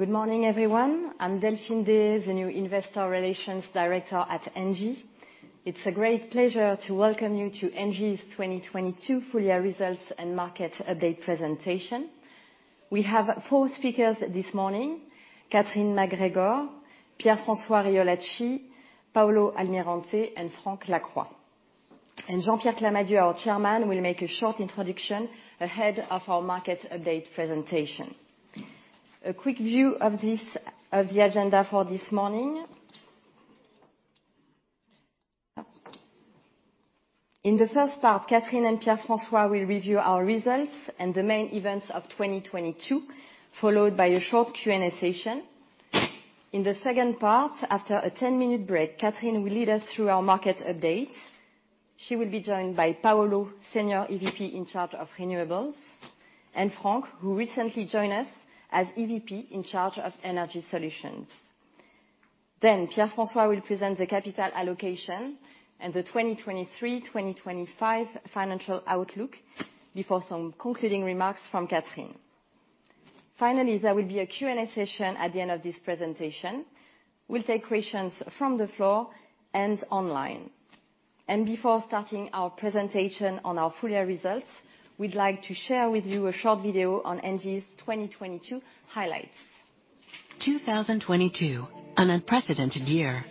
Good morning, everyone. I'm Delphine Deshayes, the new Investor Relations Director at ENGIE. It's a great pleasure to welcome you to ENGIE's 2022 Full-Year Results and Market Update Presentation. We have four speakers this morning, Catherine MacGregor, Pierre-François Riolacci, Paulo Almirante, and Frank Lacroix. Jean-Pierre Clamadieu, our Chairman, will make a short introduction ahead of our market update presentation. A quick view of this, of the agenda for this morning. In the first part, Catherine and Pierre-François will review our results and the main events of 2022, followed by a short Q&A session. In the second part, after a 10-minute break, Catherine will lead us through our market update. She will be joined by Paulo, Senior EVP in charge of renewables, and Frank, who recently joined us as EVP in charge of energy solutions. Pierre-François will present the capital allocation and the 2023-2025 financial outlook before some concluding remarks from Catherine. Finally, there will be a Q&A session at the end of this presentation. We'll take questions from the floor and online. Before starting our presentation on our full-year results, we'd like to share with you a short video on ENGIE's 2022 highlights. 2022, an unprecedented year.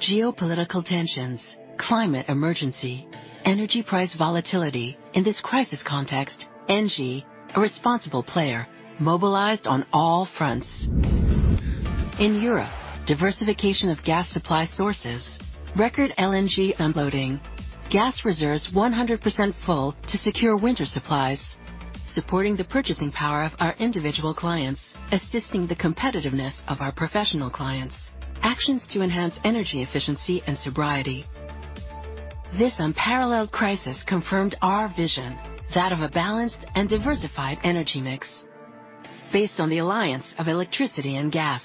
Geopolitical tensions, climate emergency, energy price volatility. In this crisis context, ENGIE, a responsible player, mobilized on all fronts. In Europe, diversification of gas supply sources, record LNG unloading, gas reserves 100% full to secure winter supplies, supporting the purchasing power of our individual clients, assisting the competitiveness of our professional clients, actions to enhance energy efficiency and sobriety. This unparalleled crisis confirmed our vision, that of a balanced and diversified energy mix based on the alliance of electricity and gas.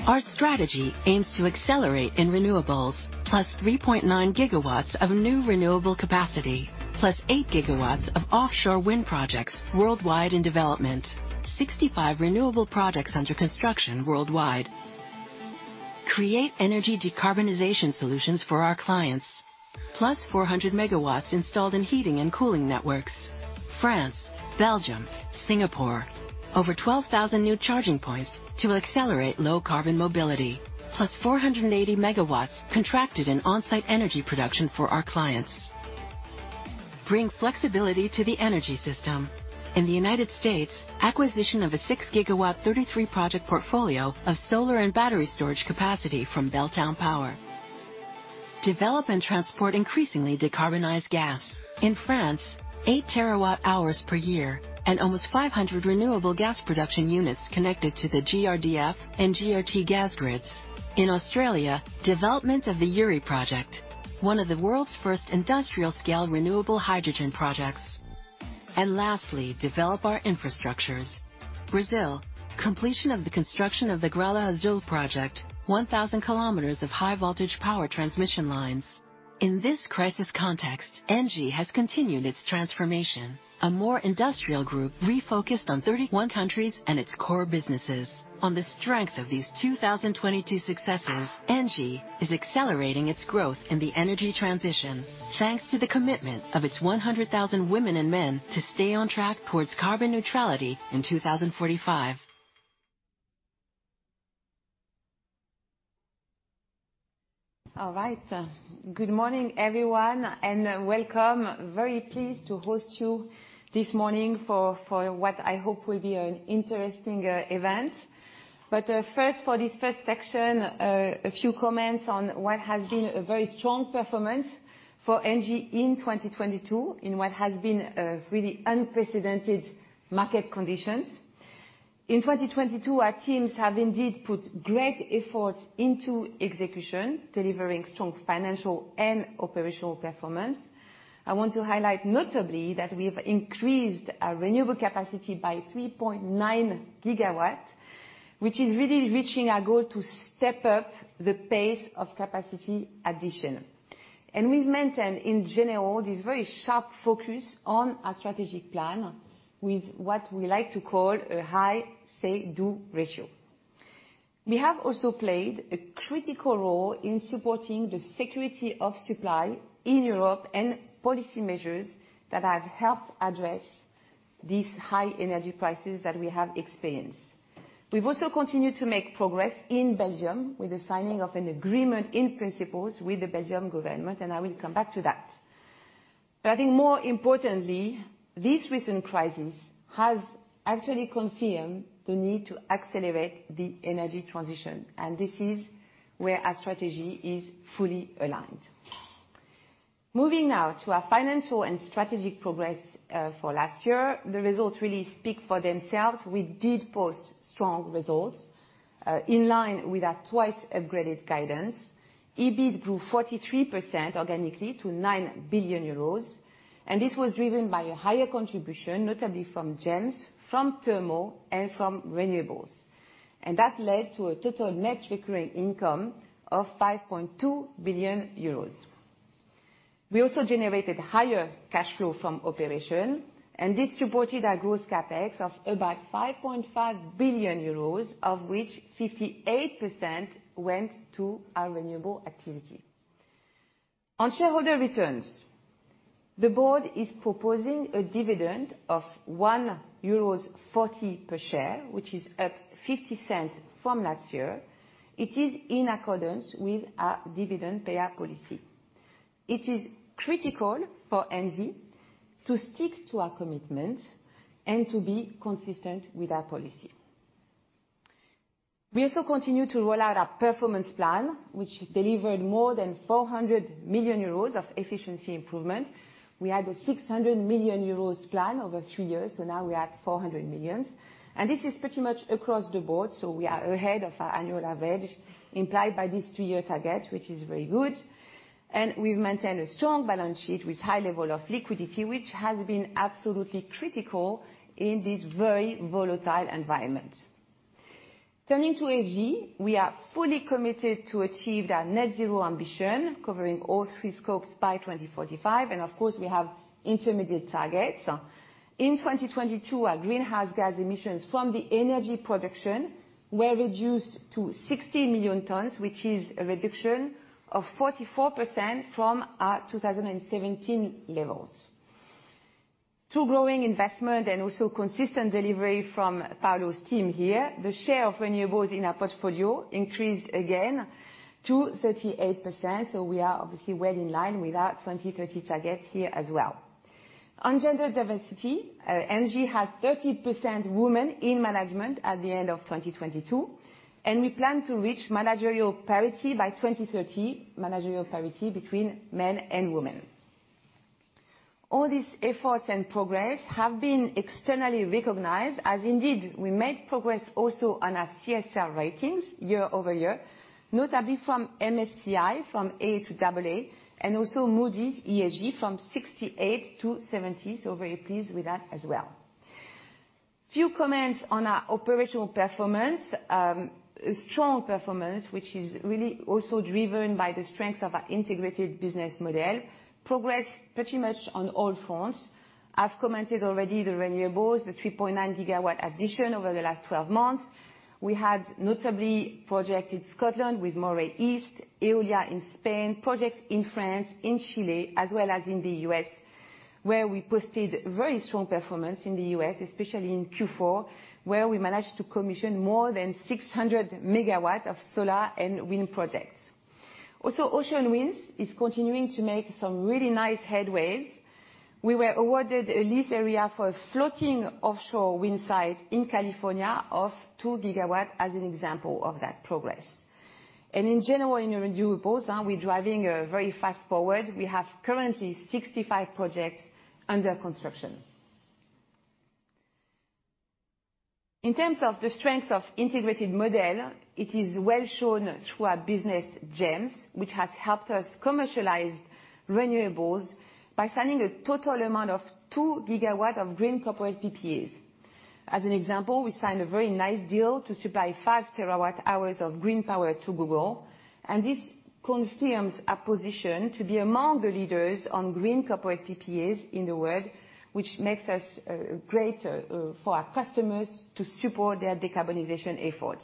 Our strategy aims to accelerate in renewables, +3.9 GW of new renewable capacity, +8 GW of offshore wind projects worldwide in development, 65 renewable projects under construction worldwide. Create energy decarbonization solutions for our clients, +400 MW installed in heating and cooling networks. France, Belgium, Singapore. Over 12,000 new charging points to accelerate low carbon mobility. 480 MW contracted in on-site energy production for our clients. Bring flexibility to the energy system. In the United States, acquisition of a 6 GW 33 project portfolio of solar and battery storage capacity from Belltown Power. Develop and transport increasingly decarbonized gas. In France, 8 TWh per year and almost 500 renewable gas production units connected to the GrDF and GRTgaz grids. In Australia, development of the Yuri project, one of the world's first industrial scale renewable hydrogen projects. Lastly, develop our infrastructures. Brazil, completion of the construction of the Gralha Azul project, 1,000 km of high voltage power transmission lines. In this crisis context, ENGIE has continued its transformation. A more industrial group refocused on 31 countries and its core businesses. On the strength of these 2022 successes, ENGIE is accelerating its growth in the energy transition. Thanks to the commitment of its 100,000 women and men to stay on track towards carbon neutrality in 2045. All right. Good morning, everyone, and welcome. Very pleased to host you this morning for what I hope will be an interesting event. First, for this first section, a few comments on what has been a very strong performance for ENGIE in 2022 in what has been a really unprecedented market conditions. In 2022, our teams have indeed put great effort into execution, delivering strong financial and operational performance. I want to highlight notably that we've increased our renewable capacity by 3.9 GW, which is really reaching our goal to step up the pace of capacity addition. We've maintained, in general, this very sharp focus on our strategic plan with what we like to call a high say-do ratio. We have also played a critical role in supporting the security of supply in Europe and policy measures that have helped address these high energy prices that we have experienced. We've also continued to make progress in Belgium with the signing of an agreement in principles with the Belgian government. I will come back to that. I think more importantly, this recent crisis has actually confirmed the need to accelerate the energy transition, and this is where our strategy is fully aligned. Moving now to our financial and strategic progress for last year, the results really speak for themselves. We did post strong results in line with our twice upgraded guidance. EBIT grew 43% organically to 9 billion euros. This was driven by a higher contribution, notably from GEMS, from Thermal, and from Renewables. That led to a total net recurring income of 5.2 billion euros. We also generated higher cash flow from operation, and this supported our gross CapEx of about 5.5 billion euros, of which 58% went to our renewable activity. On shareholder returns, the board is proposing a dividend of 1.40 euros per share, which is up 0.50 from last year. It is in accordance with our dividend payout policy. It is critical for ENGIE to stick to our commitment and to be consistent with our policy. We also continue to roll out our performance plan, which delivered more than 400 million euros of efficiency improvement. We had a 600 million euros plan over three years. Now we're at 400 million, and this is pretty much across the board. We are ahead of our annual average implied by this three-year target, which is very good. We've maintained a strong balance sheet with high level of liquidity, which has been absolutely critical in this very volatile environment. Turning to ESG, we are fully committed to achieve their Net-Zero ambition covering all three scopes by 2045. Of course, we have intermediate targets. In 2022, our greenhouse gas emissions from the energy production were reduced to 60 million tons, which is a reduction of 44% from our 2017 levels. Through growing investment and also consistent delivery from Paulo's team here, the share of renewables in our portfolio increased again to 38%. We are obviously well in line with our 2030 target here as well. On gender diversity, ENGIE had 30% women in management at the end of 2022, and we plan to reach managerial parity by 2030, managerial parity between men and women. All these efforts and progress have been externally recognized, as indeed, we made progress also on our CSR ratings year-over-year, notably from MSCI from A to AA, and also Moody's ESG from 68 to 70. Very pleased with that as well. Few comments on our operational performance. A strong performance, which is really also driven by the strength of our integrated business model. Progress pretty much on all fronts. I've commented already the renewables, the 3.9 GW addition over the last 12 months. We had notably projects in Scotland with Moray East, Eolia in Spain, projects in France, in Chile, as well as in the U.S., where we posted very strong performance in the U.S., especially in Q4, where we managed to commission more than 600 MW of solar and wind projects. Ocean Winds is continuing to make some really nice headways. We were awarded a lease area for a floating offshore wind site in California of 2 GW as an example of that progress. In general, in renewables, we're driving very fast forward. We have currently 65 projects under construction. In terms of the strength of integrated model, it is well shown through our business GEMS, which has helped us commercialize renewables by signing a total amount of 2 GW of green corporate PPAs. As an example, we signed a very nice deal to supply 5 TWh of green power to Google. This confirms our position to be among the leaders on green corporate PPAs in the world, which makes us greater for our customers to support their decarbonization efforts.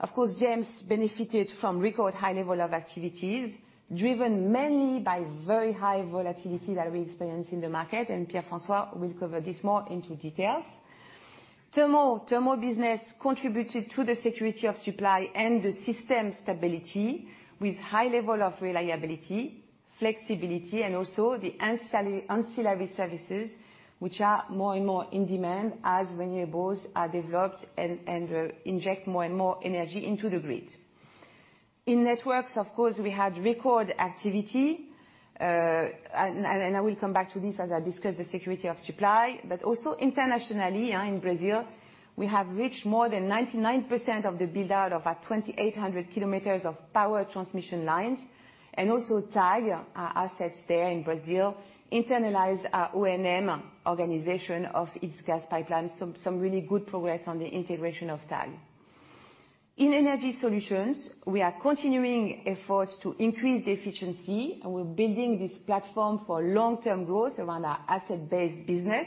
Of course, GEMS benefited from record high level of activities, driven mainly by very high volatility that we experience in the market. Pierre-François will cover this more into details. Thermal business contributed to the security of supply and the system stability with high level of reliability, flexibility, and also the ancillary services which are more and more in demand as renewables are developed and inject more and more energy into the grid. In networks, of course, we had record activity. I will come back to this as I discuss the security of supply, but also internationally, in Brazil, we have reached more than 99% of the build-out of our 2,800 km of power transmission lines, and also TAG, our assets there in Brazil, internalize our O&M organization of its gas pipeline. Some really good progress on the integration of TAG. In Energy Solutions, we are continuing efforts to increase the efficiency, and we're building this platform for long-term growth around our asset-based business.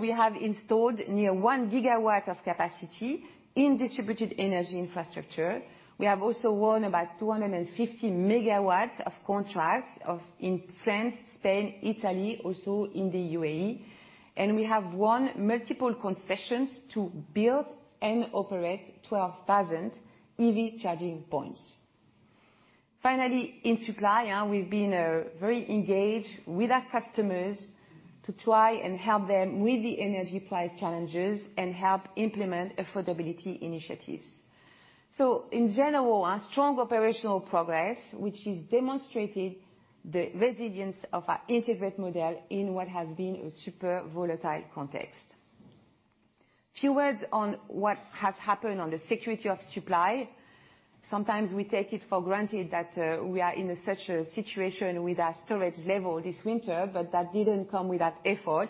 We have installed near 1 GW of capacity in distributed energy infrastructure. We have also won about 250 MW of contracts in France, Spain, Italy, also in the UAE. We have won multiple concessions to build and operate 12,000 EV charging points. Finally, in supply, we've been very engaged with our customers to try and help them with the energy price challenges and help implement affordability initiatives. In general, a strong operational progress, which has demonstrated the resilience of our integrate model in what has been a super volatile context. Few words on what has happened on the security of supply. Sometimes we take it for granted that we are in such a situation with our storage level this winter, but that didn't come without effort.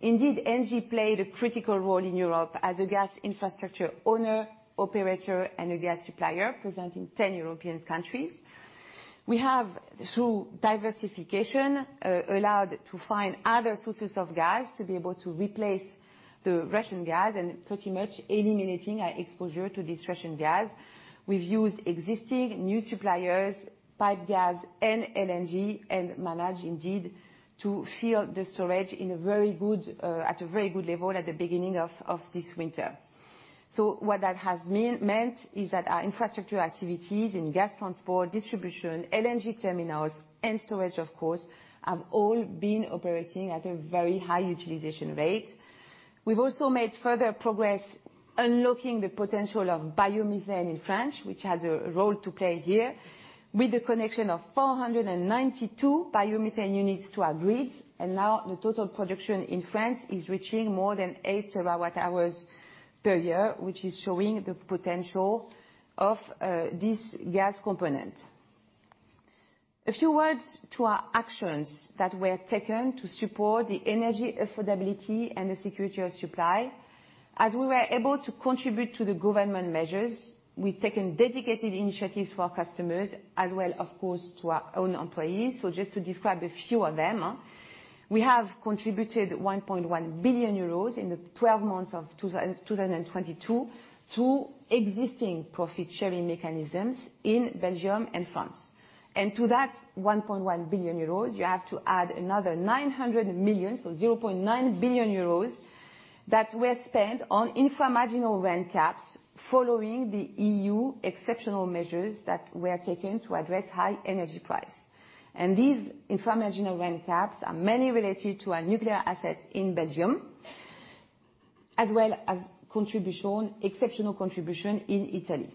Indeed, ENGIE played a critical role in Europe as a gas infrastructure owner, operator, and a gas supplier presenting 10 European countries. We have, through diversification, allowed to find other sources of gas to be able to replace the Russian gas and pretty much eliminating our exposure to this Russian gas. We've used existing new suppliers, pipe gas and LNG, and manage indeed to fill the storage in a very good, at a very good level at the beginning of this winter. What that has meant is that our infrastructure activities in gas transport, distribution, LNG terminals, and storage, of course, have all been operating at a very high utilization rate. We've also made further progress unlocking the potential of biomethane in France, which has a role to play here, with the connection of 492 biomethane units to our grid. Now the total production in France is reaching more than 8 TWh per year, which is showing the potential of this gas component. A few words to our actions that were taken to support the energy affordability and the security of supply. We were able to contribute to the government measures, we've taken dedicated initiatives for our customers, as well, of course, to our own employees. Just to describe a few of them, we have contributed 1.1 billion euros in the 12 months of 2022 through existing profit-sharing mechanisms in Belgium and France. To that 1.1 billion euros, you have to add another 900 million, so 0.9 billion euros, that were spent on inframarginal rent caps following the EU exceptional measures that were taken to address high energy price. These infra-marginal rent caps are mainly related to our nuclear assets in Belgium, as well as contribution, exceptional contribution in Italy.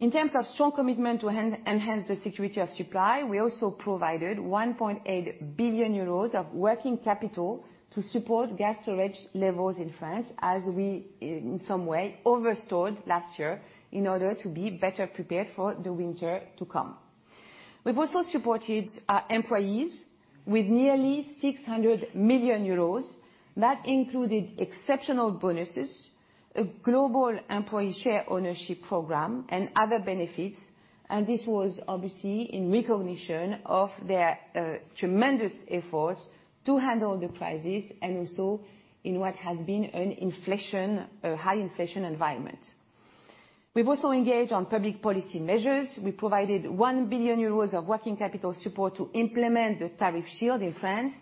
In terms of strong commitment to enhance the security of supply, we also provided 1.8 billion euros of working capital to support gas storage levels in France, as we, in some way, over-stored last year in order to be better prepared for the winter to come. We've also supported our employees with nearly 600 million euros. That included exceptional bonuses, a global employee share ownership program, and other benefits. This was obviously in recognition of their tremendous efforts to handle the crisis and also in what has been an inflation, a high inflation environment. We've also engaged on public policy measures. We provided 1 billion euros of working capital support to implement the tariff shield in France,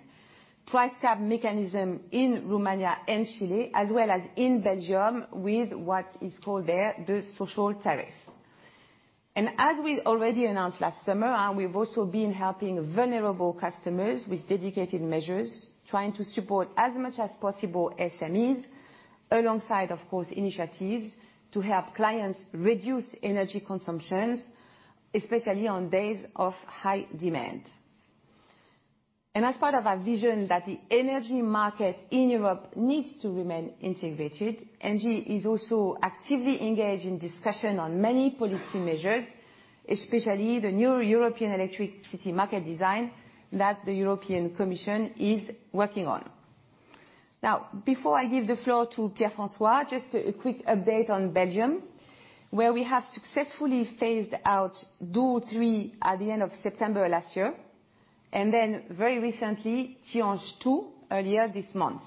price cap mechanism in Romania and Chile, as well as in Belgium with what is called there the social tariff. As we already announced last summer, we've also been helping vulnerable customers with dedicated measures, trying to support as much as possible SMEs, alongside, of course, initiatives to help clients reduce energy consumptions, especially on days of high demand. As part of our vision that the energy market in Europe needs to remain integrated, ENGIE is also actively engaged in discussion on many policy measures, especially the new European electricity market design that the European Commission is working on. Before I give the floor to Pierre-François, just a quick update on Belgium, where we have successfully phased out Doel 3 at the end of September last year, very recently, Tihange 2 earlier this month.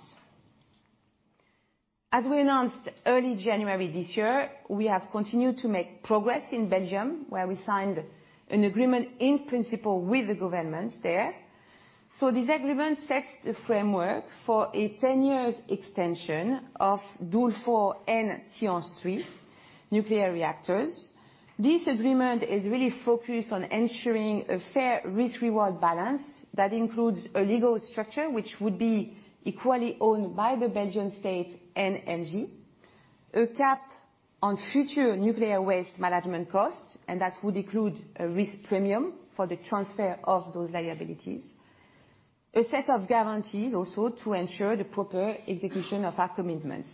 As we announced early January this year, we have continued to make progress in Belgium, where we signed an agreement in principle with the government there. This agreement sets the framework for a 10-year extension of Doel 4 and Tihange 3 nuclear reactors. This agreement is really focused on ensuring a fair risk-reward balance that includes a legal structure which would be equally owned by the Belgian state and ENGIE. A cap on future nuclear waste management costs, and that would include a risk premium for the transfer of those liabilities. A set of guarantees also to ensure the proper execution of our commitments.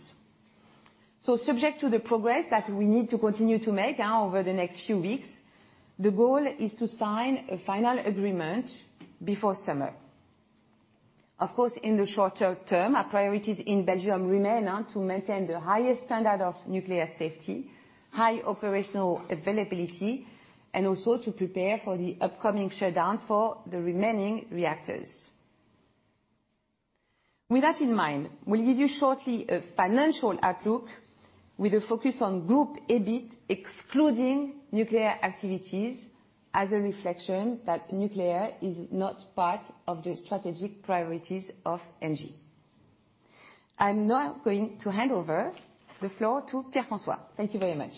Subject to the progress that we need to continue to make over the next few weeks, the goal is to sign a final agreement before summer. Of course, in the shorter term, our priorities in Belgium remain to maintain the highest standard of nuclear safety, high operational availability, and also to prepare for the upcoming shutdowns for the remaining reactors. With that in mind, we'll give you shortly a financial outlook with a focus on group EBIT excluding nuclear activities as a reflection that nuclear is not part of the strategic priorities of ENGIE. I'm now going to hand over the floor to Pierre-François. Thank you very much.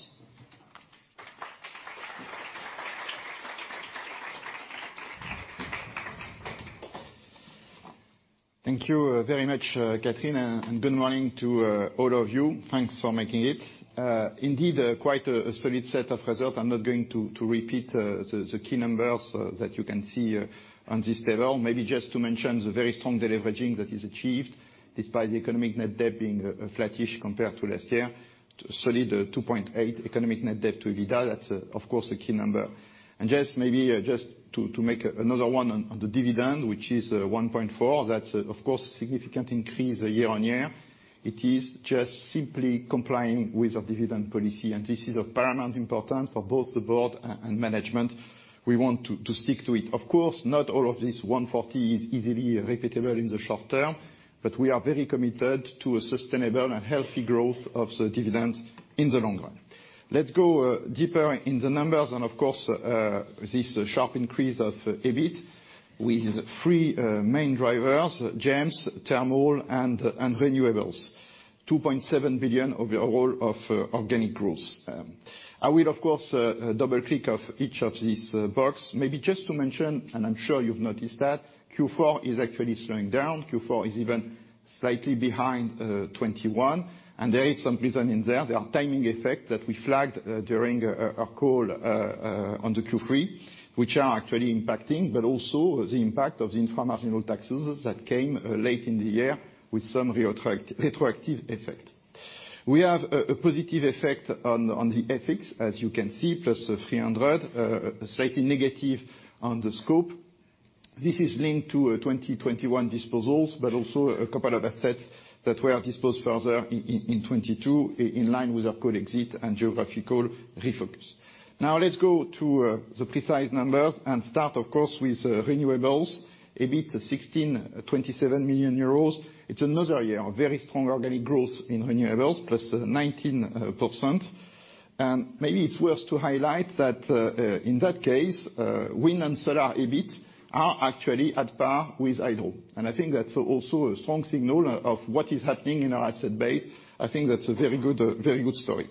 Thank you very much, Catherine, and good morning to all of you. Thanks for making it. Indeed, quite a solid set of results. I'm not going to repeat the key numbers that you can see on this level. Maybe just to mention the very strong deleveraging that is achieved, despite the economic net debt being flat-ish compared to last year. Solid 2.8x economic net debt to EBITDA. That's, of course, a key number. Just maybe just to make another one on the dividend, which is 1.40. That's, of course, a significant increase year-on-year. It is just simply complying with our dividend policy, this is of paramount importance for both the board and management. We want to stick to it. Of course, not all of this 1.40 is easily repeatable in the short term. We are very committed to a sustainable and healthy growth of the dividends in the long run. Let's go deeper in the numbers. Of course, this sharp increase of EBIT with three main drivers, GEMS, Thermal and Renewables. 2.7 billion of your whole of organic growth. I will of course, double-click of each of these box. Maybe just to mention, and I'm sure you've noticed that Q4 is actually slowing down. Q4 is even slightly behind 2021, and there is some reason in there. There are timing effect that we flagged during our call on the Q3, which are actually impacting, but also the impact of the inframarginal taxes that came late in the year with some retroactive effect. We have a positive effect on the FX, as you can see, +300, slightly negative on the scope. This is linked to 2021 disposals, but also a couple of assets that were disposed further in 2022 in line with our code exit and geographical refocus. Let's go to the precise numbers and start, of course, with Renewables. EBIT, 1,627 million euros. It's another year of very strong organic growth in Renewables, +19%. Maybe it's worth to highlight that in that case, wind and solar EBIT are actually at par with hydro. I think that's also a strong signal of what is happening in our asset base. I think that's a very good, very good story.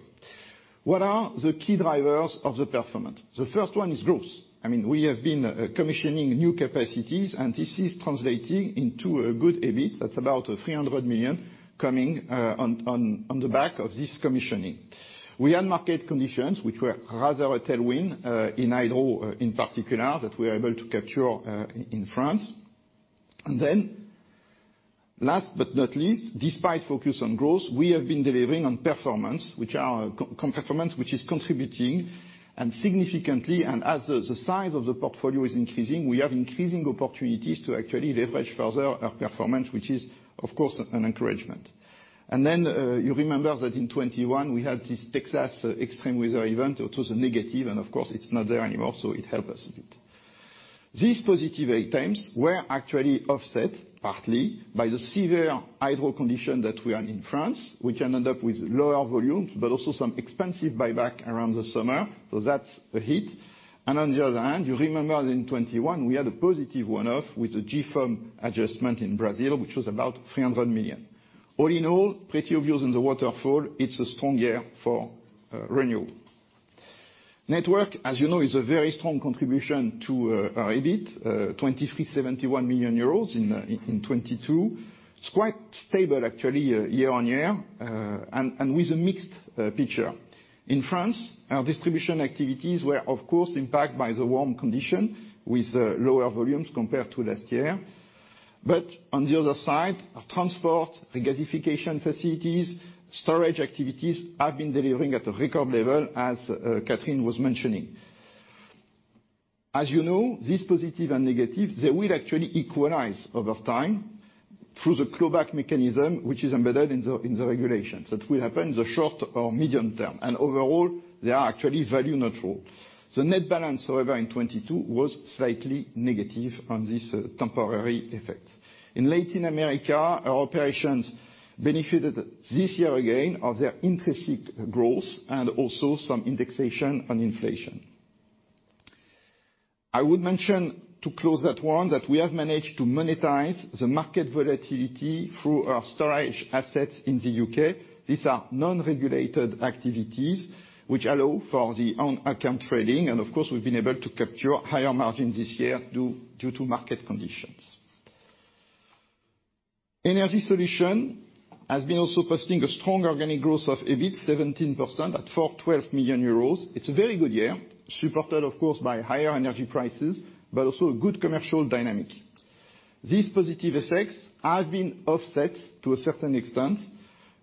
What are the key drivers of the performance? The first one is growth. I mean, we have been commissioning new capacities, and this is translating into a good EBIT. That's about 300 million coming on the back of this commissioning. We had market conditions which were rather a tailwind in hydro in particular, that we are able to capture in France. Last but not least, despite focus on growth, we have been delivering on performance which is contributing and significantly. As the size of the portfolio is increasing, we have increasing opportunities to actually leverage further our performance, which is, of course, an encouragement. You remember that in 2021, we had this Texas extreme weather event, which was a negative, of course, it's not there anymore, it help us a bit. These positive items were actually offset partly by the severe hydro condition that we had in France, which ended up with lower volumes, but also some expensive buyback around the summer. That's a hit. On the other hand, you remember in 2021, we had a positive one-off with the GFOM adjustment in Brazil, which was about 300 million. All in all, pretty obvious in the waterfall, it's a strong year for Renewable. Network, as you know, is a very strong contribution to our EBIT, 2,371 million euros in 2022. It's quite stable actually year-on-year, and with a mixed picture. In France, our distribution activities were of course impacted by the warm condition with lower volumes compared to last year. On the other side, our transport, regasification facilities, storage activities have been delivering at a record level, as Catherine was mentioning. As you know, this positive and negative, they will actually equalize over time through the clawback mechanism, which is embedded in the regulations. That will happen in the short or medium term. Overall, they are actually value neutral. The net balance, however, in 2022 was slightly negative on this temporary effect. In Latin America, our operations benefited this year again of their intrinsic growth and also some indexation on inflation. I would mention to close that one, that we have managed to monetize the market volatility through our storage assets in the U.K. These are non-regulated activities which allow for the on-account trading. Of course, we've been able to capture higher margins this year due to market conditions. Energy Solutions has been also posting a strong organic growth of EBIT, 17% at 412 million euros. It's a very good year, supported of course, by higher energy prices, but also a good commercial dynamic. These positive effects have been offset to a certain extent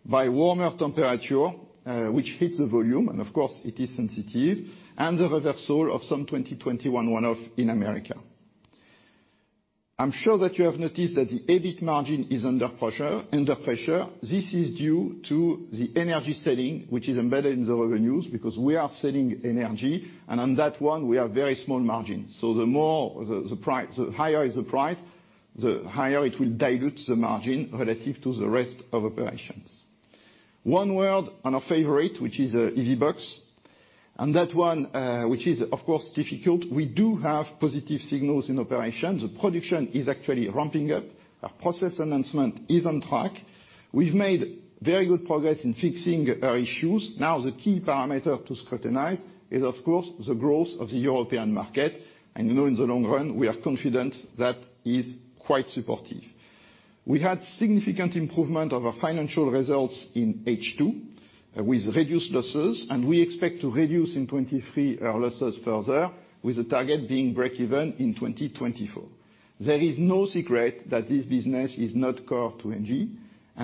by warmer temperature, which hits the volume, and of course it is sensitive, and the reversal of some 2021 one-off in America. I'm sure that you have noticed that the EBIT margin is under pressure. This is due to the energy selling, which is embedded in the revenues because we are selling energy. On that one, we have very small margins. The higher is the price, the higher it will dilute the margin relative to the rest of operations. One word on our favorite, which is EVBox. On that one, which is of course difficult, we do have positive signals in operations. The production is actually ramping up. Our process announcement is on track. We've made very good progress in fixing our issues. Now, the key parameter to scrutinize is of course, the growth of the European market. You know, in the long run, we are confident that is quite supportive. We had significant improvement of our financial results in H2 with reduced losses. We expect to reduce in 2023 our losses further with the target being breakeven in 2024. There is no secret that this business is not core to ENGIE.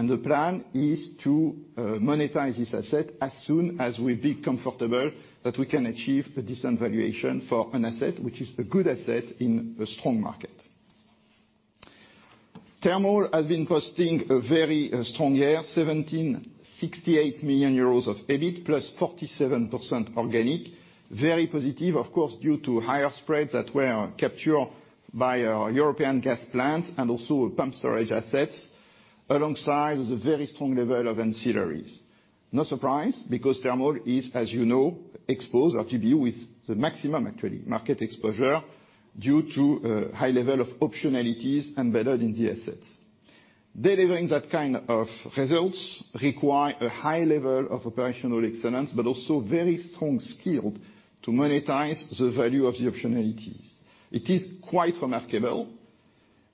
The plan is to monetize this asset as soon as we be comfortable that we can achieve a decent valuation for an asset which is a good asset in a strong market. Thermal has been posting a very strong year, 1,768 million euros of EBIT +47% organic. Very positive, of course, due to higher spreads that were captured by our European gas plants and also pumped storage assets, alongside with a very strong level of ancillaries. No surprise because Thermal is, as you know, exposed or to be with the maximum actually market exposure due to high level of optionalities embedded in the assets. Delivering that kind of results require a high level of operational excellence, but also very strong skill to monetize the value of the optionalities. It is quite remarkable,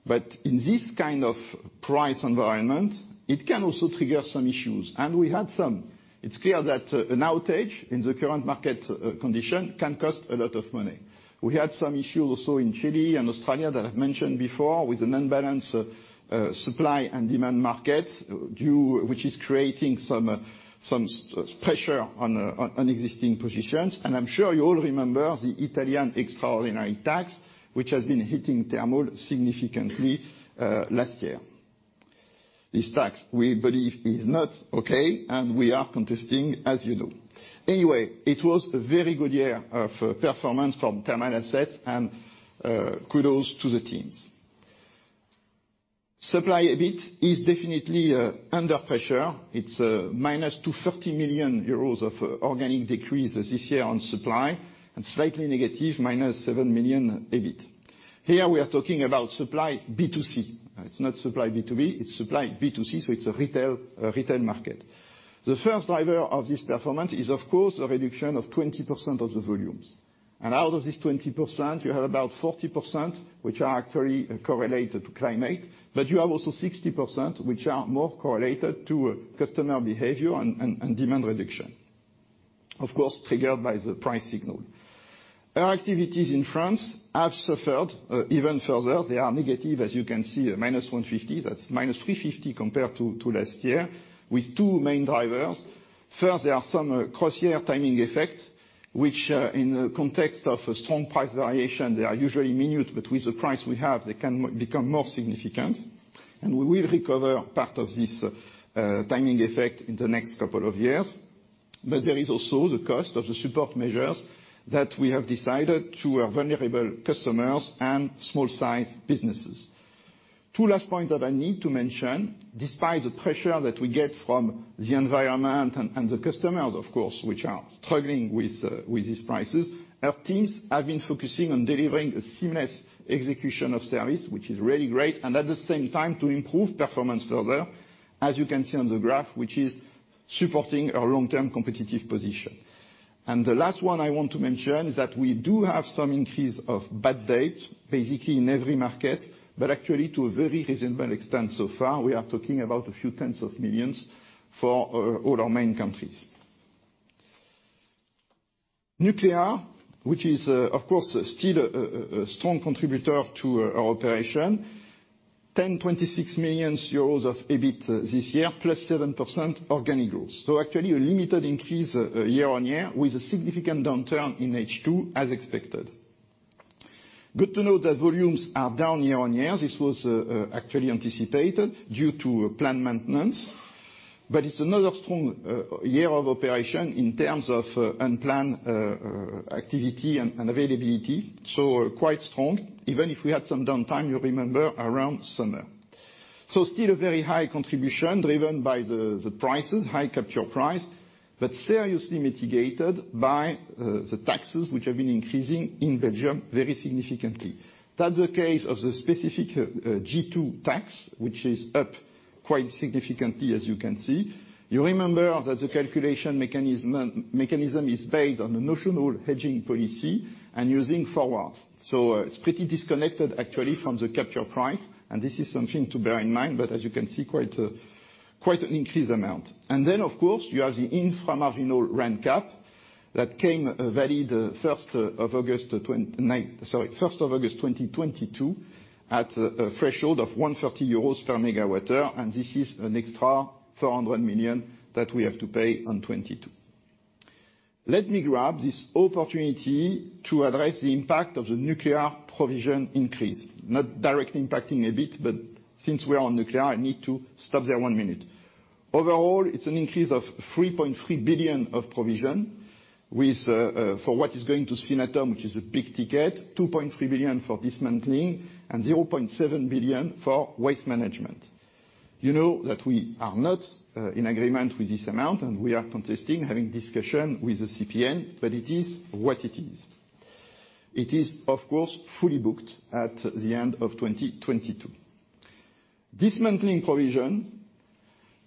but in this kind of price environment, it can also trigger some issues, and we had some. It's clear that an outage in the current market condition can cost a lot of money. We had some issues also in Chile and Australia that I've mentioned before with an unbalanced supply and demand market, which is creating some pressure on existing positions. I'm sure you all remember the Italian extraordinary tax, which has been hitting Thermal significantly last year. This tax, we believe, is not okay, and we are contesting, as you know. It was a very good year of performance from Thermal assets, and kudos to the teams. Supply EBIT is definitely under pressure. It's minus 230 million euros of organic decreases this year on supply and slightly negative, -7 million EBIT. Here we are talking about supply B2C. It's not supply B2B, it's supply B2C, it's a retail market. The first driver of this performance is of course, a reduction of 20% of the volumes. Out of this 20%, you have about 40%, which are actually correlated to climate. You have also 60%, which are more correlated to customer behavior and demand reduction, of course, triggered by the price signal. Our activities in France have suffered even further. They are negative, as you can see, -150. That's -350 compared to last year with two main drivers. First, there are some cross-year timing effects, which, in the context of a strong price variation, they are usually minute, but with the price we have, they can become more significant and we will recover part of this timing effect in the next couple of years. There is also the cost of the support measures that we have decided to our vulnerable customers and small size businesses. Two last points that I need to mention. Despite the pressure that we get from the environment and the customers, of course, which are struggling with these prices, our teams have been focusing on delivering a seamless execution of service, which is really great and at the same time to improve performance further, as you can see on the graph, which is supporting our long-term competitive position. The last one I want to mention is that we do have some increase of bad debt, basically in every market, but actually to a very reasonable extent so far. We are talking about a few tens of millions for all our main countries. Nuclear, which is, of course, still a strong contributor to our operation. 1,026 million euros of EBIT this year, +7% organic growth. Actually a limited increase year-on-year with a significant downturn in H2 as expected. Good to know that volumes are down year-over-year. This was actually anticipated due to planned maintenance, but it's another strong year of operation in terms of unplanned activity and availability. Quite strong. Even if we had some downtime, you remember around summer. Still a very high contribution driven by the prices, high capture price, but seriously mitigated by the taxes which have been increasing in Belgium very significantly. That's the case of the specific G2 tax, which is up quite significantly, as you can see. You remember that the calculation mechanism is based on a notional hedging policy and using forwards. It's pretty disconnected actually from the capture price, and this is something to bear in mind. As you can see, quite an increased amount. Of course, you have the inframarginal rent cap that came valid 1st of August 2022, at a threshold of 130 euros/MWh and this is an extra 400 million that we have to pay on 2022. Let me grab this opportunity to address the impact of the nuclear provision increase, not direct impacting a bit, but since we are on nuclear, I need to stop there one minute. Overall, it's an increase of 3.3 billion of provision with for what is going to Synatom, which is a big ticket, 2.3 billion for dismantling and 0.7 billion for waste management. You know that we are not in agreement with this amount and we are contesting having discussion with the CPN, but it is what it is. It is, of course, fully booked at the end of 2022. Dismantling provision.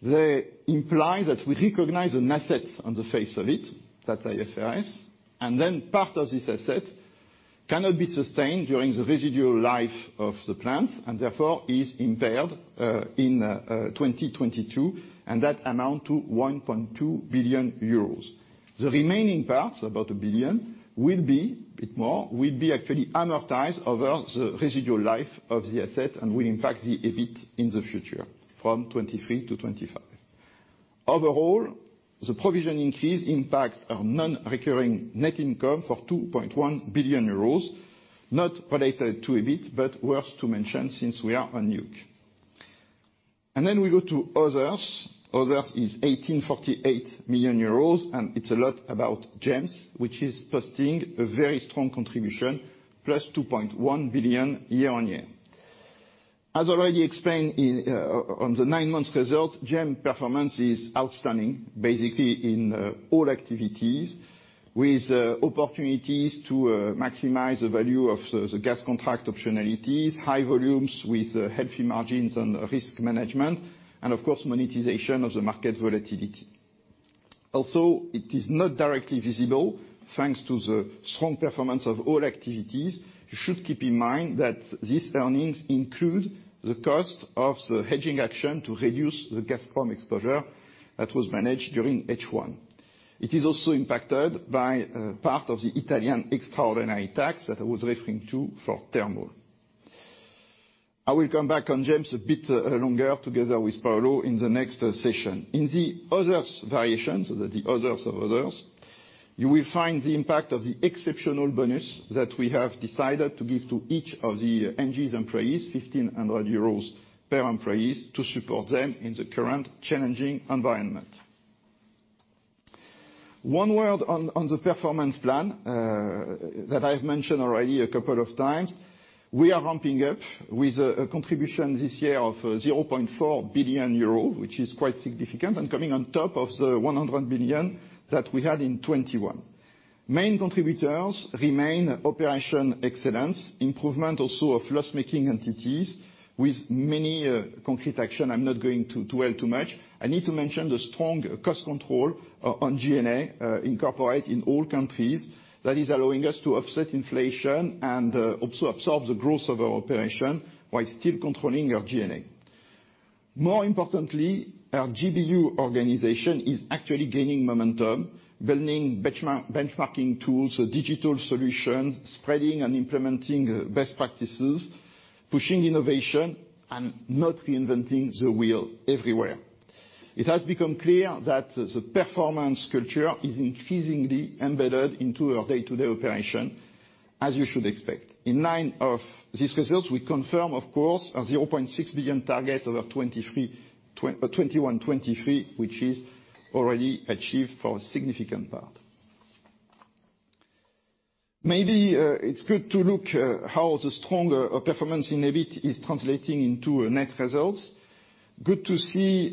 They imply that we recognize an asset on the face of it. That's IFRS. Part of this asset cannot be sustained during the residual life of the plant and therefore is impaired in 2022, and that amount to 1.2 billion euros. The remaining parts, about 1 billion, will be, a bit more, will be actually amortized over the residual life of the asset and will impact the EBIT in the future from 2023-2025. Overall, the provision increase impacts our non-recurring net income for 2.1 billion euros, not related to EBIT, but worth to mention since we are on nuke. We go to others. Others is 1,848 million euros. It's a lot about GEMS, which is posting a very strong contribution +2.1 billion year-on-year. As already explained on the nine months result, GEMS performance is outstanding, basically in all activities with opportunities to maximize the value of the gas contract optionalities, high volumes with healthy margins and risk management, of course, monetization of the market volatility. It is not directly visible, thanks to the strong performance of all activities. You should keep in mind that these earnings include the cost of the hedging action to reduce the Gazprom exposure that was managed during H1. It is also impacted by part of the Italian extraordinary tax that I was referring to for thermal. I will come back on GEMS a bit longer together with Paulo in the next session. In the others variations or the others of others, you will find the impact of the exceptional bonus that we have decided to give to each of the ENGIE's employees, 1,500 euros per employees to support them in the current challenging environment. One world on the performance plan that I've mentioned already a couple of times, we are ramping up with a contribution this year of 0.4 billion euro, which is quite significant and coming on top of the 100 billion that we had in 2021. Main contributors remain operation excellence, improvement also of loss-making entities with many concrete action. I'm not going to well too much. I need to mention the strong cost control on G&A, in corporate, in all countries that is allowing us to offset inflation and also absorb the growth of our operation while still controlling our G&A. More importantly, our GBU organization is actually gaining momentum, building benchmarking tools, digital solutions, spreading and implementing best practices, pushing innovation and not reinventing the wheel everywhere. It has become clear that the performance culture is increasingly embedded into our day-to-day operation, as you should expect. In line of these results, we confirm, of course, a 0.6 billion target over 2021-2023, which is already achieved for a significant part. Maybe, it's good to look how the stronger performance in EBIT is translating into net results. Good to see,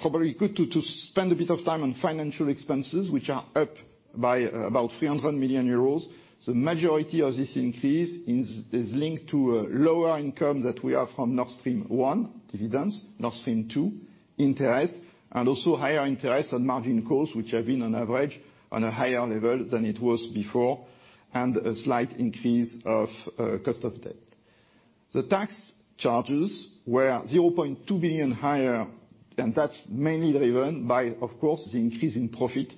probably good to spend a bit of time on financial expenses, which are up by about 300 million euros. The majority of this increase is linked to a lower income that we have from Nord Stream 1 dividends, Nord Stream 2 interest, and also higher interest on margin costs, which have been on average on a higher level than it was before, and a slight increase of cost of debt. The tax charges were 0.2 billion higher, and that's mainly driven by, of course, the increase in profit,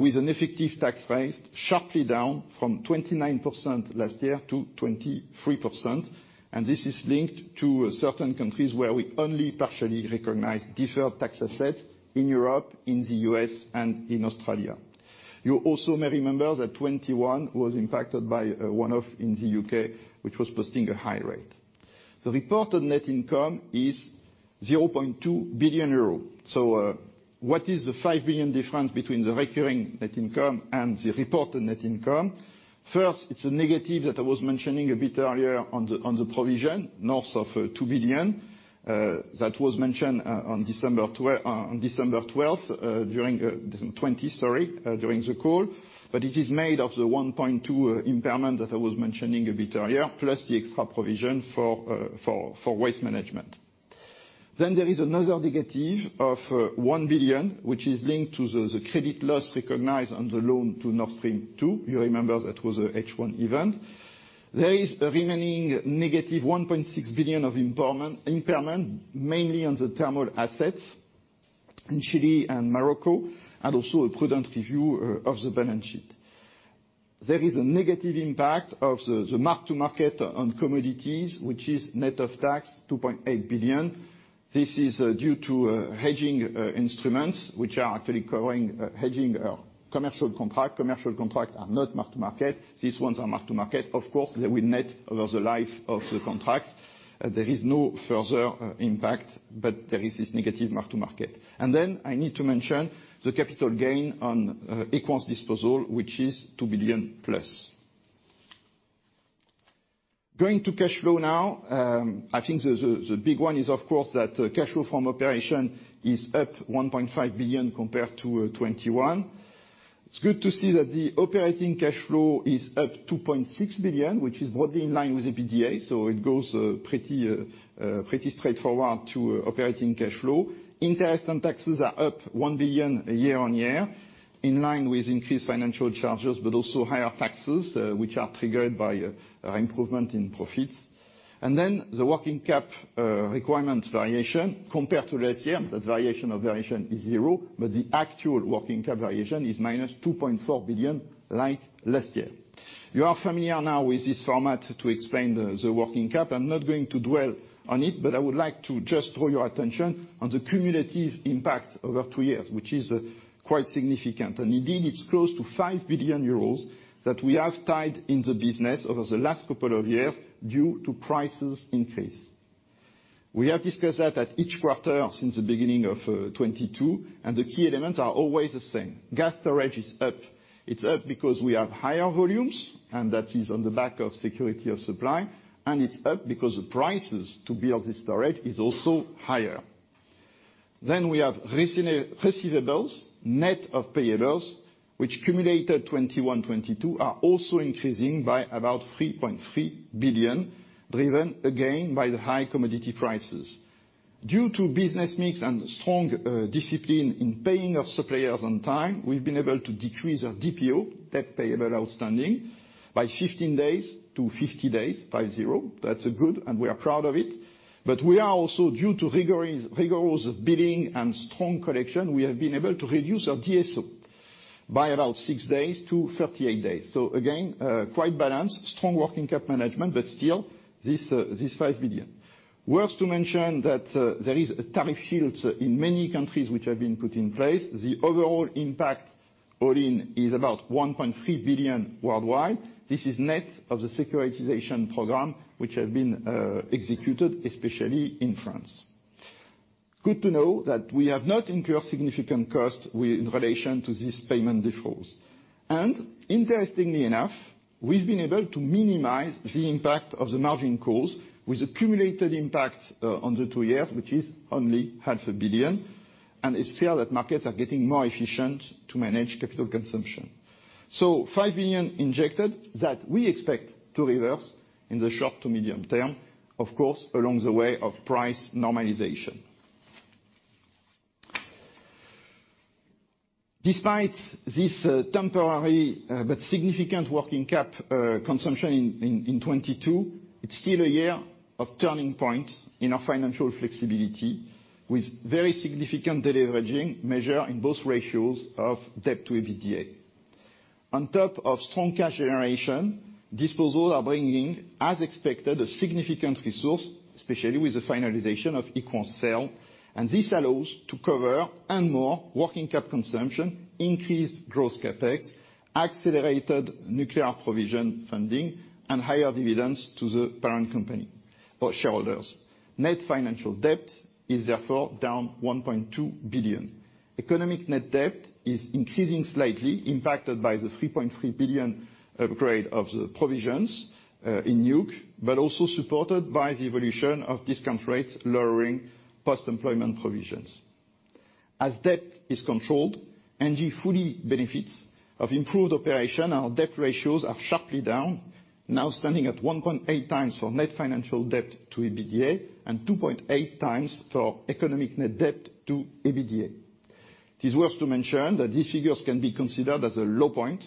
with an effective tax rate sharply down from 29% last year to 23%. This is linked to certain countries where we only partially recognize deferred tax assets in Europe, in the U.S., and in Australia. You also may remember that 2021 was impacted by one of in the U.K., which was posting a high rate. The reported net income is 0.2 billion euro. What is the 5 billion difference between the recurring net income and the reported net income? First, it's a negative that I was mentioning a bit earlier on the provision, north of 2 billion, that was mentioned on December 20, during the call. It is made of the 1.2 million impairment that I was mentioning a bit earlier, plus the extra provision for waste management. There is another negative of 1 billion, which is linked to the credit loss recognized on the loan to Nord Stream 2. You remember that was a H1 event. There is a remaining negative 1.6 billion of impairment, mainly on the thermal assets in Chile and Morocco, and also a prudent review of the balance sheet. There is a negative impact of the mark-to-market on commodities, which is net of tax, 2.8 billion. This is due to hedging instruments, which are actually covering hedging commercial contract. Commercial contract are not mark-to-market. These ones are mark-to-market. Of course, they will net over the life of the contract. There is no further impact, but there is this negative mark-to-market. Then I need to mention the capital gain on EQUANS disposal, which is EUR 2 billion+. Going to cash flow now, I think the big one is, of course, that cash flow from operation is up 1.5 billion compared to 2021. It's good to see that the operating cash flow is up 2.6 billion, which is broadly in line with the EBITDA, it goes pretty straightforward to operating cash flow. Interest and taxes are up 1 billion year-over-year, in line with increased financial charges, also higher taxes, which are triggered by improvement in profits. The working cap requirement variation compared to last year, the variation of variation is zero, the actual working cap variation is -2.4 billion like last year. You are familiar now with this format to explain the working cap. I'm not going to dwell on it, but I would like to just draw your attention on the cumulative impact over two years, which is quite significant. indeed, it's close to 5 billion euros that we have tied in the business over the last couple of years due to prices increase. We have discussed that at each quarter since the beginning of 2022, the key elements are always the same. Gas storage is up. It's up because we have higher volumes, that is on the back of security of supply, and it's up because the prices to build the storage is also higher. we have receivables net of payables, which cumulated 2021, 2022 are also increasing by about 3.3 billion, driven again, by the high commodity prices. Due to business mix and strong discipline in paying our suppliers on time, we've been able to decrease our DPO, Debt Payable Outstanding, by 15 days to 50 days by zero. That is good, and we are proud of it. We are also, due to rigorous billing and strong collection, we have been able to reduce our DSO by about six days to 38 days. Again, quite balanced, strong working capital management, but still, this 5 billion. Worth to mention that there is a tariff shields in many countries which have been put in place. The overall impact all in is about 1.3 billion worldwide. This is net of the securitization program which have been executed, especially in France. Good to know that we have not incurred significant cost with relation to this payment defaults. Interestingly enough, we've been able to minimize the impact of the margin calls with accumulated impact on the two-year, which is only 500,000. It's clear that markets are getting more efficient to manage capital consumption. 5 billion injected that we expect to reverse in the short to medium term, of course, along the way of price normalization. Despite this temporary but significant working cap consumption in 2022, it's still a year of turning points in our financial flexibility with very significant deleveraging measure in both ratios of debt to EBITDA. On top of strong cash generation, disposals are bringing, as expected, a significant resource, especially with the finalization of EQUANS sale. This allows to cover and more working cap consumption, increased gross CapEx, accelerated nuclear provision funding, and higher dividends to the parent company or shareholders. Net financial debt is therefore down 1.2 billion. Economic net debt is increasing slightly impacted by the 3.3 billion upgrade of the provisions in nuclear, also supported by the evolution of discount rates lowering post-employment provisions. As debt is controlled and you fully benefits of improved operation, our debt ratios are sharply down, now standing at 1.8x for net financial debt to EBITDA and 2.8x for economic net debt to EBITDA. It is worth to mention that these figures can be considered as a low point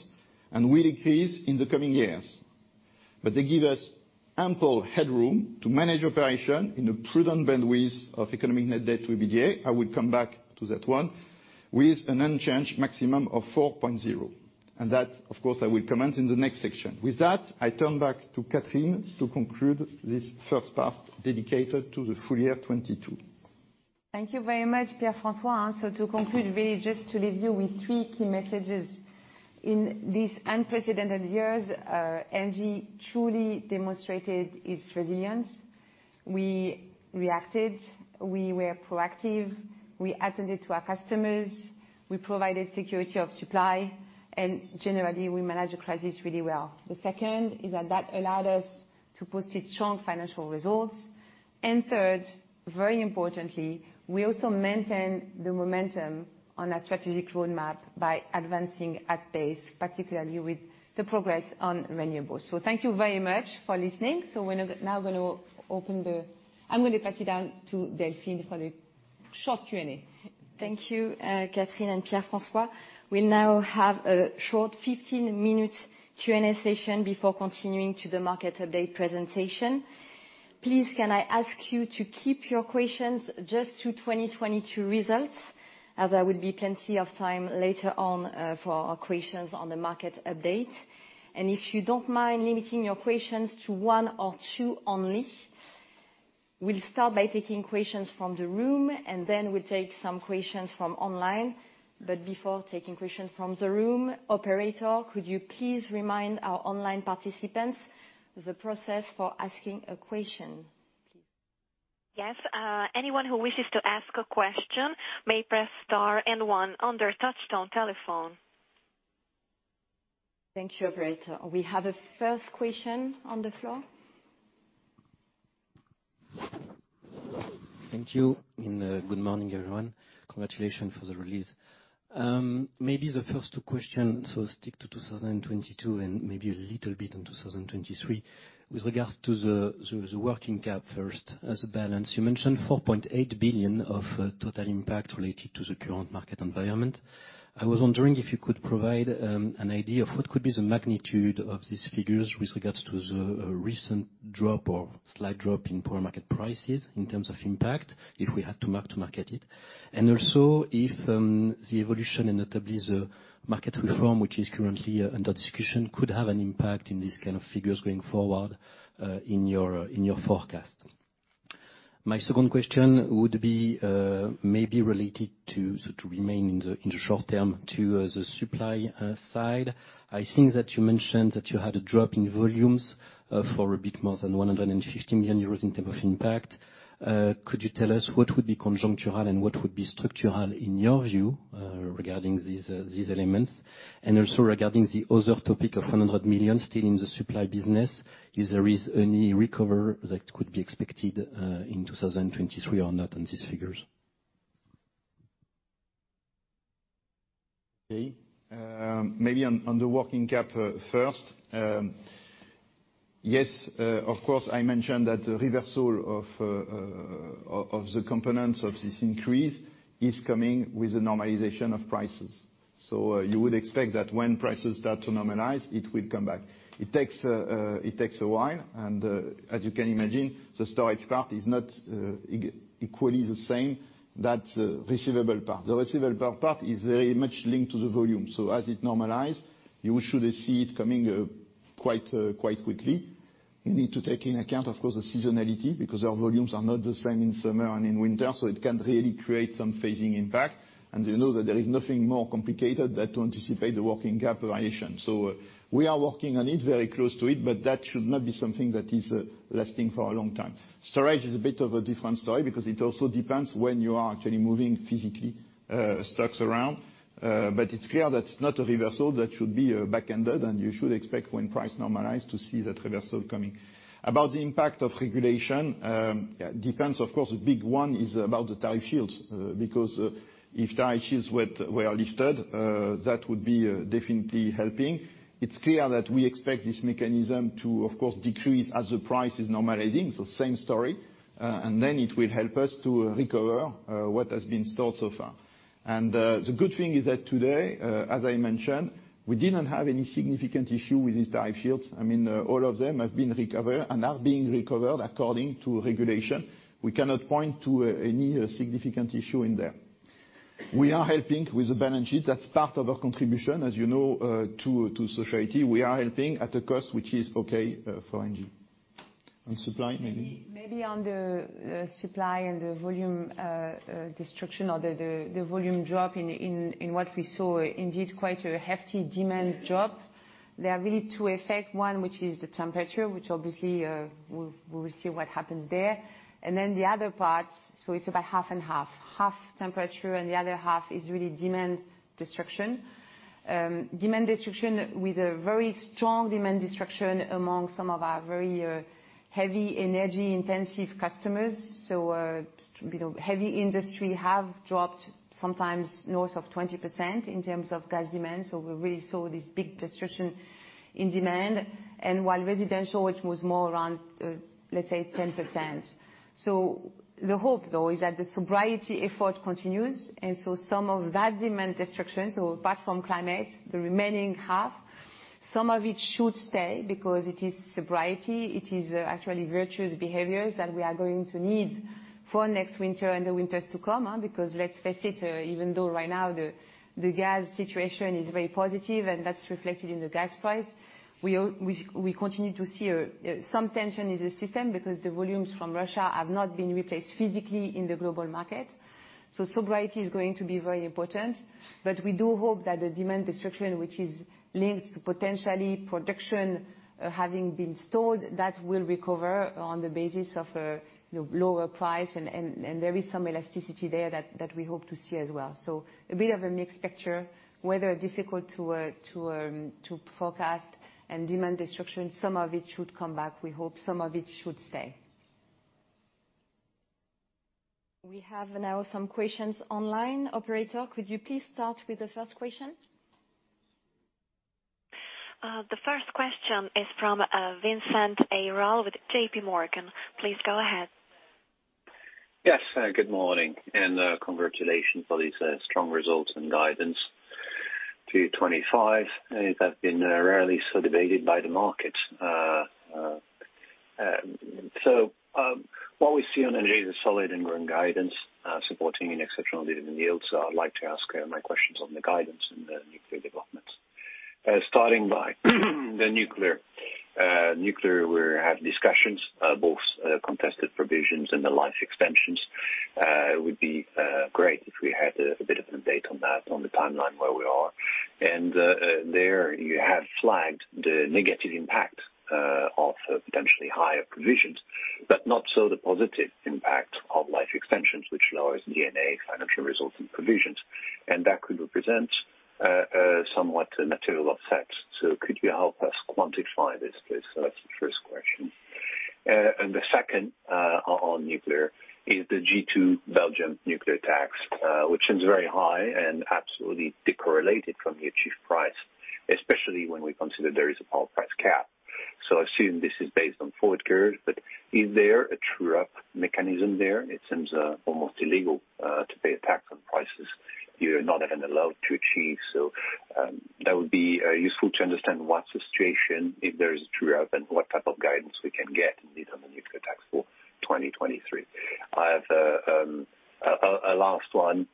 and will increase in the coming years. They give us ample headroom to manage operation in a prudent bandwidth of economic net debt to EBITDA, I will come back to that one, with an unchanged maximum of 4.0x. That, of course, I will comment in the next section. With that, I turn back to Catherine to conclude this first part dedicated to the full-year 2022. Thank you very much, Pierre-François. To conclude, we just to leave you with three key messages. In these unprecedented years, ENGIE truly demonstrated its resilience. We reacted, we were proactive, we attended to our customers, we provided security of supply, and generally, we managed the crisis really well. The second is that allowed us to post a strong financial results. Third, very importantly, we also maintain the momentum on our strategic roadmap by advancing at pace, particularly with the progress on renewables. Thank you very much for listening. I'm gonna pass it down to Delphine for the short Q&A. Thank you, Catherine and Pierre-François. We now have a short 15 minutes Q&A session before continuing to the market update presentation. Please, can I ask you to keep your questions just to 2022 results, as there will be plenty of time later on for our questions on the market update. If you don't mind limiting your questions to one or two only. We'll start by taking questions from the room, and then we'll take some questions from online. Before taking questions from the room, operator, could you please remind our online participants the process for asking a question, please? Yes. Anyone who wishes to ask a question may press star and one on their touchtone telephone. Thank you, operator. We have a first question on the floor. Thank you. Good morning, everyone. Congratulations for the release. Maybe the first two questions will stick to 2022 and maybe a little bit on 2023. With regards to the working cap first as a balance, you mentioned 4.8 billion of total impact related to the current market environment. I was wondering if you could provide an idea of what could be the magnitude of these figures with regards to the recent drop or slight drop in power market prices in terms of impact, if we had to mark-to-market it. Also if the evolution and notably the market reform, which is currently under discussion could have an impact in this kind of figures going forward, in your forecast. My second question would be maybe related to, so to remain in the short term to the supply side. I think that you mentioned that you had a drop in volumes, for a bit more than 150 million euros in terms of impact. Could you tell us what would be conjuncture and what would be structural in your view, regarding these elements? Also regarding the other topic of 100 million still in the supply business, is there is any recover that could be expected in 2023 or not on these figures? Okay. Maybe on the working cap first. Yes, of course, I mentioned that the reversal of the components of this increase is coming with the normalization of prices. You would expect that when prices start to normalize, it will come back. It takes a while, and as you can imagine, the storage part is not equally the same, that receivable part. The receivable part is very much linked to the volume. As it normalize, you should see it coming quite quickly. You need to take into account, of course, the seasonality because our volumes are not the same in summer and in winter, so it can really create some phasing impact. You know that there is nothing more complicated than to anticipate the working capitalization. We are working on it, very close to it, but that should not be something that is lasting for a long time. Storage is a bit of a different story because it also depends when you are actually moving physically, stocks around. It's clear that's not a reversal that should be back-ended, and you should expect when price normalize to see that reversal coming. About the impact of regulation, depends, of course, a big one is about the tariff shields, because if tariff shields were lifted, that would be definitely helping. It's clear that we expect this mechanism to, of course, decrease as the price is normalizing. Same story. Then it will help us to recover what has been stored so far. The good thing is that today, as I mentioned, we didn't have any significant issue with these tariff shields. I mean, all of them have been recovered and are being recovered according to regulation. We cannot point to any significant issue in there. We are helping with the balance sheet. That's part of our contribution, as you know, to society. We are helping at a cost which is okay for ENGIE. On supply, maybe. Maybe on the supply and the volume destruction or the volume drop in what we saw, indeed, quite a hefty demand drop. There are really two effect. One, which is the temperature, which obviously, we will see what happens there. Then the other part, so it's about half and half. Half temperature and the other half is really demand destruction. Demand destruction with a very strong demand destruction among some of our very heavy energy-intensive customers. So, you know, heavy industry have dropped sometimes north of 20% in terms of gas demand. So we really saw this big destruction in demand. While residential, which was more around, let's say 10%. The hope, though, is that the sobriety effort continues, and so some of that demand destruction, so apart from climate, the remaining half, some of it should stay because it is sobriety, it is actually virtuous behaviors that we are going to need for next winter and the winters to come, huh? Let's face it, even though right now the gas situation is very positive and that's reflected in the gas price, we continue to see some tension in the system because the volumes from Russia have not been replaced physically in the global market. Sobriety is going to be very important. We do hope that the demand destruction, which is linked to potentially production having been stored, that will recover on the basis of a, you know, lower price and there is some elasticity there that we hope to see as well. A bit of a mixed picture. Weather, difficult to forecast and demand destruction, some of it should come back, we hope. Some of it should stay. We have now some questions online. Operator, could you please start with the first question? The first question is from Vincent Ayral with JPMorgan. Please go ahead. Yes. Good morning, congratulations for these strong results and guidance to 2025. They have been rarely so debated by the market. What we see on energy is a solid and growing guidance, supporting an exceptional dividend yield. I'd like to ask my questions on the guidance in the nuclear developments. Starting by the nuclear. Nuclear, we're having discussions, both contested provisions and the life extensions. It would be great if we had a bit of an update on that on the timeline where we are. There you have flagged the negative impact of potentially higher provisions, but not so the positive impact of life extensions, which lowers D&A financial results and provisions. That could represent somewhat a material offset. Could you help us quantify this, please? And the second on nuclear is the G2 Belgium nuclear tax, which seems very high and absolutely decorrelated from the achieved price, especially when we consider there is a power price cap. I assume this is based on forward curves, but is there a true-up mechanism there? It seems almost illegal to pay a tax on prices you're not even allowed to achieve. That would be useful to understand what's the situation, if there is a true-up and what type of guidance we can get indeed on the nuclear tax for 2023. I have a last one,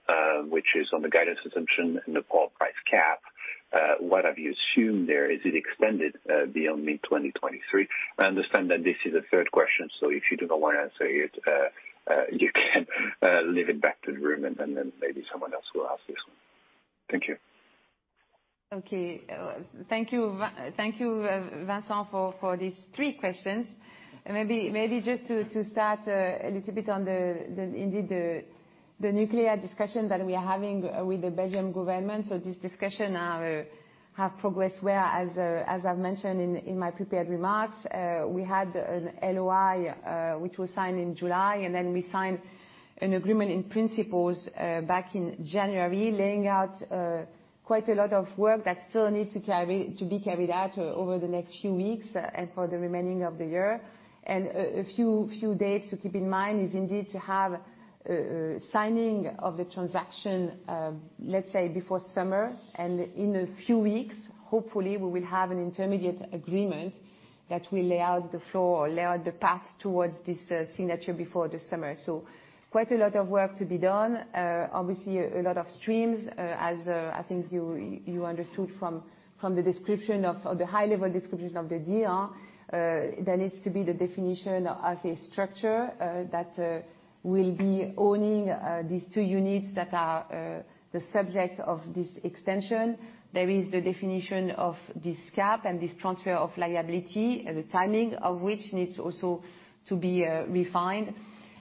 which is on the guidance assumption and the power price cap. What have you assumed there? Is it extended beyond mid 2023? I understand that this is a third question. If you do not wanna answer it, you can leave it back to the room and then maybe someone else will ask this one. Thank you. Okay. Thank you Vincent, for these three questions. Maybe just to start a little bit on the indeed the nuclear discussion that we are having with the Belgian government. This discussion have progressed well, as I've mentioned in my prepared remarks. We had an LOI, which was signed in July, and then we signed an agreement and principles, back in January, laying out quite a lot of work that still need to be carried out over the next few weeks and for the remaining of the year. A few dates to keep in mind is indeed to have signing of the transaction, let's say before summer, and in a few weeks, hopefully we will have an intermediate agreement that will lay out the floor or lay out the path towards this signature before the summer. Quite a lot of work to be done. Obviously a lot of streams, as I think you understood from the description of the high level description of the deal. There needs to be the definition of a structure that will be owning these two units that are the subject of this extension. There is the definition of this cap and this transfer of liability, the timing of which needs also to be refined.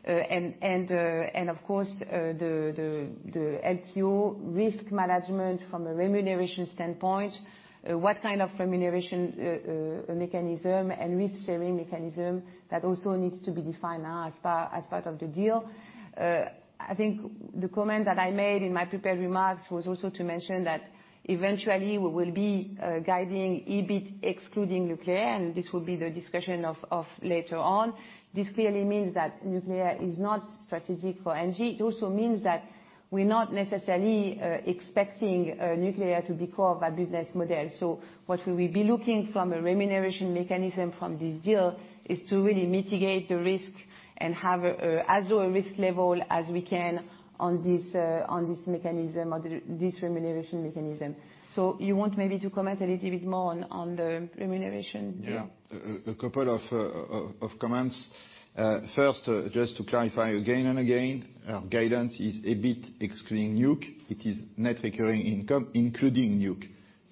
Of course, the LTO risk management from a remuneration standpoint, what kind of remuneration mechanism and risk-sharing mechanism that also needs to be defined now as part of the deal. I think the comment that I made in my prepared remarks was also to mention that eventually we will be guiding EBIT excluding nuclear, and this will be the discussion of later on. This clearly means that nuclear is not strategic for ENGIE. It also means that we're not necessarily expecting nuclear to be core of our business model. What we will be looking from a remuneration mechanism from this deal is to really mitigate the risk and have as low a risk level as we can on this remuneration mechanism. You want maybe to comment a little bit more on the remuneration deal? A couple of comments. First, just to clarify again and again, our guidance is EBIT excluding nuke. It is net recurring income, including nuke.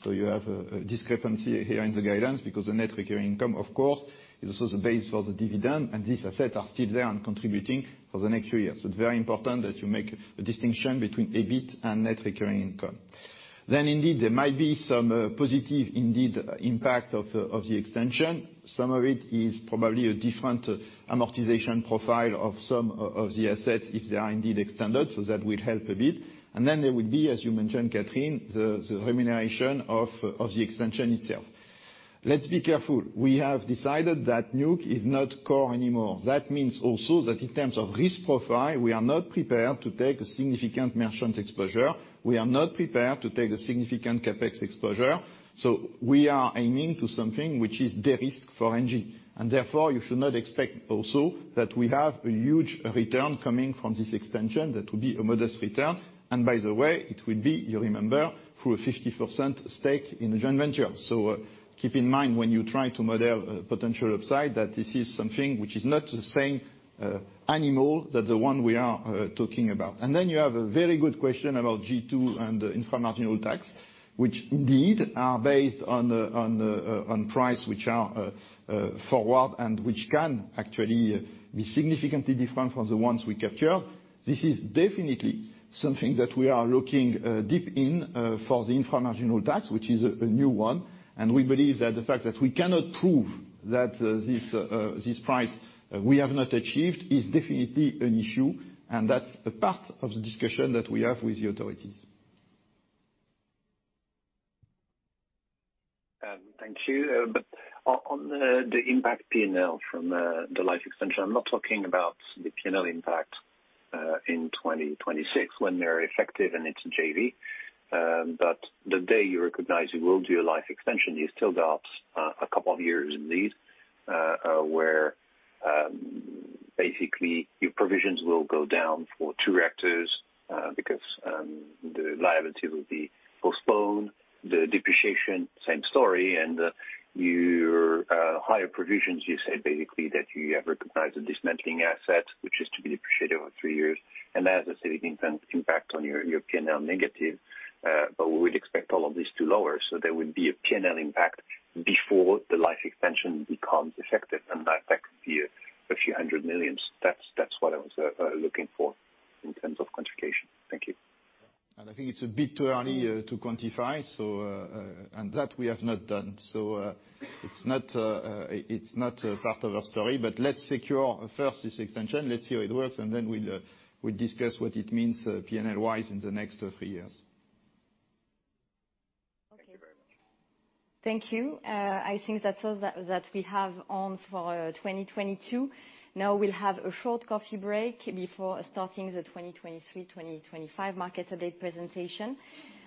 You have a discrepancy here in the guidance because the net recurring income, of course, is also the base for the dividend, and these assets are still there and contributing for the next few years. It's very important that you make a distinction between EBIT and net recurring income. Indeed, there might be some positive indeed impact of the extension. Some of it is probably a different amortization profile of some of the assets, if they are indeed extended, so that will help a bit. There would be, as you mentioned, Catherine, the remuneration of the extension itself. Let's be careful. We have decided that nuc is not core anymore. That means also that in terms of risk profile, we are not prepared to take a significant merchant exposure. We are not prepared to take a significant CapEx exposure. We are aiming to something which is de-risk for ENGIE. Therefore, you should not expect also that we have a huge return coming from this extension. That will be a modest return. By the way, it will be, you remember, through a 50% stake in the joint venture. Keep in mind when you try to model potential upside that this is something which is not the same animal than the one we are talking about. You have a very good question about G2 and the inframarginal tax, which indeed are based on the price, which are forward and which can actually be significantly different from the ones we capture. This is definitely something that we are looking deep in for the inframarginal tax, which is a new one. We believe that the fact that we cannot prove that this price we have not achieved is definitely an issue. That's a part of the discussion that we have with the authorities. Thank you. On the impact P&L from the life extension, I'm not talking about the P&L impact in 2026 when they're effective and it's JV. The day you recognize you will do a life extension, you still got a couple of years at least where basically your provisions will go down for two reactors because the liability will be postponed. The depreciation, same story. Your higher provisions, you said basically that you have recognized a dismantling asset which is to be depreciated over three years. That has a significant impact on your P&L negative. We would expect all of this to lower. There would be a P&L impact before the life extension becomes effective, and that could be a few hundred million EUR. That's what I was looking for in terms of quantification. Thank you. I think it's a bit too early to quantify, and that we have not done. It's not, it's not part of our story. Let's secure first this extension, let's see how it works, and then we'll discuss what it means P&L-wise in the next three years. Thank you very much. Thank you. I think that's all that we have on for 2022. Now we'll have a short coffee break before starting the 2023-2025 market update presentation,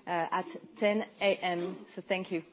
at 10:00 A.M. Thank you.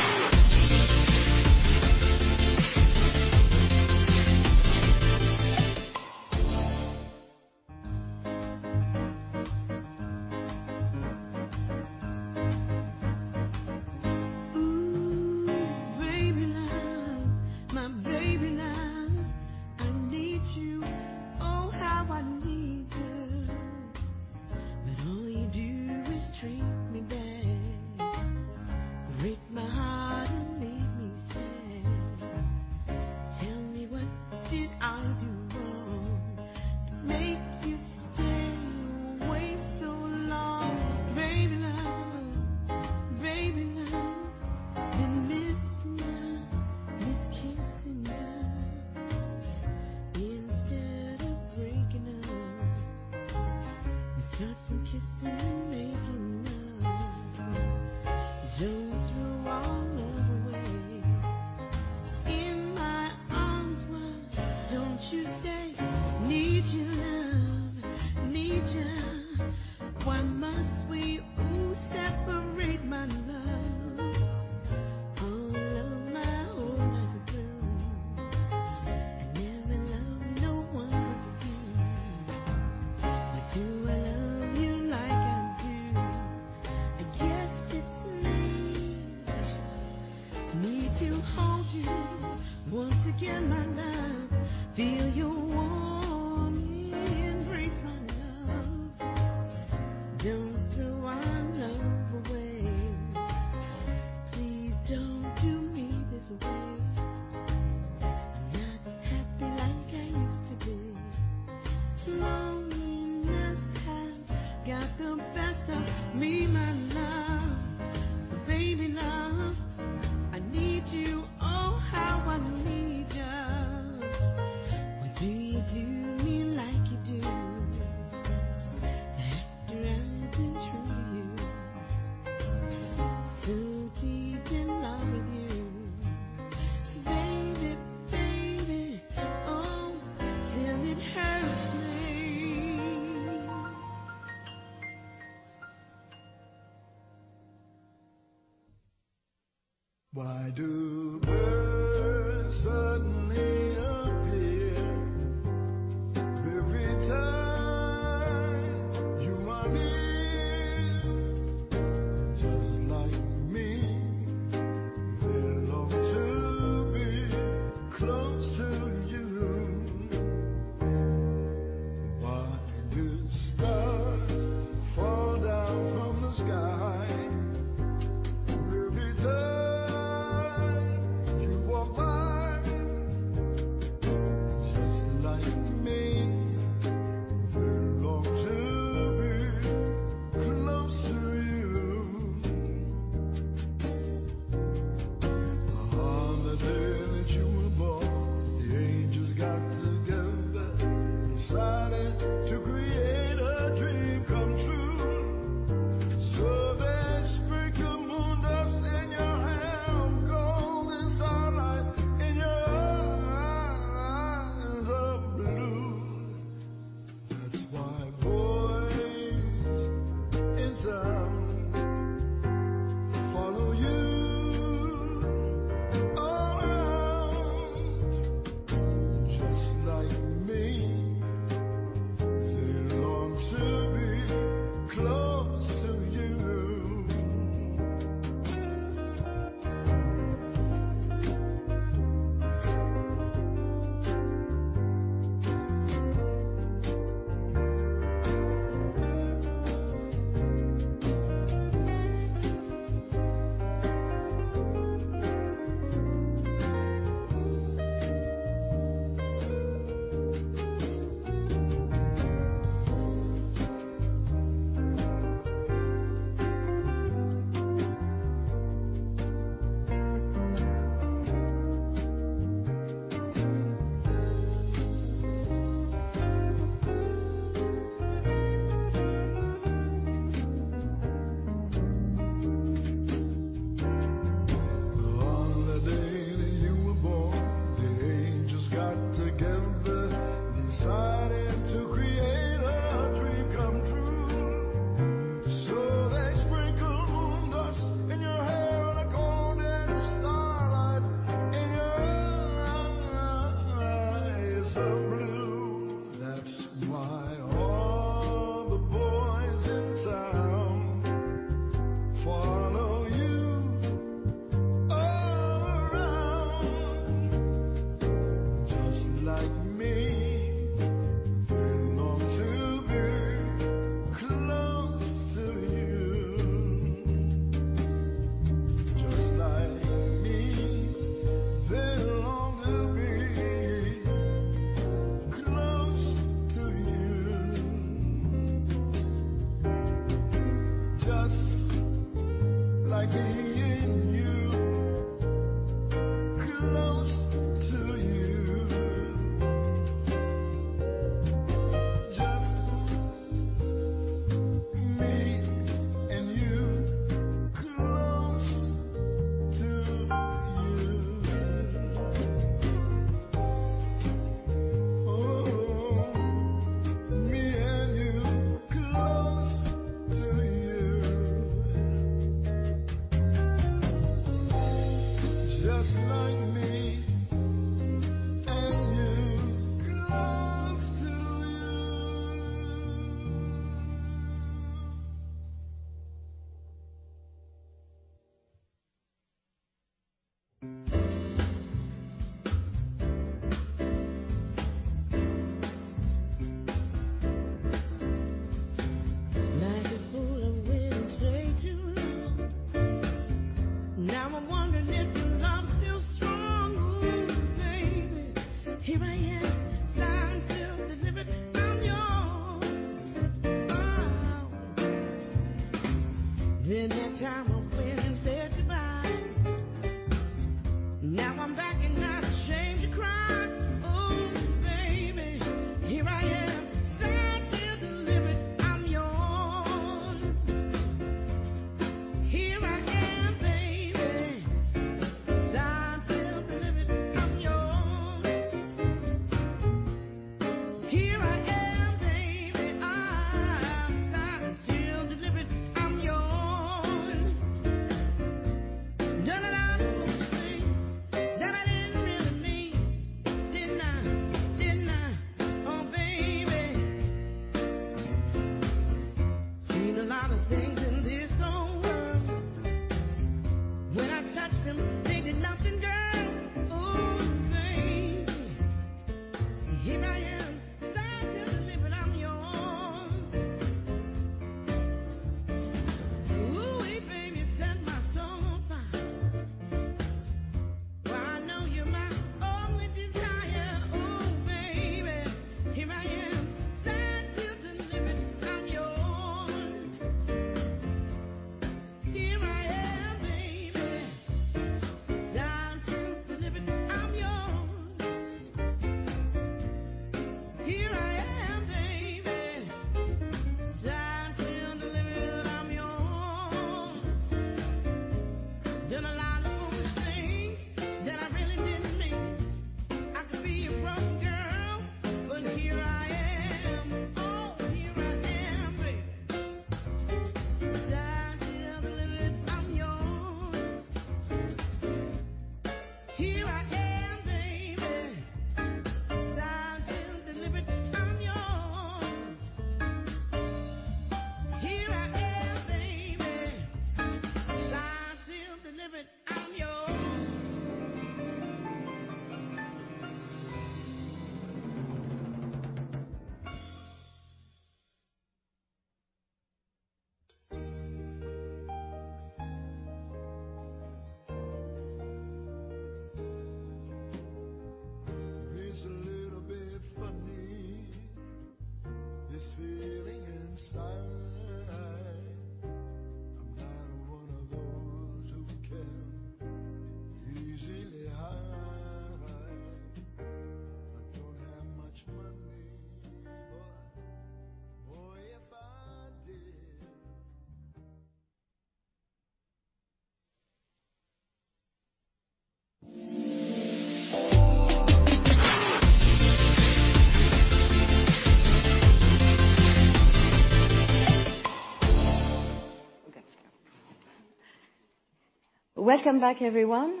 Welcome back, everyone.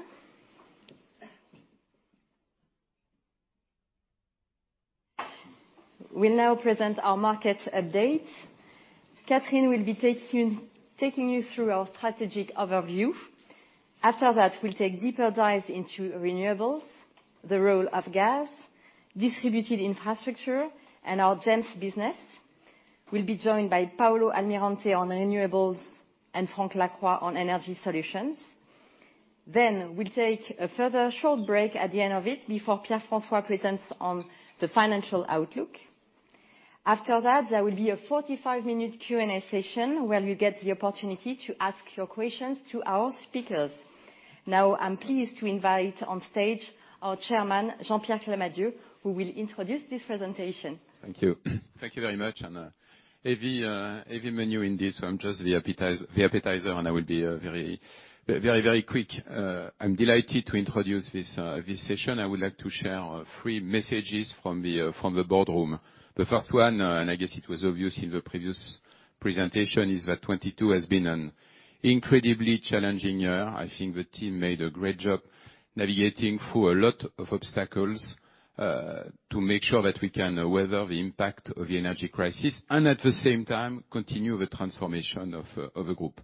We'll now present our market update. Catherine will be taking you through our strategic overview. After that, we'll take deeper dives into renewables, the role of gas, distributed infrastructure, and our GEMS business. We'll be joined by Paulo Almirante on Renewables and Frank Lacroix on Energy Solutions. We'll take a further short break at the end of it before Pierre-François presents on the financial outlook. After that, there will be a 45-minute Q&A session where you'll get the opportunity to ask your questions to our speakers. Now, I'm pleased to invite on stage our chairman, Jean-Pierre Clamadieu, who will introduce this presentation. Thank you. Thank you very much. Heavy menu indeed, so I'm just the appetizer, and I will be very quick. I'm delighted to introduce this session. I would like to share three messages from the boardroom. The first one, and I guess it was obvious in the previous presentation, is that 2022 has been an incredibly challenging year. I think the team made a great job navigating through a lot of obstacles to make sure that we can weather the impact of the energy crisis and at the same time continue the transformation of the group.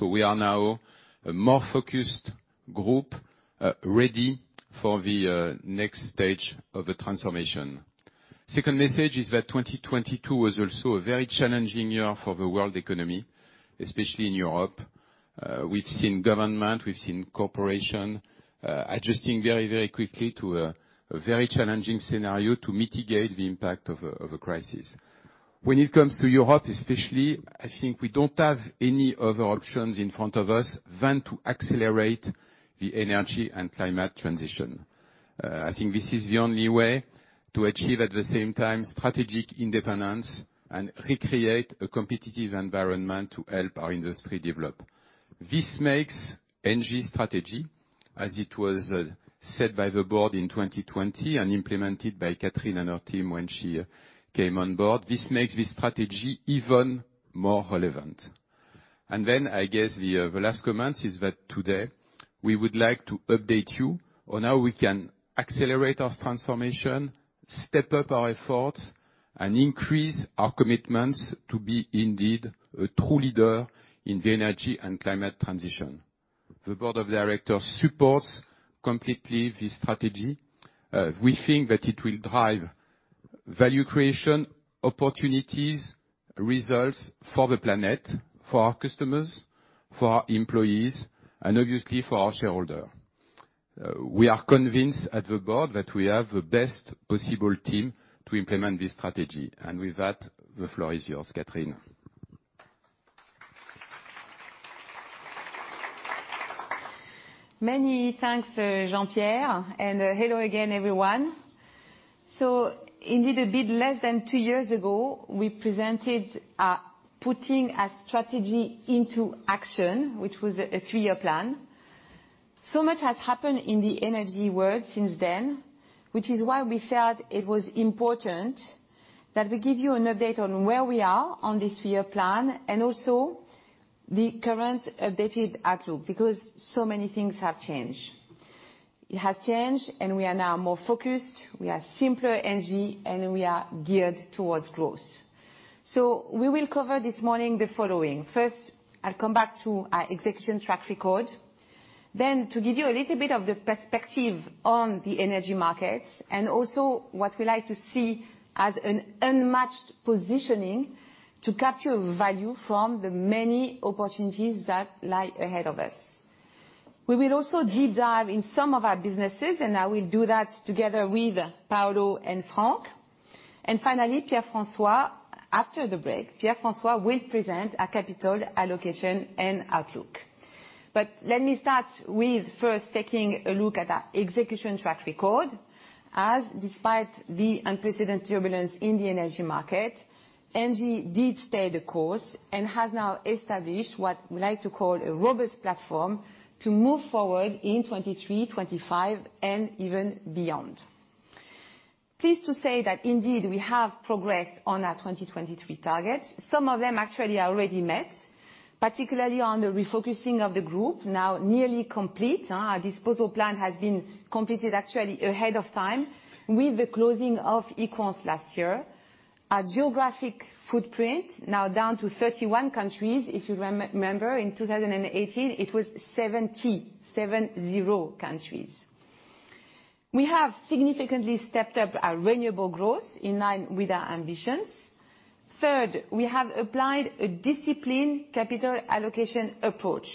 We are now a more focused group, ready for the next stage of the transformation. Second message is that 2022 was also a very challenging year for the world economy, especially in Europe. We've seen government, we've seen corporation adjusting very quickly to a very challenging scenario to mitigate the impact of a crisis. When it comes to Europe, especially, I think we don't have any other options in front of us than to accelerate the energy and climate transition. I think this is the only way to achieve, at the same time, strategic independence and recreate a competitive environment to help our industry develop. This makes ENGIE's strategy as it was set by the board in 2020 and implemented by Catherine and her team when she came on board. This makes this strategy even more relevant. I guess, the last comment is that today we would like to update you on how we can accelerate our transformation, step up our efforts, and increase our commitments to be indeed a true leader in the energy and climate transition. The board of directors supports completely this strategy. We think that it will drive value creation, opportunities, results for the planet, for our customers, for our employees, and obviously, for our shareholder. We are convinced at the board that we have the best possible team to implement this strategy. With that, the floor is yours, Catherine. Many thanks, Jean-Pierre, and hello again, everyone. Indeed, a bit less than two years ago, we presented our putting our strategy into action, which was a three-year plan. Much has happened in the energy world since then, which is why we felt it was important that we give you an update on where we are on this three-year plan, and also the current updated outlook, because so many things have changed. It has changed, and we are now more focused, we are simpler ENGIE, and we are geared towards growth. We will cover this morning the following. First, I'll come back to our execution track record. To give you a little bit of the perspective on the energy markets, and also what we like to see as an unmatched positioning to capture value from the many opportunities that lie ahead of us. We will also deep dive in some of our businesses, and I will do that together with Paulo and Frank. Finally, Pierre-François. After the break, Pierre-François will present our capital allocation and outlook. Let me start with first taking a look at our execution track record, as despite the unprecedented turbulence in the energy market, ENGIE did stay the course and has now established what we like to call a robust platform to move forward in 2023-2025, and even beyond. Pleased to say that indeed we have progressed on our 2023 targets. Some of them actually are already met, particularly on the refocusing of the group, now nearly complete. Our disposal plan has been completed actually ahead of time with the closing of EQUANS last year. Our geographic footprint now down to 31 countries. If you remember in 2018, it was 70 countries. We have significantly stepped up our renewable growth in line with our ambitions. Third, we have applied a disciplined capital allocation approach.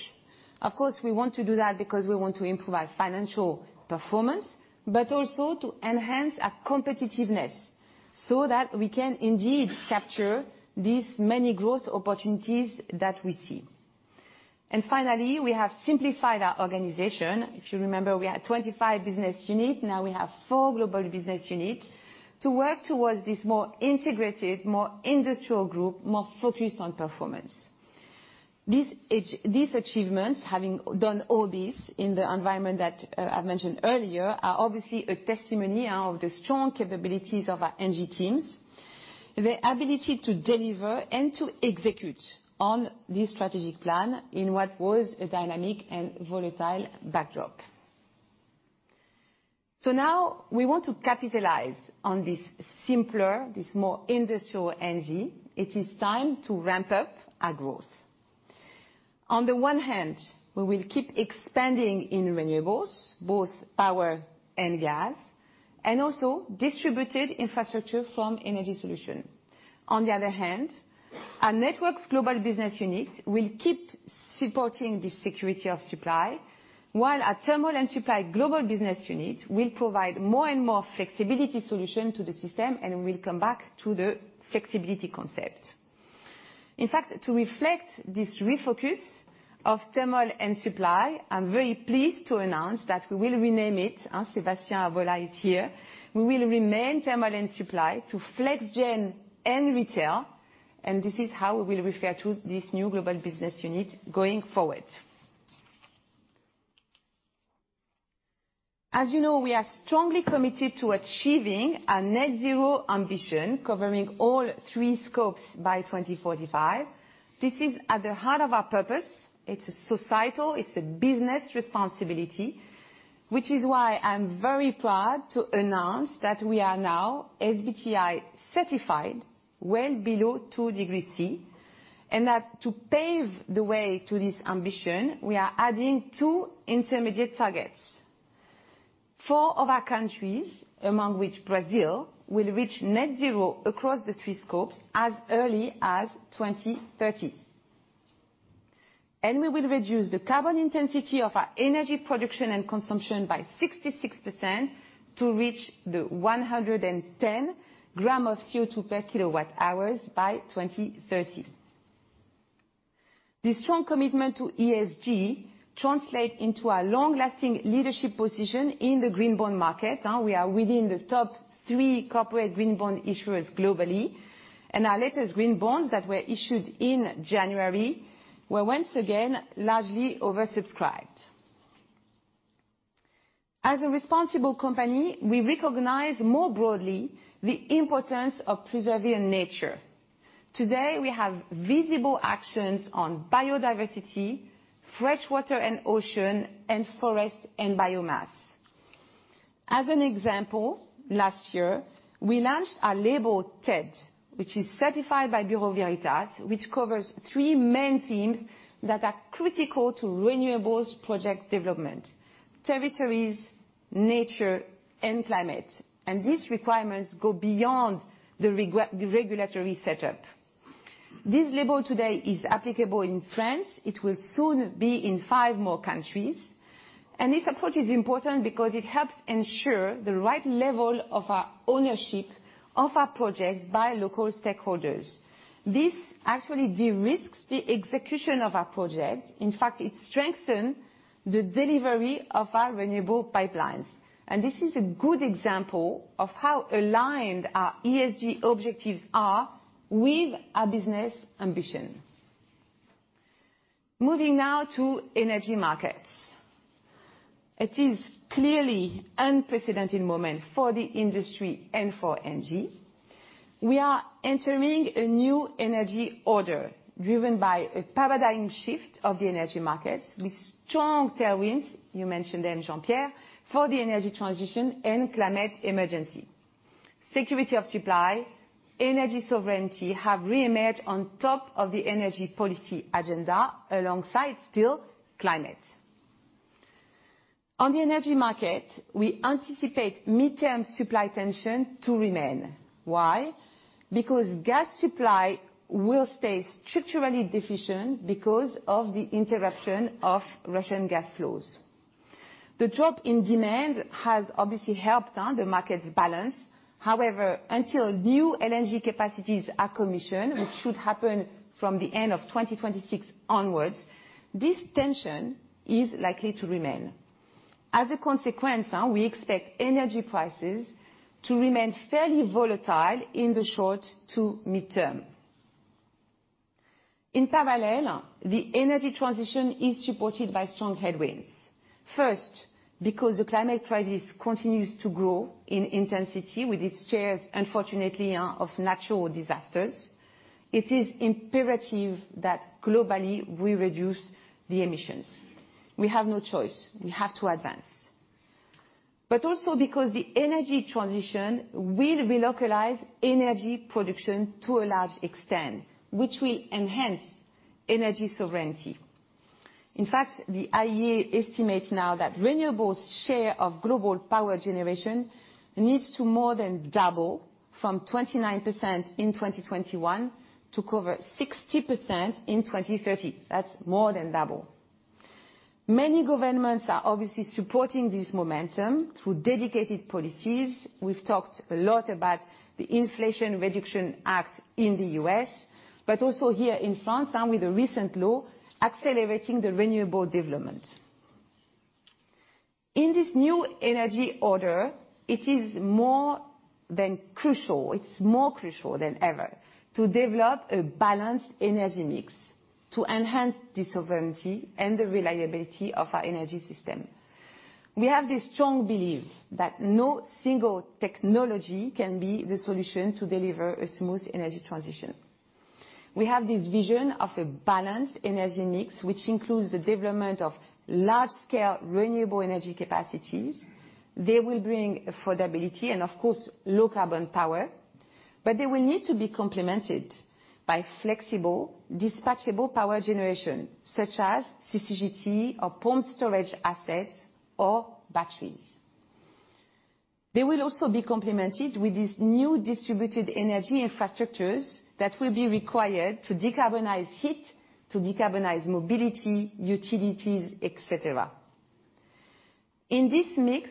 Of course, we want to do that because we want to improve our financial performance, but also to enhance our competitiveness so that we can indeed capture these many growth opportunities that we see. Finally, we have simplified our organization. If you remember, we had 25 business unit. Now we have four global business unit to work towards this more integrated, more industrial group, more focused on performance. These achievements, having done all this in the environment that I've mentioned earlier, are obviously a testimony of the strong capabilities of our ENGIE teams, the ability to deliver and to execute on this strategic plan in what was a dynamic and volatile backdrop. Now we want to capitalize on this simpler, this more industrial ENGIE. It is time to ramp up our growth. On the one hand, we will keep expanding in renewables, both power and gas, and also distributed infrastructure from Energy Solutions. On the other hand, our networks global business unit will keep supporting the security of supply, Thermal and Supply global business unit will provide more and more flexibility solution to the system and will come back to the flexibility concept. In fact, to reflect this Thermal and Supply, i'm very pleased to announce that we will rename it, Sébastien Arbola is here. We Thermal and Supply to Flex Gen and Retail. This is how we will refer to this new global business unit going forward. As you know, we are strongly committed to achieving a net zero ambition covering all three scopes by 2045. This is at the heart of our purpose. It's a societal, it's a business responsibility, which is why I'm very proud to announce that we are now SBTi certified, well below 2 degree C. To pave the way to this ambition, we are adding two intermediate targets. Four other countries, among which Brazil, will reach net zero across the three scopes as early as 2030. We will reduce the carbon intensity of our energy production and consumption by 66% to reach the 110 g of CO2 per KWh by 2030. The strong commitment to ESG translate into a long-lasting leadership position in the Green Bond market. We are within the top three corporate Green Bond issuers globally, and our latest Green Bonds that were issued in January were once again largely oversubscribed. As a responsible company, we recognize more broadly the importance of preserving nature. Today, we have visible actions on biodiversity, fresh water and ocean, and forest and biomass. As an example, last year, we launched our label, TED, which is certified by Bureau Veritas, which covers three main themes that are critical to renewables project development. Territories, nature and climate. These requirements go beyond the regulatory setup. This label today is applicable in France. It will soon be in five more countries. This approach is important because it helps ensure the right level of ownership of our projects by local stakeholders. This actually de-risks the execution of our project. In fact, it strengthen the delivery of our renewable pipelines. This is a good example of how aligned our ESG objectives are with our business ambition. Moving now to energy markets. It is clearly unprecedented moment for the industry and for ENGIE. We are entering a new energy order driven by a paradigm shift of the energy markets with strong tailwinds, you mentioned them, Jean-Pierre, for the energy transition and climate emergency. Security of supply, energy sovereignty have reemerged on top of the energy policy agenda alongside still climate. On the energy market, we anticipate midterm supply tension to remain. Why? Because gas supply will stay structurally deficient because of the interruption of Russian gas flows. The drop in demand has obviously helped the market's balance. However, until new LNG capacities are commissioned, which should happen from the end of 2026 onwards, this tension is likely to remain. As a consequence, we expect energy prices to remain fairly volatile in the short to midterm. In parallel, the energy transition is supported by strong headwinds. First, because the climate crisis continues to grow in intensity with its shares, unfortunately, of natural disasters, it is imperative that globally we reduce the emissions. We have no choice. We have to advance. Also because the energy transition will relocalize energy production to a large extent, which will enhance energy sovereignty. In fact, the IEA estimates now that renewables share of global power generation needs to more than double from 29% in 2021 to cover 60% in 2030. That's more than double. Many governments are obviously supporting this momentum through dedicated policies. We've talked a lot about the Inflation Reduction Act in the U.S., also here in France, with the recent law accelerating the renewable development. In this new energy order, it is more than crucial, it's more crucial than ever to develop a balanced energy mix to enhance the sovereignty and the reliability of our energy system. We have this strong belief that no single technology can be the solution to deliver a smooth energy transition. We have this vision of a balanced energy mix, which includes the development of large scale renewable energy capacities. They will bring affordability and of course, low carbon power, but they will need to be complemented by flexible dispatchable power generation such as CCGT, our pumped storage assets or batteries. They will also be complemented with these new distributed energy infrastructures that will be required to decarbonize heat, to decarbonize mobility, utilities, et cetera. In this mix,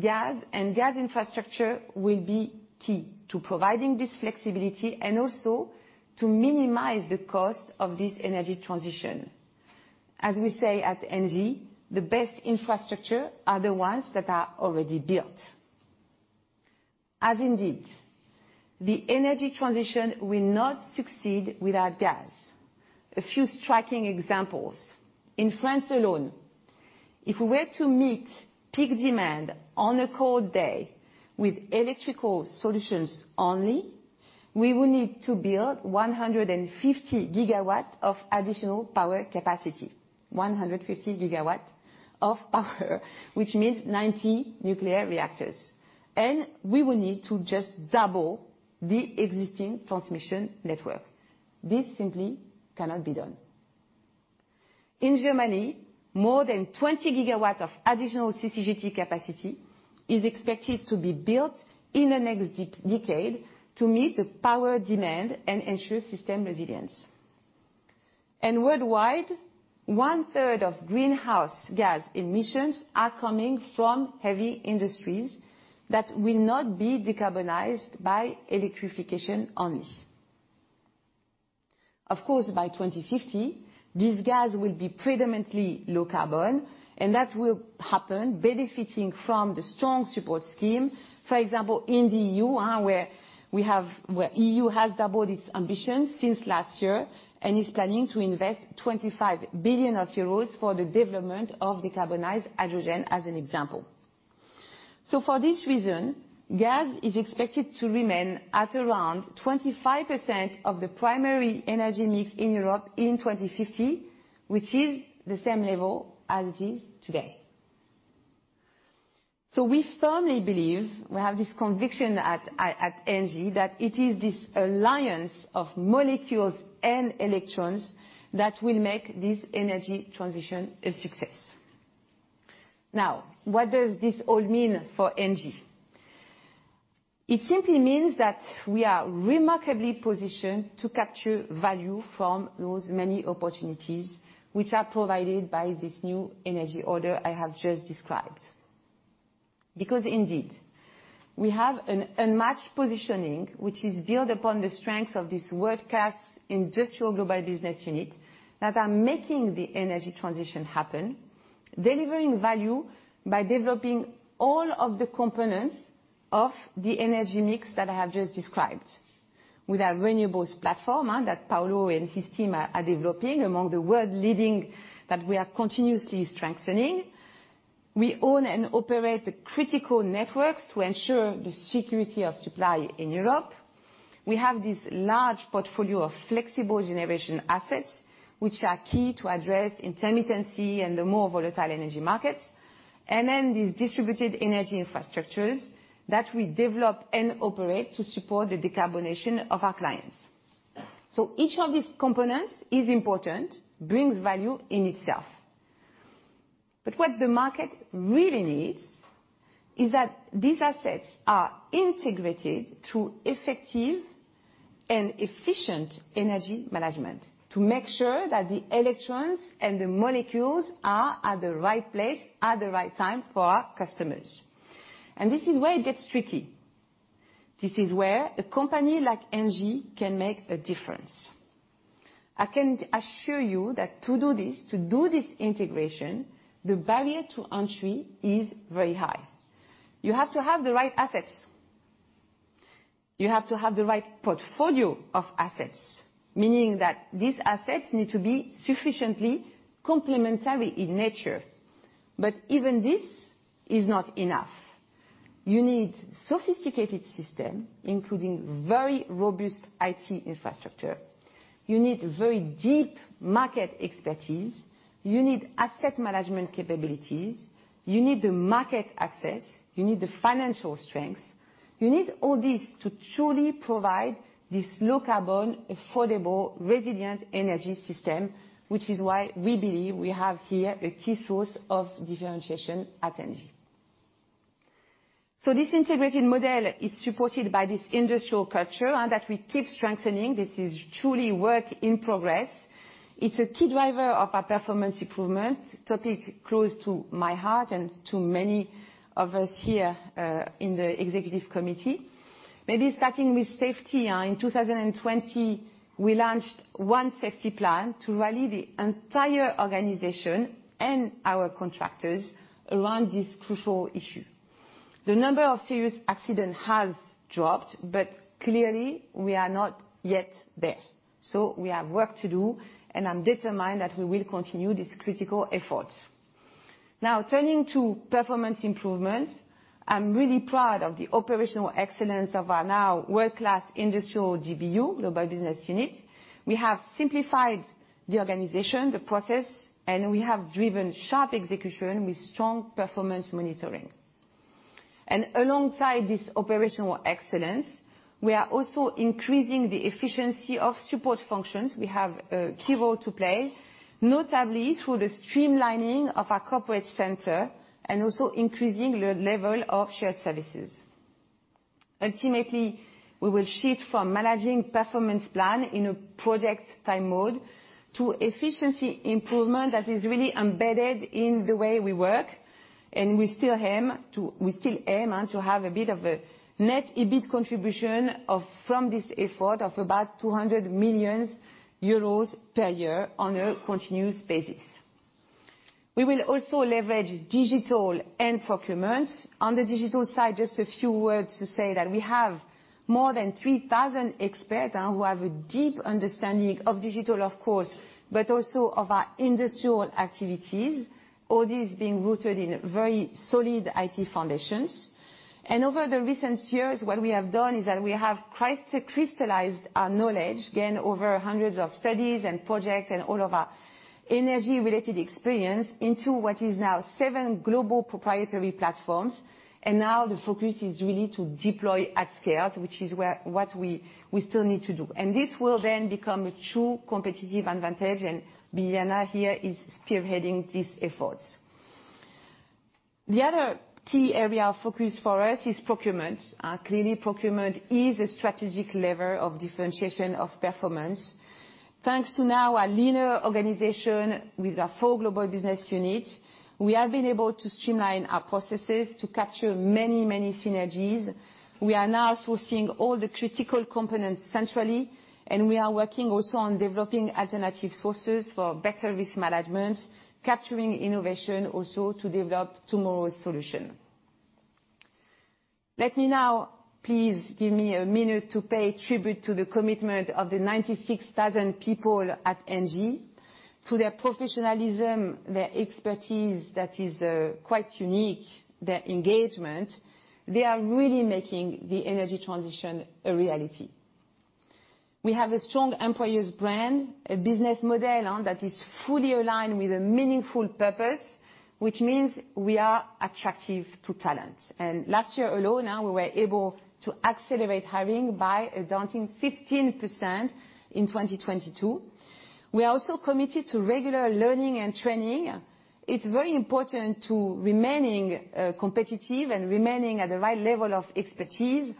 gas and gas infrastructure will be key to providing this flexibility and also to minimize the cost of this energy transition. As we say at ENGIE, the best infrastructure are the ones that are already built. Indeed, the energy transition will not succeed without gas. A few striking examples. In France alone, if we were to meet peak demand on a cold day with electrical solutions only, we would need to build 150 GW of additional power capacity. 150 GW of power, which means 90 nuclear reactors. We would need to just double the existing transmission network. This simply cannot be done. In Germany, more than 20 GW of additional CCGT capacity is expected to be built in the next decade to meet the power demand and ensure system resilience. Worldwide, one-third of greenhouse gas emissions are coming from heavy industries that will not be decarbonized by electrification only. Of course, by 2050, this gas will be predominantly low carbon, and that will happen benefiting from the strong support scheme. For example, in the EU, where EU has doubled its ambition since last year and is planning to invest 25 billion euros for the development of decarbonized hydrogen as an example. For this reason, gas is expected to remain at around 25% of the primary energy mix in Europe in 2050, which is the same level as it is today. We firmly believe, we have this conviction at ENGIE, that it is this alliance of molecules and electrons that will make this energy transition a success. What does this all mean for ENGIE? It simply means that we are remarkably positioned to capture value from those many opportunities which are provided by this new energy order I have just described. Indeed, we have an unmatched positioning, which is built upon the strengths of this world-class industrial global business unit that are making the energy transition happen, delivering value by developing all of the components of the energy mix that I have just described. With our renewables platform, that Paulo and his team are developing, among the world leading, that we are continuously strengthening. We own and operate the critical networks to ensure the security of supply in Europe. We have this large portfolio of flexible generation assets, which are key to address intermittency and the more volatile energy markets. These distributed energy infrastructures that we develop and operate to support the decarbonation of our clients. Each of these components is important, brings value in itself. What the market really needs is that these assets are integrated through effective and efficient energy management to make sure that the electrons and the molecules are at the right place at the right time for our customers. This is where it gets tricky. This is where a company like ENGIE can make a difference. I can assure you that to do this, to do this integration, the barrier to entry is very high. You have to have the right assets. You have to have the right portfolio of assets, meaning that these assets need to be sufficiently complementary in nature. Even this is not enough. You need sophisticated system, including very robust IT infrastructure. You need very deep market expertise. You need asset management capabilities. You need the market access. You need the financial strength. You need all this to truly provide this low carbon, affordable, resilient energy system, which is why we believe we have here a key source of differentiation at ENGIE. This integrated model is supported by this industrial culture and that we keep strengthening. This is truly work in progress. It's a key driver of our performance improvement, topic close to my heart and to many of us here, in the executive committee. Maybe starting with safety. In 2020, we launched ENGIE One Safety plan to rally the entire organization and our contractors around this crucial issue. The number of serious accident has dropped, but clearly we are not yet there. We have work to do, and I'm determined that we will continue this critical effort. Turning to performance improvement. I'm really proud of the operational excellence of our now world-class industrial GBU, global business unit. We have simplified the organization, the process, and we have driven sharp execution with strong performance monitoring. Alongside this operational excellence, we are also increasing the efficiency of support functions. We have a key role to play, notably through the streamlining of our corporate center and also increasing the level of shared services. Ultimately, we will shift from managing performance plan in a project time mode to efficiency improvement that is really embedded in the way we work. We still aim to have a bit of a net EBIT contribution from this effort of about 200 million euros per year on a continuous basis. We will also leverage digital and procurement. On the digital side, just a few words to say that we have more than 3,000 experts who have a deep understanding of digital, of course, but also of our industrial activities, all these being rooted in very solid IT foundations. Over the recent years, what we have done is that we have crystallized our knowledge, again, over hundreds of studies and projects and all of our energy-related experience into what is now seven global proprietary platforms. Now the focus is really to deploy at scale, which is where, what we still need to do. This will then become a true competitive advantage. Biljana here is spearheading these efforts. The other key area of focus for us is procurement. Clearly procurement is a strategic lever of differentiation of performance. Thanks to now a linear organization with our four global business unit, we have been able to streamline our processes to capture many synergies. We are now sourcing all the critical components centrally. We are working also on developing alternative sources for better risk management, capturing innovation also to develop tomorrow's solution. Let me now, please give me a minute to pay tribute to the commitment of the 96,000 people at ENGIE, to their professionalism, their expertise that is quite unique, their engagement. They are really making the energy transition a reality. We have a strong employer's brand, a business model that is fully aligned with a meaningful purpose, which means we are attractive to talent. Last year alone, now we were able to accelerate hiring by a daunting 15% in 2022. We are also committed to regular learning and training. It's very important to remaining competitive and remaining at the right level of expertise,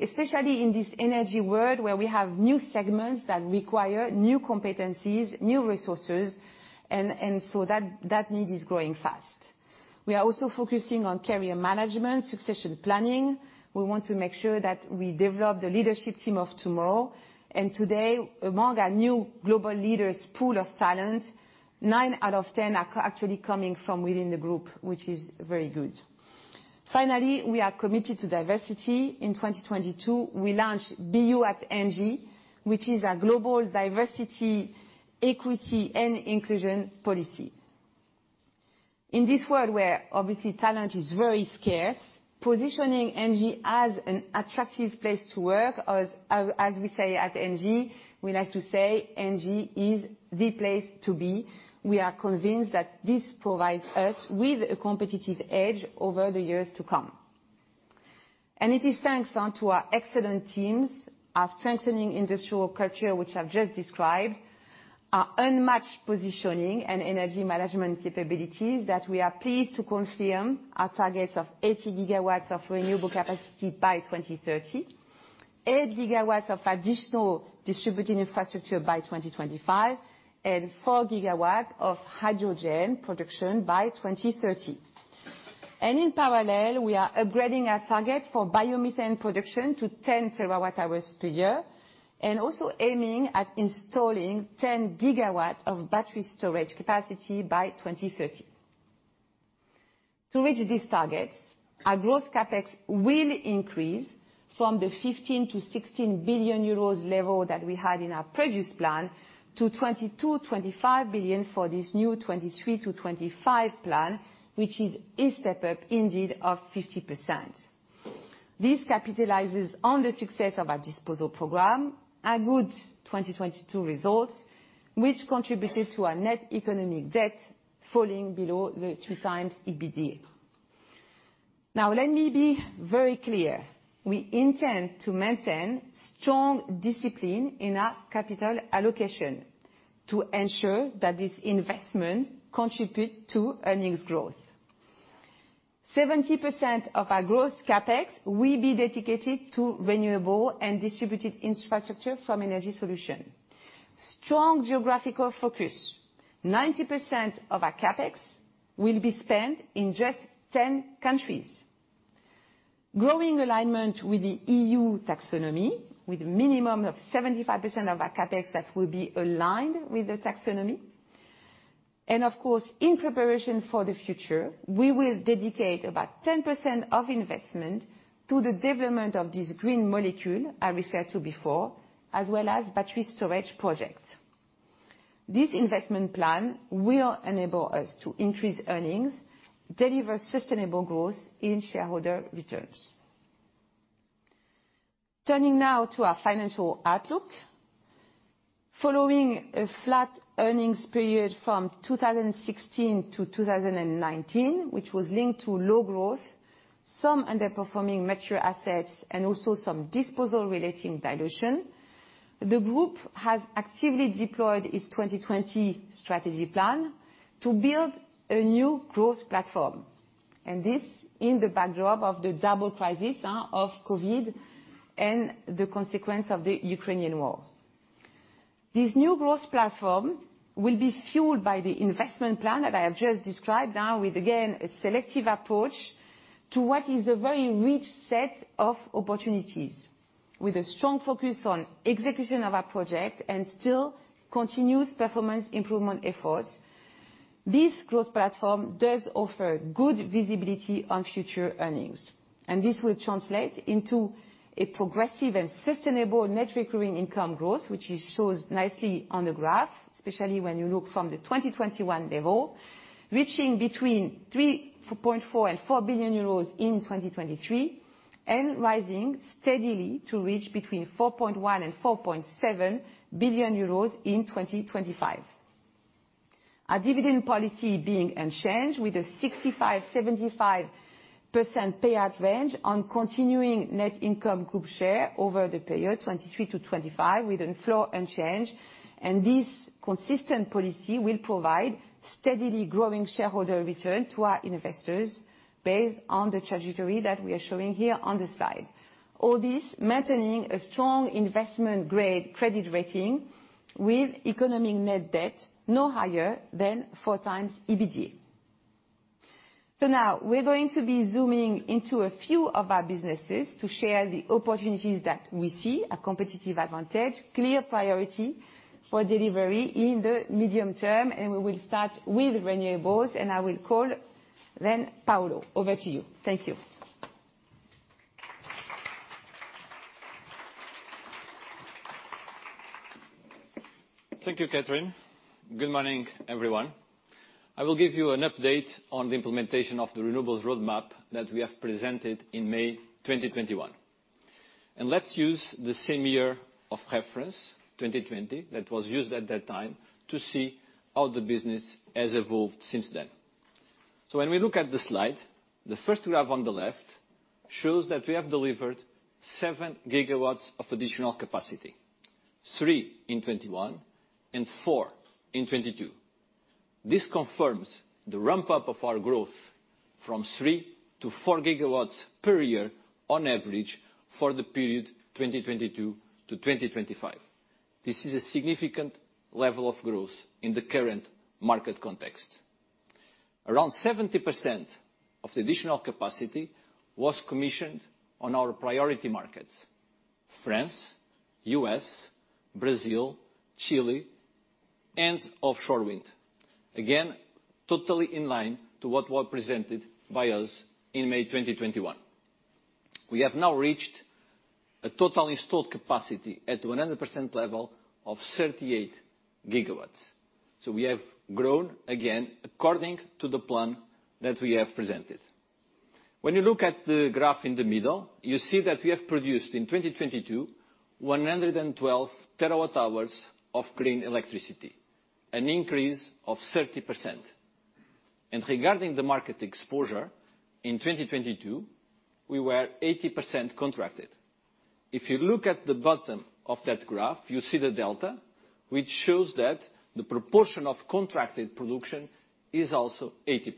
especially in this energy world where we have new segments that require new competencies, new resources, and so that need is growing fast. We are also focusing on career management, succession planning. We want to make sure that we develop the leadership team of tomorrow. Today, among our new global leaders pool of talent, 9 out of 10 are actually coming from within the group, which is very good. Finally, we are committed to diversity. In 2022, we launched Be.U@ENGIE, which is our global diversity, equity and inclusion policy. In this world where, obviously, talent is very scarce, positioning ENGIE as an attractive place to work, as we say at ENGIE, we like to say, "ENGIE is the place to be," we are convinced that this provides us with a competitive edge over the years to come. It is thanks to our excellent teams, our strengthening industrial culture, which I've just described, our unmatched positioning and energy management capabilities that we are pleased to confirm our targets of 80 GW of renewable capacity by 2030, 8 GW of additional distributed infrastructure by 2025, and 4 GW of hydrogen production by 2030. In parallel, we are upgrading our target for biomethane production to 10 TWh per year, and also aiming at installing 10 GW of battery storage capacity by 2030. To reach these targets, our growth CapEx will increase from the 15 billion-16 billion euros level that we had in our previous plan to 22 billion-25 billion for this new 2023-2025 plan, which is a step up indeed of 50%. This capitalizes on the success of our disposal program, our good 2022 results, which contributed to our economic net debt falling below the 3x EBITDA. Now, let me be very clear. We intend to maintain strong discipline in our capital allocation to ensure that this investment contribute to earnings growth. 70% of our gross CapEx will be dedicated to renewable and distributed infrastructure from energy solution. Strong geographical focus. 90% of our CapEx will be spent in just 10 countries. Growing alignment with the EU taxonomy, with minimum of 75% of our CapEx that will be aligned with the taxonomy. Of course, in preparation for the future, we will dedicate about 10% of investment to the development of this green molecule I referred to before, as well as battery storage projects. This investment plan will enable us to increase earnings, deliver sustainable growth in shareholder returns. Turning now to our financial outlook. Following a flat earnings period from 2016 to 2019, which was linked to low growth, some underperforming mature assets, and also some disposal relating dilution, the Group has actively deployed its 2020 strategy plan to build a new growth platform. This in the backdrop of the double crisis of COVID and the consequence of the Ukrainian war. This new growth platform will be fueled by the investment plan that I have just described now with, again, a selective approach to what is a very rich set of opportunities. With a strong focus on execution of our project and still continuous performance improvement efforts, this growth platform does offer good visibility on future earnings. This will translate into a progressive and sustainable net recurring income growth, which shows nicely on the graph, especially when you look from the 2021 level, reaching between 3.4 billion and 4 billion euros in 2023, and rising steadily to reach between 4.1 billion and 4.7 billion euros in 2025. Our dividend policy being unchanged with a 65%-75% payout range on continuing net income group share over the period 2023-2025, with flow unchanged. This consistent policy will provide steadily growing shareholder return to our investors based on the trajectory that we are showing here on this slide. All this maintaining a strong investment-grade credit rating with economic net debt no higher than 4x EBITDA. Now we're going to be zooming into a few of our businesses to share the opportunities that we see, a competitive advantage, clear priority for delivery in the medium term, and we will start with renewables, and I will call then Paulo. Over to you. Thank you. Thank you, Catherine. Good morning, everyone. I will give you an update on the implementation of the renewables roadmap that we have presented in May 2021. Let's use the same year of reference, 2020, that was used at that time to see how the business has evolved since then. When we look at the slide, the first graph on the left shows that we have delivered 7 GW of additional capacity, 3 GW in 2021 and 4 GW in 2022. This confirms the ramp-up of our growth from 3 GW to 4 GW per year on average for the period 2022 to 2025. This is a significant level of growth in the current market context. Around 70% of the additional capacity was commissioned on our priority markets, France, U.S., Brazil, Chile, and offshore wind. Again, totally in line to what was presented by us in May 2021. We have now reached a total installed capacity at 100% level of 38 GW. We have grown again according to the plan that we have presented. When you look at the graph in the middle, you see that we have produced in 2022 112 TWh of green electricity, an increase of 30%. Regarding the market exposure, in 2022, we were 80% contracted. If you look at the bottom of that graph, you see the delta, which shows that the proportion of contracted production is also 80%,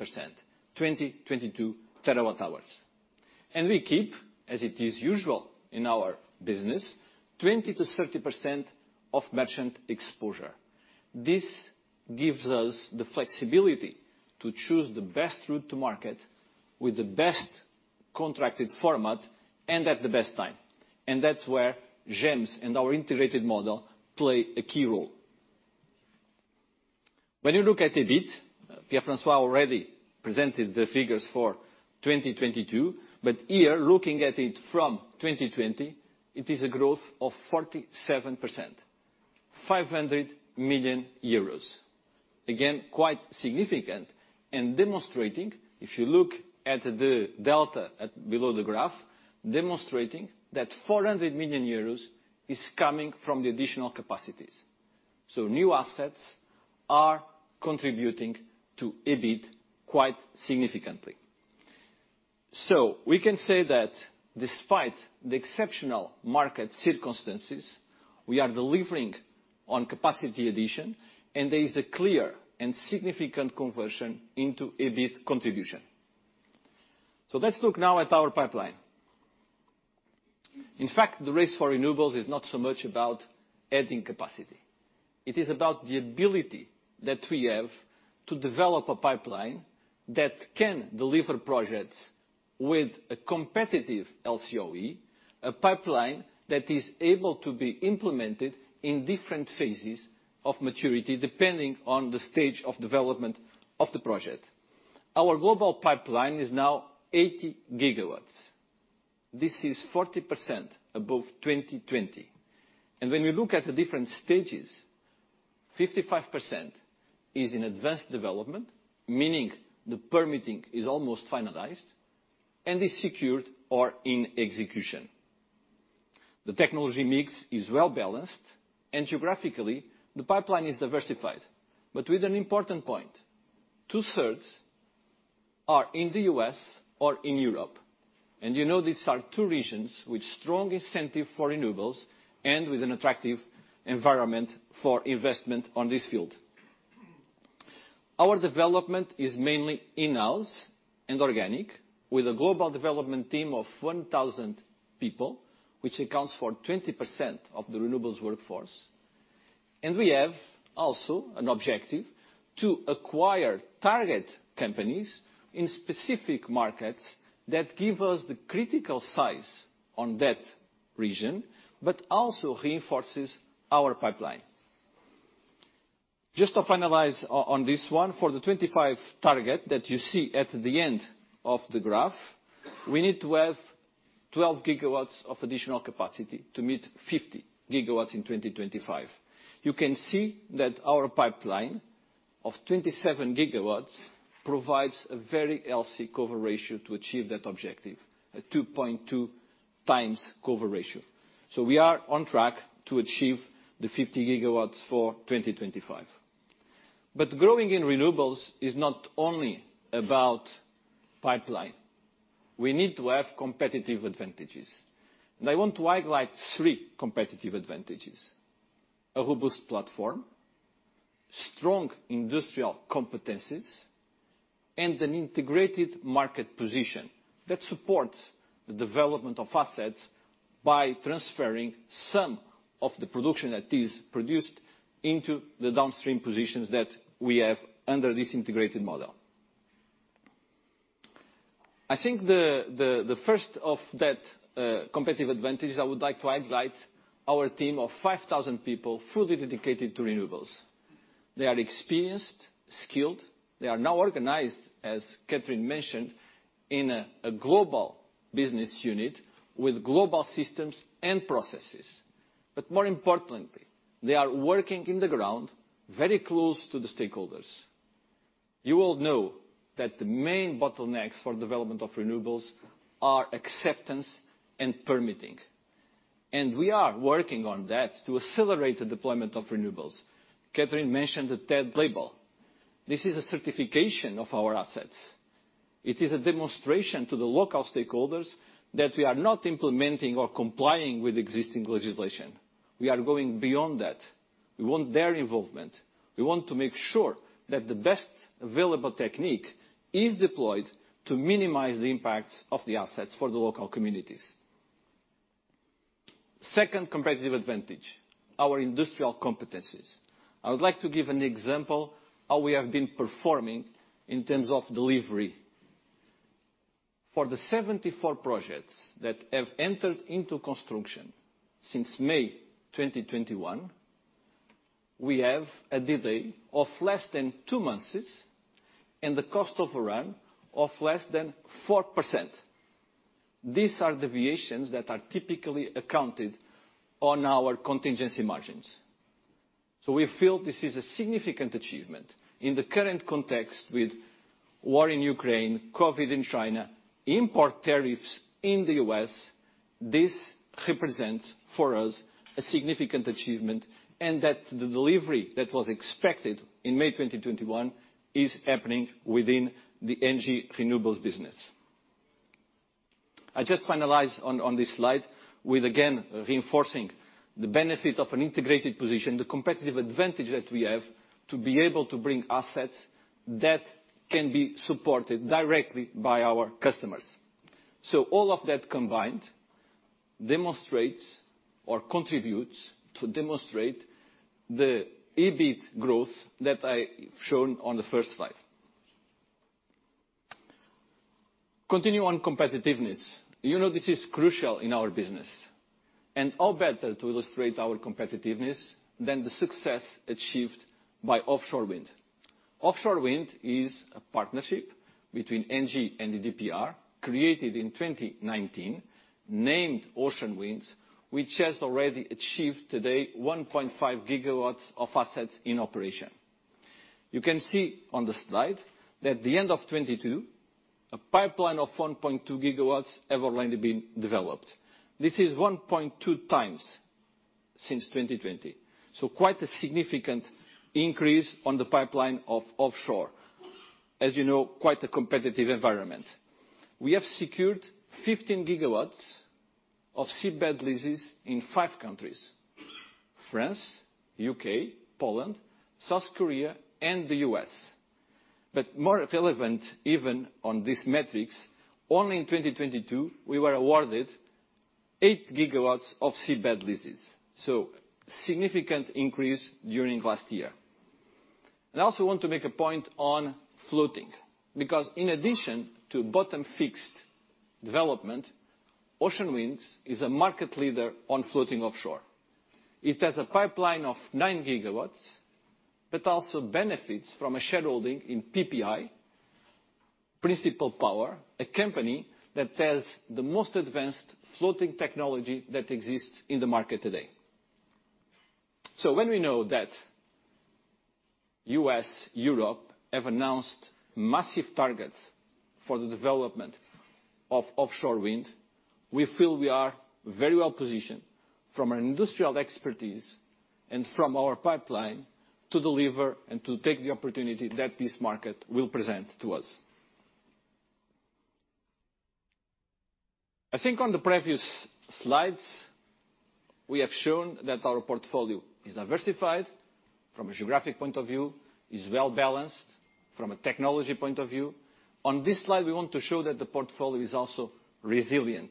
2022 terawatt-hours. We keep, as it is usual in our business, 20%-30% of merchant exposure. This gives us the flexibility to choose the best route to market with the best contracted format and at the best time. That's where GEMS and our integrated model play a key role. When you look at EBIT, Pierre-François already presented the figures for 2022, here looking at it from 2020, it is a growth of 47%, EUR 500 million. Again, quite significant and demonstrating, if you look at the delta at below the graph, demonstrating that 400 million euros is coming from the additional capacities. New assets are contributing to EBIT quite significantly. We can say that despite the exceptional market circumstances, we are delivering on capacity addition, and there is a clear and significant conversion into EBIT contribution. Let's look now at our pipeline. In fact, the race for renewables is not so much about adding capacity. It is about the ability that we have to develop a pipeline that can deliver projects with a competitive LCOE, a pipeline that is able to be implemented in different phases of maturity, depending on the stage of development of the project. Our global pipeline is now 80 GW. This is 40% above 2020. When we look at the different stages, 55% is in advanced development, meaning the permitting is almost finalized and is secured or in execution. The technology mix is well-balanced. Geographically, the pipeline is diversified, but with an important point, two-thirds are in the U.S. or in Europe. You know these are two regions with strong incentive for renewables and with an attractive environment for investment on this field. Our development is mainly in-house and organic, with a global development team of 1,000 people, which accounts for 20% of the renewables workforce. We have also an objective to acquire target companies in specific markets that give us the critical size on that region, but also reinforces our pipeline. Just to finalize on this one, for the 2025 target that you see at the end of the graph, we need to have 12 GW of additional capacity to meet 50 GW in 2025. You can see that our pipeline of 27 GW provides a very healthy cover ratio to achieve that objective, a 2.2x cover ratio. We are on track to achieve the 50 GW for 2025. Growing in renewables is not only about pipeline. We need to have competitive advantages, and I want to highlight three competitive advantages: a robust platform, strong industrial competencies, and an integrated market position that supports the development of assets by transferring some of the production that is produced into the downstream positions that we have under this integrated model. I think the first of that competitive advantage I would like to highlight our team of 5,000 people fully dedicated to renewables. They are experienced, skilled. They are now organized, as Catherine mentioned, in a global business unit with global systems and processes. More importantly, they are working in the ground very close to the stakeholders. You all know that the main bottlenecks for development of renewables are acceptance and permitting, and we are working on that to accelerate the deployment of renewables. Catherine mentioned the TED label. This is a certification of our assets. It is a demonstration to the local stakeholders that we are not implementing or complying with existing legislation. We are going beyond that. We want their involvement. We want to make sure that the best available technique is deployed to minimize the impacts of the assets for the local communities. Second competitive advantage, our industrial competencies. I would like to give an example how we have been performing in terms of delivery. For the 74 projects that have entered into construction since May 2021, we have a delay of less than two months and the cost overrun of less than 4%. These are deviations that are typically accounted on our contingency margins. We feel this is a significant achievement in the current context with war in Ukraine, COVID in China, import tariffs in the U.S. This represents for us a significant achievement, that the delivery that was expected in May 2021 is happening within the ENGIE Renewables business. I just finalize on this slide with again reinforcing the benefit of an integrated position, the competitive advantage that we have to be able to bring assets that can be supported directly by our customers. All of that combined demonstrates or contributes to demonstrate the EBIT growth that I've shown on the first slide. Continue on competitiveness. You know this is crucial in our business, how better to illustrate our competitiveness than the success achieved by offshore wind. Offshore wind is a partnership between ENGIE and EDPR, created in 2019, named Ocean Winds, which has already achieved today 1.5 GW of assets in operation. You can see on the slide that the end of 2022, a pipeline of 1.2 GW have already been developed. This is 1.2x since 2020, so quite a significant increase on the pipeline of offshore. As you know, quite a competitive environment. We have secured 15 GW of seabed leases in five countries, France, U.K., Poland, South Korea, and the U.S. More relevant even on these metrics, only in 2022, we were awarded 8 gigawatts of seabed leases, so significant increase during last year. I also want to make a point on floating, because in addition to bottom fixed development, Ocean Winds is a market leader on floating offshore. It has a pipeline of 9 GW, but also benefits from a shareholding in PPI, Principal Power, a company that has the most advanced floating technology that exists in the market today. When we know that U.S., Europe have announced massive targets for the development of offshore wind, we feel we are very well positioned from an industrial expertise and from our pipeline to deliver and to take the opportunity that this market will present to us. I think on the previous slides, we have shown that our portfolio is diversified from a geographic point of view. It's well-balanced from a technology point of view. On this slide, we want to show that the portfolio is also resilient.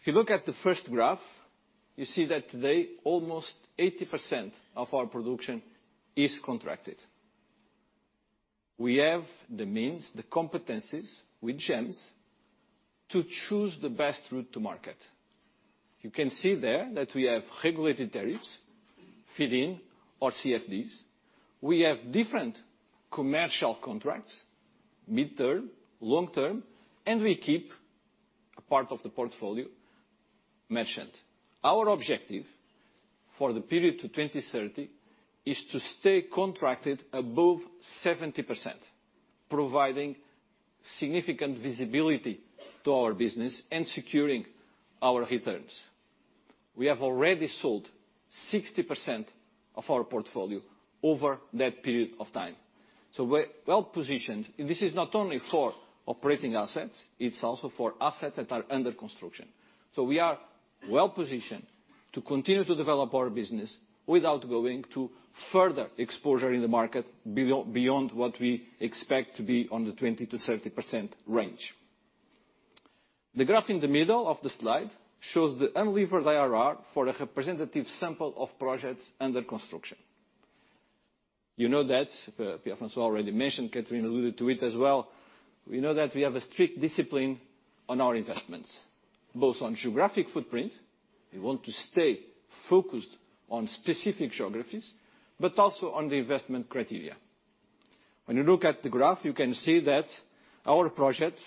If you look at the first graph, you see that today almost 80% of our production is contracted. We have the means, the competencies with GEMS to choose the best route to market. You can see there that we have regulated tariffs, feed-in or CFDs. We have different commercial contracts, midterm, long-term, and we keep a part of the portfolio merchant. Our objective for the period to 2030 is to stay contracted above 70%, providing significant visibility to our business and securing our returns. We have already sold 60% of our portfolio over that period of time. We're well-positioned. This is not only for operating assets, it's also for assets that are under construction. We are well-positioned to continue to develop our business without going to further exposure in the market beyond what we expect to be on the 20%-30% range. The graph in the middle of the slide shows the unlevered IRR for a representative sample of projects under construction. You know that, Pierre-François already mentioned, Catherine alluded to it as well. We know that we have a strict discipline on our investments, both on geographic footprint, we want to stay focused on specific geographies, but also on the investment criteria. When you look at the graph, you can see that our projects,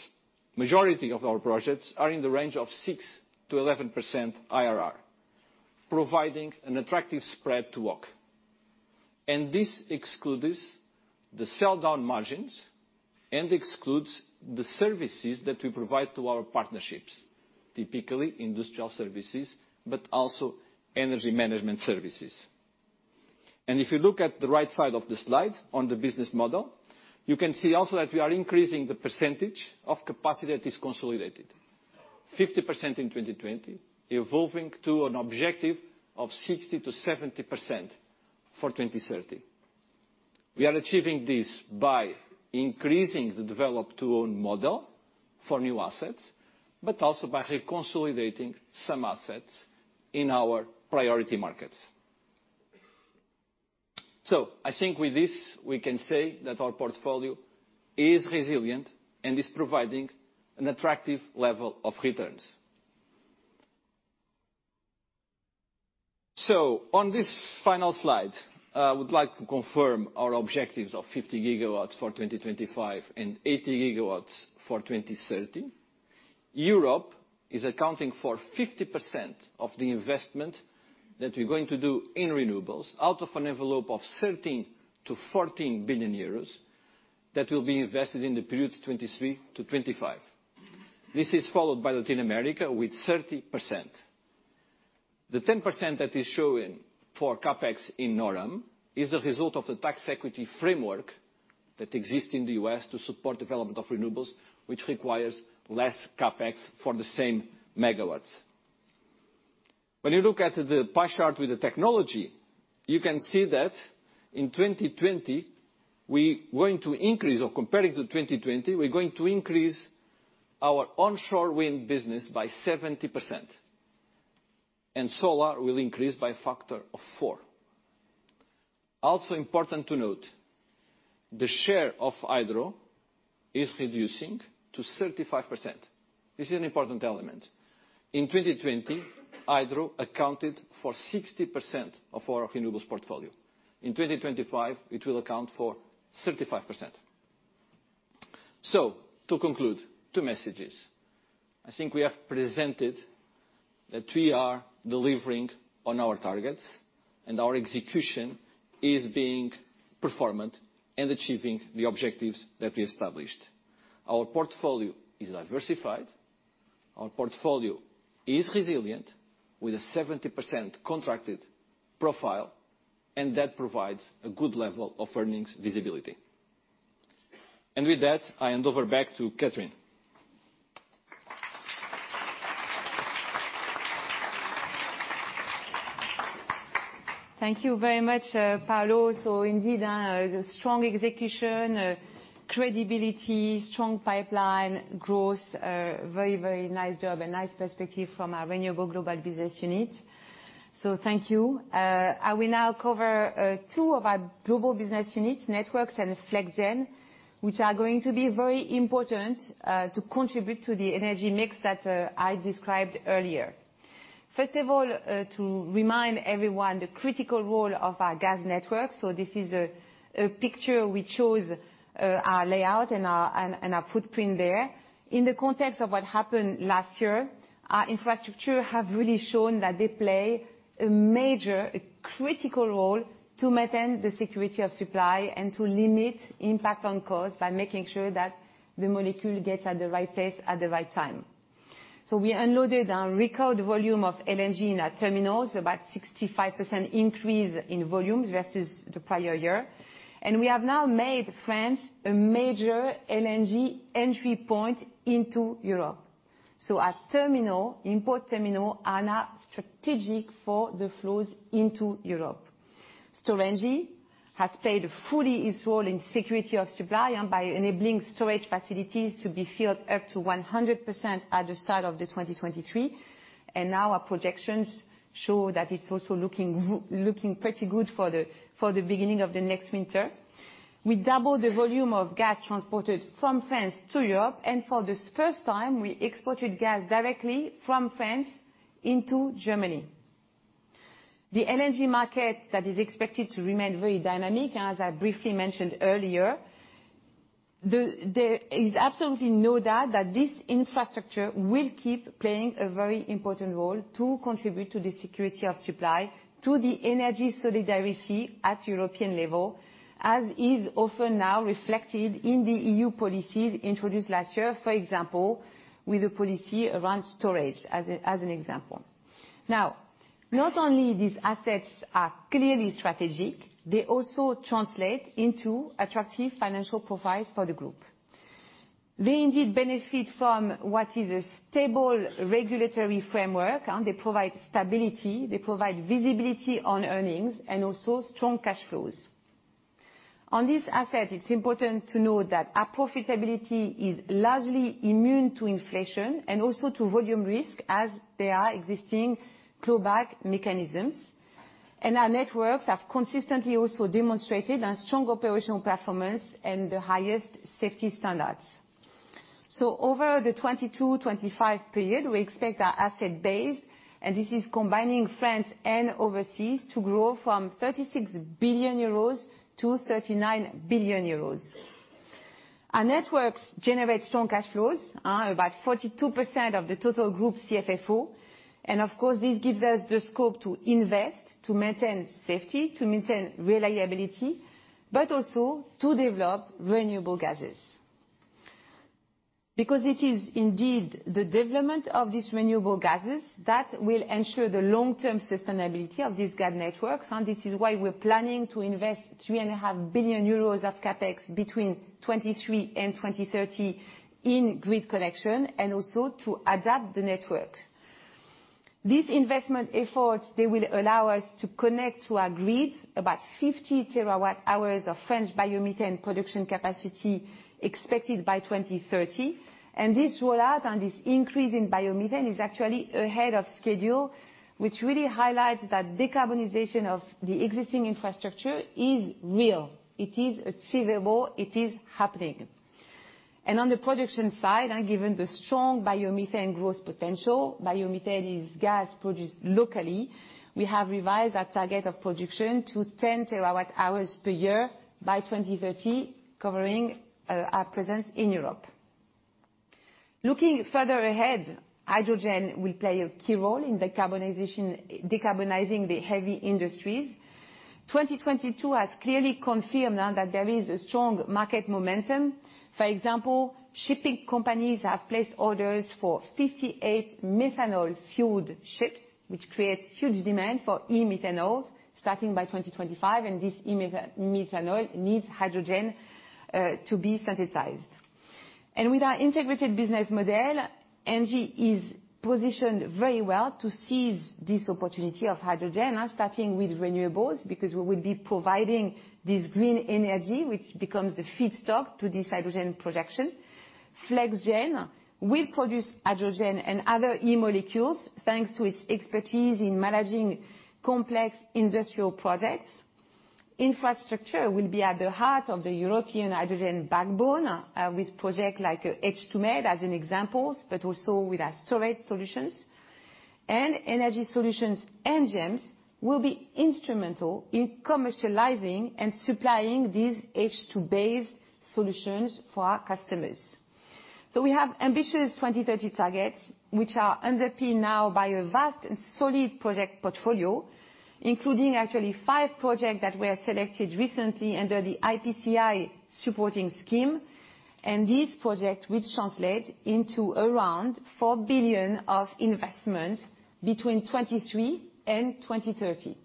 majority of our projects are in the range of 6%-11% IRR, providing an attractive spread to OC. This excludes the sell down margins and excludes the services that we provide to our partnerships, typically industrial services, but also energy management services. If you look at the right side of the slide on the business model, you can see also that we are increasing the percentage of capacity that is consolidated. 50% in 2020, evolving to an objective of 60%070% for 2030. We are achieving this by increasing the develop-to-own model for new assets, but also by reconsolidating some assets in our priority markets. I think with this, we can say that our portfolio is resilient and is providing an attractive level of returns. On this final slide, I would like to confirm our objectives of 50 GW for 2025 and 80 GW for 2030. Europe is accounting for 50% of the investment that we're going to do in renewables out of an envelope of 13 billion-14 billion euros that will be invested in the period 2023-2025. This is followed by Latin America with 30%. The 10% that is showing for CapEx in NorAm is a result of the tax equity framework that exists in the US to support development of renewables, which requires less CapEx for the same megawatts. When you look at the pie chart with the technology, you can see that in 2020, we're going to increase, or comparing to 2020, we're going to increase our onshore wind business by 70%, and solar will increase by a factor of four. Also important to note, the share of hydro is reducing to 35%. This is an important element. In 2020, hydro accounted for 60% of our Renewables portfolio. In 2025, it will account for 35%. To conclude, two messages. I think we have presented that we are delivering on our targets, and our execution is being performant and achieving the objectives that we established. Our portfolio is diversified. Our portfolio is resilient with a 70% contracted profile, and that provides a good level of earnings visibility. With that, I hand over back to Catherine. Thank you very much, Paulo. Indeed, strong execution, credibility, strong pipeline growth. Very, very nice job and nice perspective from our Renewable global business unit. Thank you. I will now cover two of our global business units, Networks and Flex Gen, which are going to be very important to contribute to the energy mix that I described earlier. First of all, to remind everyone the critical role of our gas network. This is a picture we chose, our layout and our footprint there. In the context of what happened last year, our infrastructure have really shown that they play a major, a critical role to maintain the security of supply and to limit impact on cost by making sure that the molecule gets at the right place at the right time. We unloaded a record volume of LNG in our terminals, about 65% increase in volumes versus the prior year. We have now made France a major LNG entry point into Europe. Our terminal, import terminal, are now strategic for the flows into Europe. Storengy has played fully its role in security of supply and by enabling storage facilities to be filled up to 100% at the start of 2023, and now our projections show that it's also looking pretty good for the beginning of the next winter. We doubled the volume of gas transported from France to Europe, and for the first time, we exported gas directly from France into Germany. The LNG market that is expected to remain very dynamic, as I briefly mentioned earlier, there is absolutely no doubt that this infrastructure will keep playing a very important role to contribute to the security of supply to the energy solidarity at European level, as is often now reflected in the EU policies introduced last year. For example, with the policy around storage as an example. Now, not only these assets are clearly strategic, they also translate into attractive financial profiles for the group. They indeed benefit from what is a stable regulatory framework, and they provide stability, they provide visibility on earnings and also strong cash flows. On this asset, it's important to know that our profitability is largely immune to inflation and also to volume risk as there are existing clawback mechanisms. Our networks have consistently also demonstrated a strong operational performance and the highest safety standards. Over the 2022-2025 period, we expect our asset base, and this is combining France and overseas, to grow from 36 billion euros to 39 billion euros. Our networks generate strong cash flows, about 42% of the total group CFFO. Of course, this gives us the scope to invest, to maintain safety, to maintain reliability, but also to develop renewable gases. It is indeed the development of these renewable gases that will ensure the long-term sustainability of these gas networks, and this is why we're planning to invest 3.5 billion euros of CapEx between 2023 and 2030 in grid connection, and also to adapt the networks. These investment efforts, they will allow us to connect to our grid about 50 TWh of French biomethane production capacity expected by 2030. This rollout and this increase in biomethane is actually ahead of schedule, which really highlights that decarbonization of the existing infrastructure is real. It is achievable. It is happening. On the production side, and given the strong biomethane growth potential, biomethane is gas produced locally, we have revised our target of production to 10 TWh per year by 2030, covering our presence in Europe. Looking further ahead, hydrogen will play a key role in decarbonizing the heavy industries. 2022 has clearly confirmed now that there is a strong market momentum. For example, shipping companies have placed orders for 58 methanol-fueled ships, which creates huge demand for e-methanol starting by 2025, and this e-methanol needs hydrogen to be synthesized. With our integrated business model, ENGIE is positioned very well to seize this opportunity of hydrogen, and starting with renewables, because we will be providing this green energy, which becomes a feedstock to this hydrogen production. Flex Gen will produce hydrogen and other e-molecules, thanks to its expertise in managing complex industrial projects. Infrastructure will be at the heart of the European hydrogen backbone, with project like H2MED as an examples, but also with our storage solutions. Energy Solutions engines will be instrumental in commercializing and supplying these H2-based solutions for our customers. We have ambitious 2030 targets, which are underpinned now by a vast and solid project portfolio, including actually five projects that were selected recently under the IPCEI supporting scheme, and these projects which translate into around 4 billion of investments between 2023 and 2030.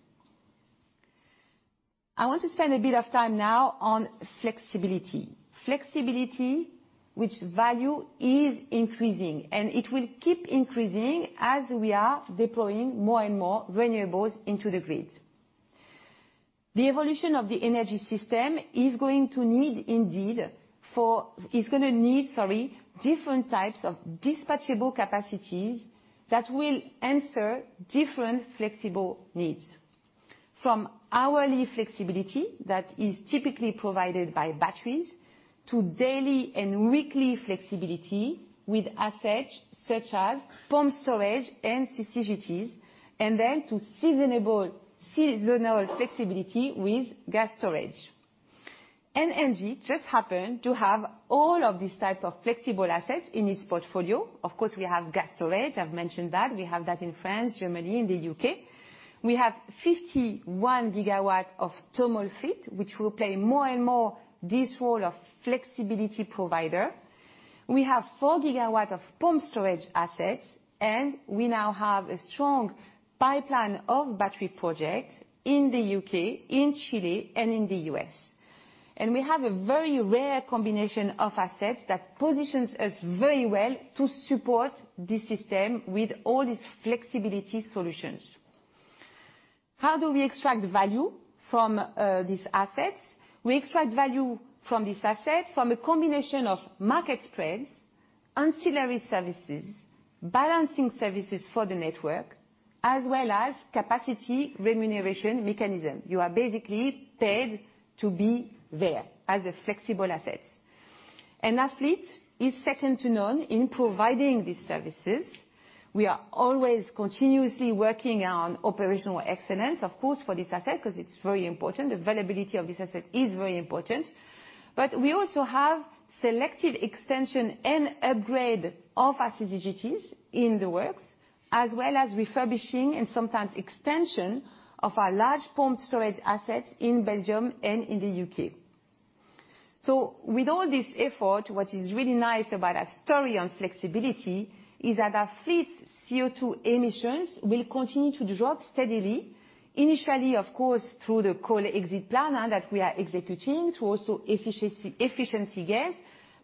I want to spend a bit of time now on flexibility. Flexibility which value is increasing, and it will keep increasing as we are deploying more and more renewables into the grid. The evolution of the energy system is gonna need, sorry, different types of dispatchable capacities that will answer different flexible needs. From hourly flexibility, that is typically provided by batteries, to daily and weekly flexibility with assets such as pumped storage and CCGTs, and then to seasonal flexibility with gas storage. ENGIE just happened to have all of these types of flexible assets in its portfolio. Of course, we have gas storage. I've mentioned that. We have that in France, Germany, in the U.K. We have 51 GW of thermal fit, which will play more and more this role of flexibility provider. We have 4 GW of pumped storage assets, we now have a strong pipeline of battery projects in the U.K., in Chile, and in the U.S. We have a very rare combination of assets that positions us very well to support this system with all its flexibility solutions. How do we extract value from these assets? We extract value from this asset from a combination of market spreads, ancillary services, balancing services for the network, as well as capacity remuneration mechanism. You are basically paid to be there as a flexible asset. Our fleet is second to none in providing these services. We are always continuously working on operational excellence, of course, for this asset, because it's very important. Availability of this asset is very important. We also have selective extension and upgrade of our CCGTs in the works, as well as refurbishing and sometimes extension of our large pumped storage assets in Belgium and in the U.K. With all this effort, what is really nice about our story on flexibility is that our fleet's CO2 emissions will continue to drop steadily, initially, of course, through the coal exit plan that we are executing, through also efficiency gains,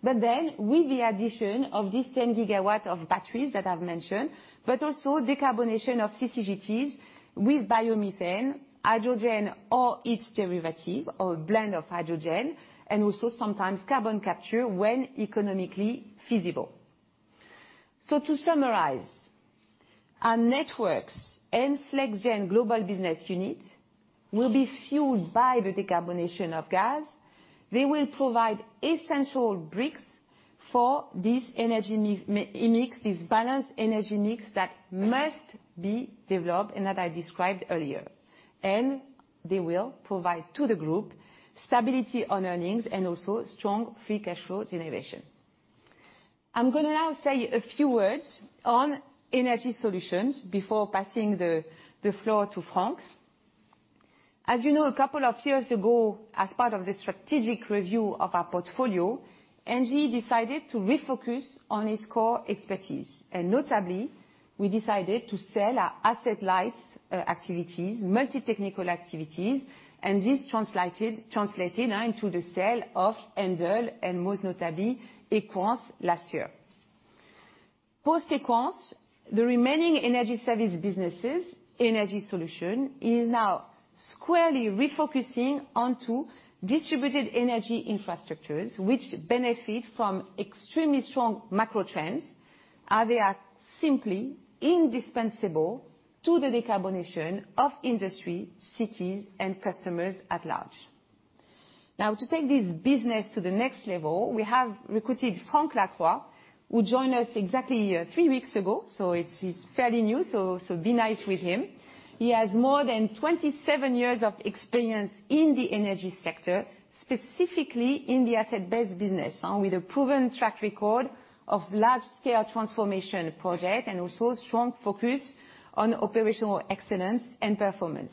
but then with the addition of this 10 GW of batteries that I've mentioned, but also decarbonization of CCGTs with biomethane, hydrogen or its derivative, or a blend of hydrogen, and also sometimes carbon capture when economically feasible. To summarize, our networks and Flex Gen global business unit will be fueled by the decarbonation of gas. They will provide essential bricks for this energy mix, this balanced energy mix that must be developed and that I described earlier. They will provide to the group stability on earnings and also strong free cash flow generation. I'm gonna now say a few words on energy solutions before passing the floor to Frank. As you know, a couple of years ago, as part of the strategic review of our portfolio, ENGIE decided to refocus on its core expertise. Notably, we decided to sell our asset lights activities, multi-technical activities, and this translated into the sale of ENDEL and most notably, EQUANS last year. Post EQUANS, the remaining energy service businesses, energy solution, is now squarely refocusing onto distributed energy infrastructures which benefit from extremely strong macro trends, they are simply indispensable to the decarbonation of industry, cities, and customers at large. To take this business to the next level, we have recruited Frank Lacroix, who joined us exactly three weeks ago, he's fairly new, so be nice with him. He has more than 27 years of experience in the energy sector, specifically in the asset-based business, with a proven track record of large scale transformation project and also strong focus on operational excellence and performance.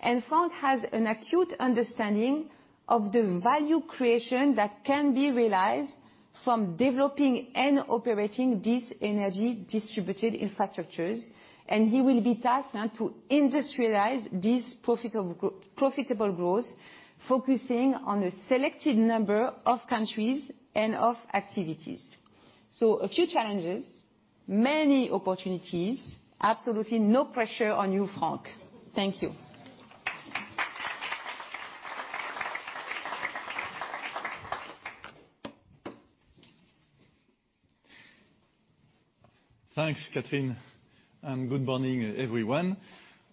Frank has an acute understanding of the value creation that can be realized from developing and operating these energy distributed infrastructures, He will be tasked now to industrialize this profitable growth, focusing on a selected number of countries and of activities. A few challenges, many opportunities, absolutely no pressure on you, Frank. Thank you. Thanks, Catherine. Good morning, everyone.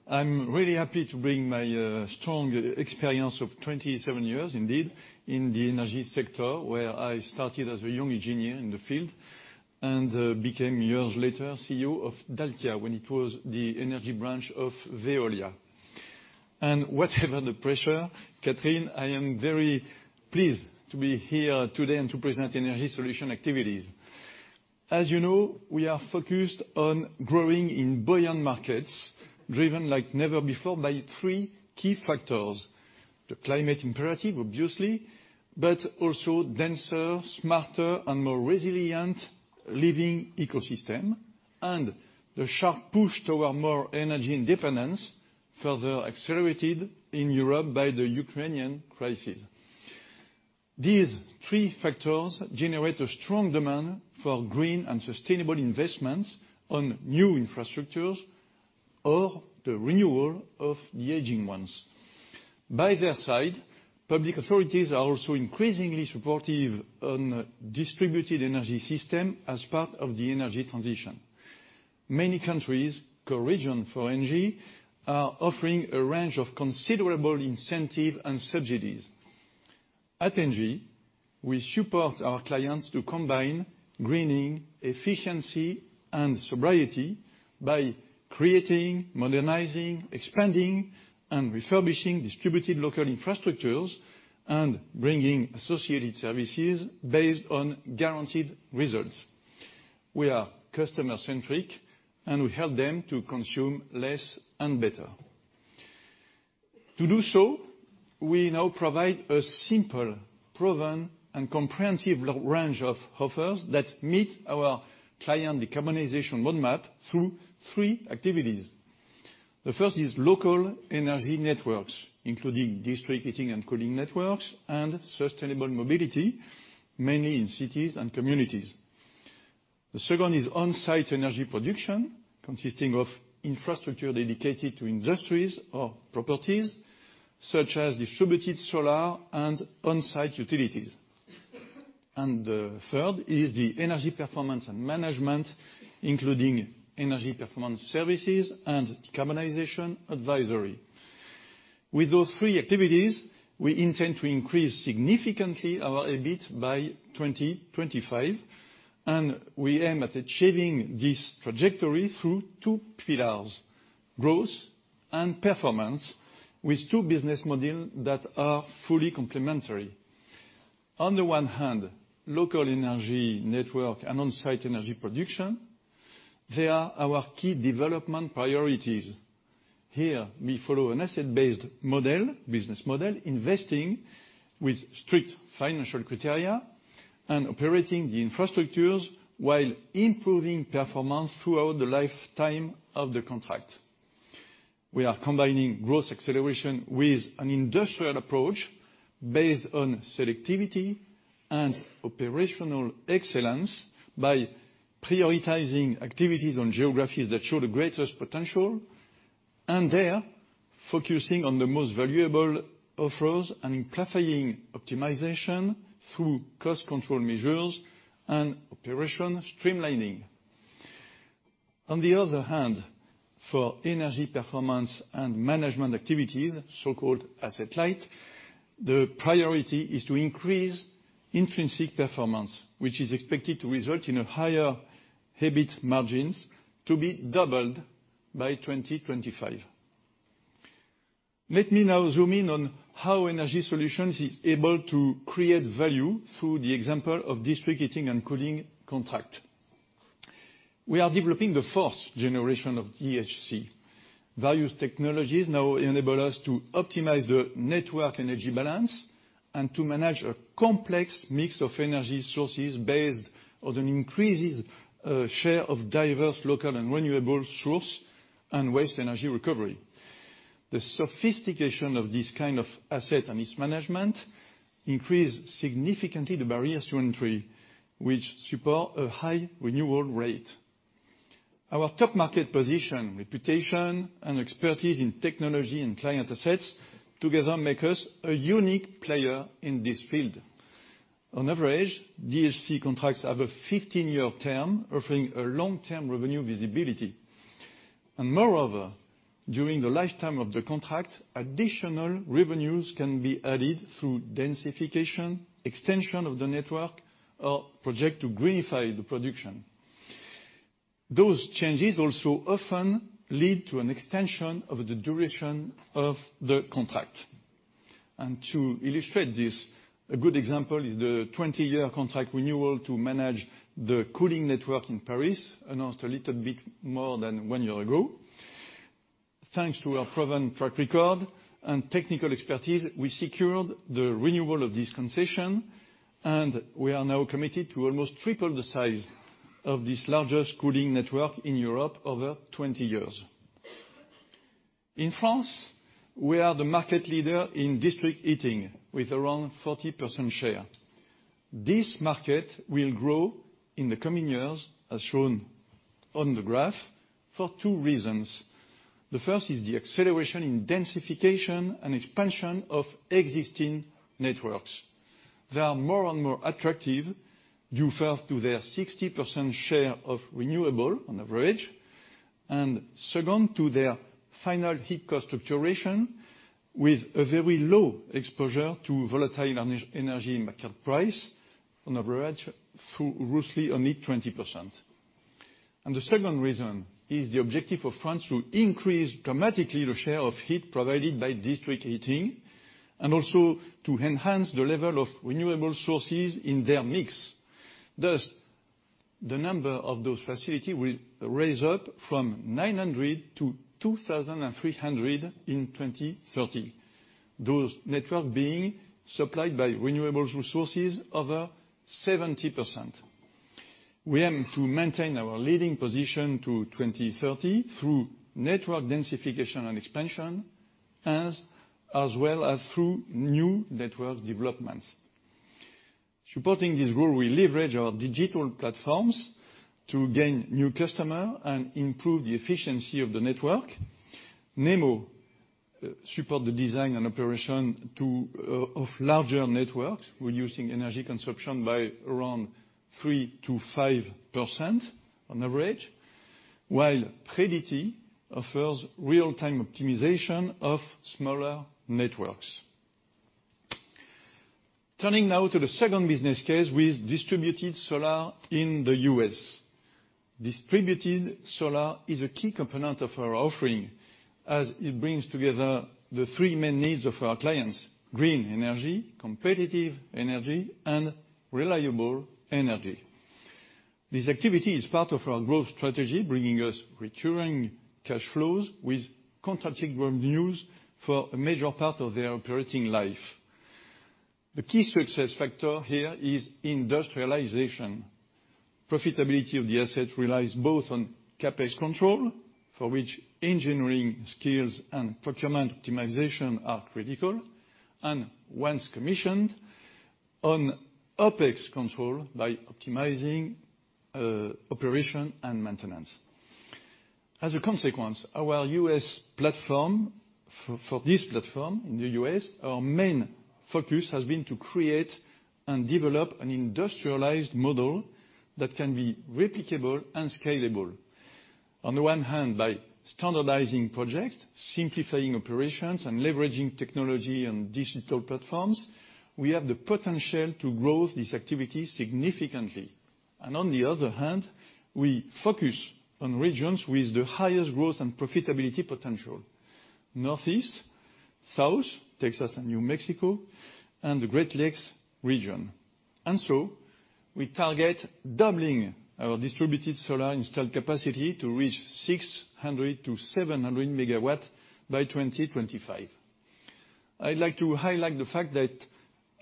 I'm really happy to bring my strong experience of 27 years, indeed, in the energy sector, where I started as a young engineer in the field, became years later, CEO of Dalkia when it was the energy branch of Veolia. Whatever the pressure, Catherine, I am very pleased to be here today and to present Energy Solutions activities. As you know, we are focused on growing in buoyant markets, driven like never before by three key factors. The climate imperative, obviously, also denser, smarter and more resilient living ecosystem and the sharp push toward more energy independence, further accelerated in Europe by the Ukrainian crisis. These three factors generate a strong demand for green and sustainable investments on new infrastructures or the renewal of the aging ones. By their side, public authorities are also increasingly supportive on distributed energy system as part of the energy transition. Many countries, core region for ENGIE, are offering a range of considerable incentive and subsidies. At ENGIE, we support our clients to combine greening, efficiency and sobriety by creating, modernizing, expanding and refurbishing distributed local infrastructures and bringing associated services based on guaranteed results. We are customer-centric, and we help them to consume less and better. To do so, we now provide a simple, proven and comprehensive range of offers that meet our client decarbonization roadmap through three activities. The first is local energy networks, including district heating and cooling networks and sustainable mobility, mainly in cities and communities. The second is on-site energy production, consisting of infrastructure dedicated to industries or properties such as distributed solar and on-site utilities. The third is the energy performance and management, including energy performance services and decarbonization advisory. With those three activities, we intend to increase significantly our EBIT by 2025, and we aim at achieving this trajectory through two pillars, growth and performance, with two business model that are fully complementary. On the one hand, local energy network and on-site energy production, they are our key development priorities. Here, we follow an asset-based model, business model, investing with strict financial criteria and operating the infrastructures while improving performance throughout the lifetime of the contract. We are combining growth acceleration with an industrial approach based on selectivity and operational excellence by prioritizing activities on geographies that show the greatest potential. Focusing on the most valuable offers and clarifying optimization through cost control measures and operation streamlining. On the other hand, for energy performance and management activities, so-called asset light, the priority is to increase intrinsic performance, which is expected to result in higher EBIT margins to be doubled by 2025. Let me now zoom in on how energy solutions is able to create value through the example of district heating and cooling contract. We are developing the fourth generation of DHC. Various technologies now enable us to optimize the network energy balance and to manage a complex mix of energy sources based on an increasing share of diverse local and renewable source and waste energy recovery. The sophistication of this kind of asset and its management increase significantly the barriers to entry, which support a high renewal rate. Our top market position, reputation, and expertise in technology and client assets together make us a unique player in this field. On average, DHC contracts have a 15-year term, offering a long-term revenue visibility. Moreover, during the lifetime of the contract, additional revenues can be added through densification, extension of the network, or project to greenify the production. Those changes also often lead to an extension of the duration of the contract. To illustrate this, a good example is the 20-year contract renewal to manage the cooling network in Paris, announced a little bit more than one year ago. Thanks to our proven track record and technical expertise, we secured the renewal of this concession. We are now committed to almost triple the size of this largest cooling network in Europe over 20 years. In France, we are the market leader in district heating with around 40% share. This market will grow in the coming years, as shown on the graph, for two reasons. The first is the acceleration in densification and expansion of existing networks. They are more and more attractive due first to their 60% share of renewable on average, and second, to their final heat cost duration with a very low exposure to volatile energy market price on average through roughly a mid 20%. The second reason is the objective of France to increase dramatically the share of heat provided by district heating and also to enhance the level of renewable sources in their mix. Thus, the number of those facility will raise up from 900 to 2,300 in 2030. Those network being supplied by renewables resources over 70%. We aim to maintain our leading position to 2030 through network densification and expansion as well as through new network developments. Supporting this goal, we leverage our digital platforms to gain new customer and improve the efficiency of the network. NEMO support the design and operation to of larger networks, reducing energy consumption by around 3%-5% on average, while Predity offers real-time optimization of smaller networks. Turning now to the second business case with distributed solar in the U.S. Distributed solar is a key component of our offering as it brings together the three main needs of our clients: green energy, competitive energy, and reliable energy. This activity is part of our growth strategy, bringing us recurring cash flows with contracted revenues for a major part of their operating life. The key success factor here is industrialization. Profitability of the asset relies both on CapEx control, for which engineering skills and procurement optimization are critical, and once commissioned, on OpEx control by optimizing operation and maintenance. As a consequence, our U.S. platform for this platform in the U.S., our main focus has been to create and develop an industrialized model that can be replicable and scalable. On the one hand, by standardizing projects, simplifying operations, and leveraging technology and digital platforms, we have the potential to grow this activity significantly. On the other hand, we focus on regions with the highest growth and profitability potential. Northeast, South, Texas and New Mexico, and the Great Lakes region. We target doubling our distributed solar installed capacity to reach 600 MW-700 MW by 2025. I'd like to highlight the fact that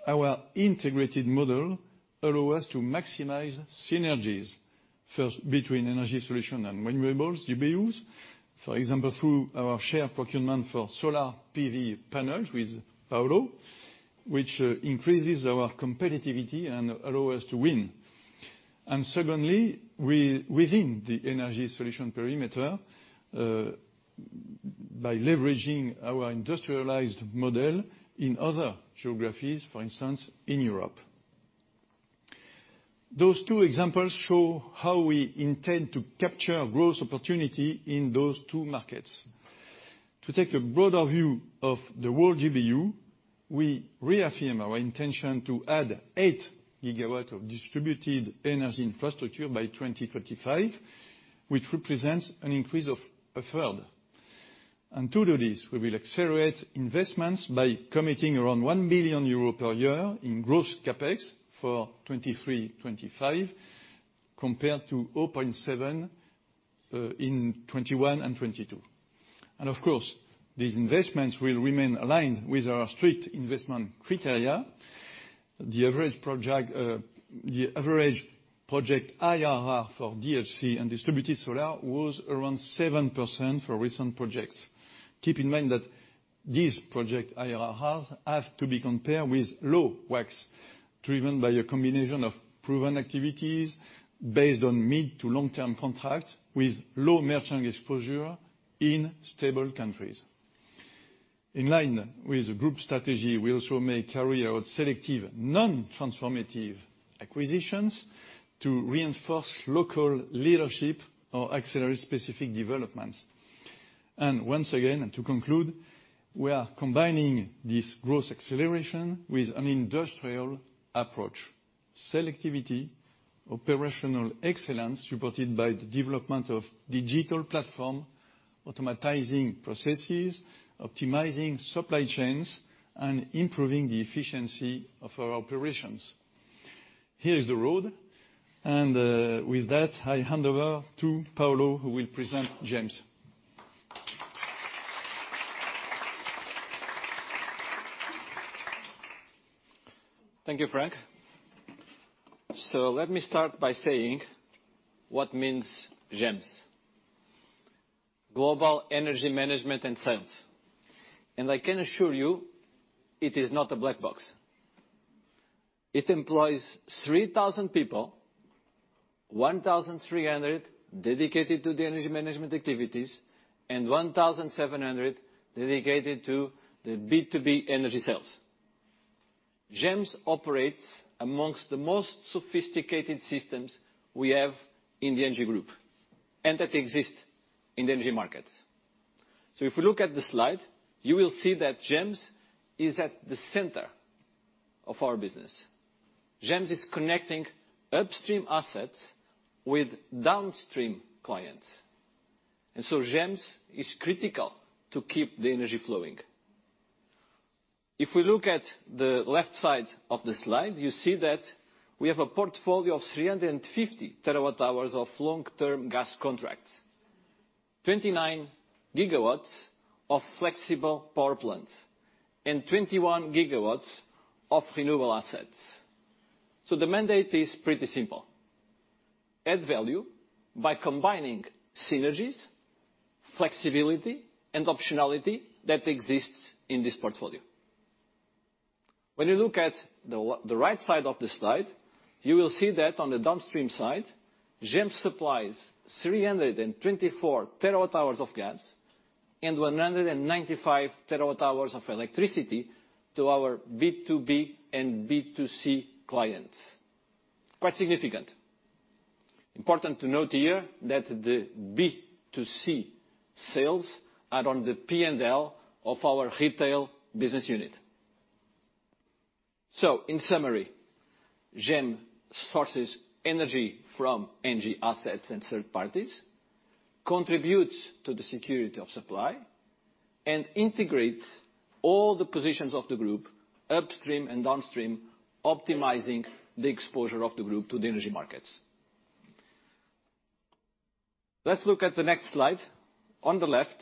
our integrated model allow us to maximize synergies, first between Energy Solutions and Renewables GBUs. For example, through our shared procurement for solar PV panels with Paulo, which increases our competitivity and allow us to win. Secondly, within the Energy Solutions perimeter, by leveraging our industrialized model in other geographies, for instance, in Europe. Those two examples show how we intend to capture growth opportunity in those two markets. To take a broader view of the world GBU, we reaffirm our intention to add 8 GW of distributed energy infrastructure by 2025, which represents an increase of a third. To do this, we will accelerate investments by committing around 1 billion euro per year in gross CapEx for 2023-2025, compared to 0.7 billion in 2021 and 2022. Of course, these investments will remain aligned with our strict investment criteria. The average project IRR for DHC and distributed solar was around 7% for recent projects. Keep in mind that these project IRRs have to be compared with low WACC driven by a combination of proven activities based on mid to long-term contract with low merchant exposure in stable countries. In line with group strategy, we also may carry out selective non-transformative acquisitions to reinforce local leadership or accelerate specific developments. Once again, to conclude, we are combining this growth acceleration with an industrial approach. Selectivity, operational excellence supported by the development of digital platform, automatizing processes, optimizing supply chains, and improving the efficiency of our operations. Here is the road, with that, I hand over to Paulo, who will present GEMS. Thank you, Frank. Let me start by saying what means GEMS. Global Energy Management & Sales. I can assure you it is not a black box. It employs 3,000 people, 1,300 dedicated to the energy management activities, and 1,700 dedicated to the B2B energy sales. GEMS operates amongst the most sophisticated systems we have in the energy group and that exist in the energy markets. If you look at the slide, you will see that GEMS is at the center of our business. GEMS is connecting upstream assets with downstream clients. GEMS is critical to keep the energy flowing. If we look at the left side of the slide, you see that we have a portfolio of 350 TWh of long-term gas contracts, 29 GW of flexible power plants, and 21 GW of renewable assets. The mandate is pretty simple. Add value by combining synergies, flexibility and optionality that exists in this portfolio. When you look at the right side of the slide, you will see that on the downstream side, GEMS supplies 324 TWh of gas and 195 TWh of electricity to our B2B and B2C clients. Quite significant. Important to note here that the B2C sales are on the P&L of our retail business unit. In summary, GEMS sources energy from ENGIE assets and third parties, contributes to the security of supply, and integrates all the positions of the group, upstream and downstream, optimizing the exposure of the group to the energy markets. Let's look at the next slide. On the left,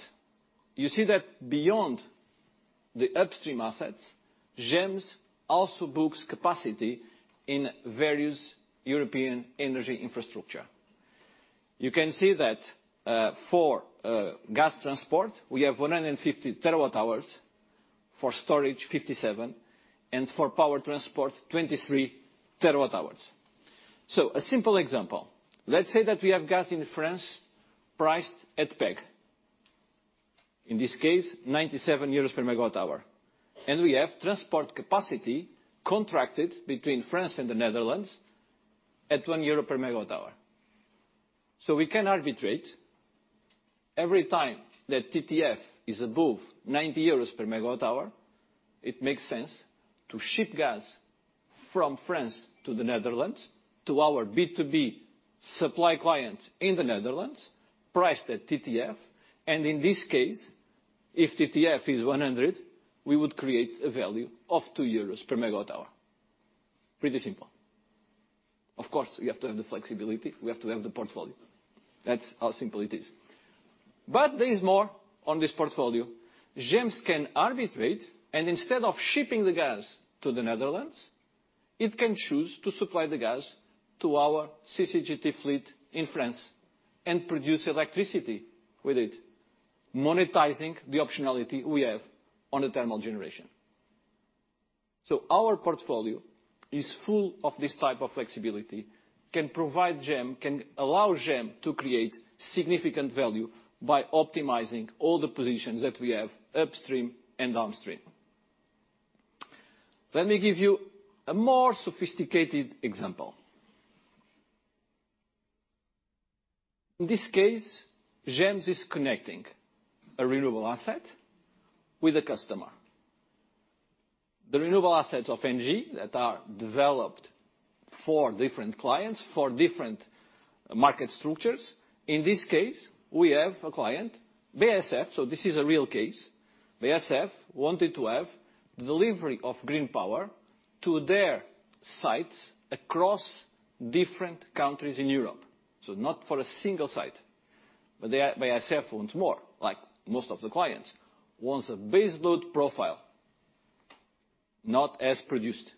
you see that beyond the upstream assets, GEMS also books capacity in various European energy infrastructure. You can see that for gas transport, we have 150 TWh, for storage, 57 TWh, and for power transport, 23 TWh. A simple example. Let's say that we have gas in France priced at PEG. In this case, 97 euros per MWh. We have transport capacity contracted between France and the Netherlands at 1 euro per MWh. We can arbitrate every time that TTF is above 90 euros per MWh, it makes sense to ship gas from France to the Netherlands to our B2B supply clients in the Netherlands, priced at TTF. In this case, if TTF is 100, we would create a value of 2 euros per MWh. Pretty simple. Of course, we have to have the flexibility, we have to have the portfolio. That's how simple it is. There is more on this portfolio. GEMS can arbitrate, and instead of shipping the gas to the Netherlands, it can choose to supply the gas to our CCGT fleet in France and produce electricity with it, monetizing the optionality we have on the thermal generation. Our portfolio is full of this type of flexibility, can provide GEMS, can allow GEMS to create significant value by optimizing all the positions that we have upstream and downstream. Let me give you a more sophisticated example. In this case, GEMS is connecting a renewable asset with a customer. The renewable assets of ENGIE that are developed for different clients, for different market structures. In this case, we have a client, BASF. This is a real case. BASF wanted to have delivery of green power to their sites across different countries in Europe. Not for a single site, but they, BASF wants more, like most of the clients. Wants a baseload profile, not as produced.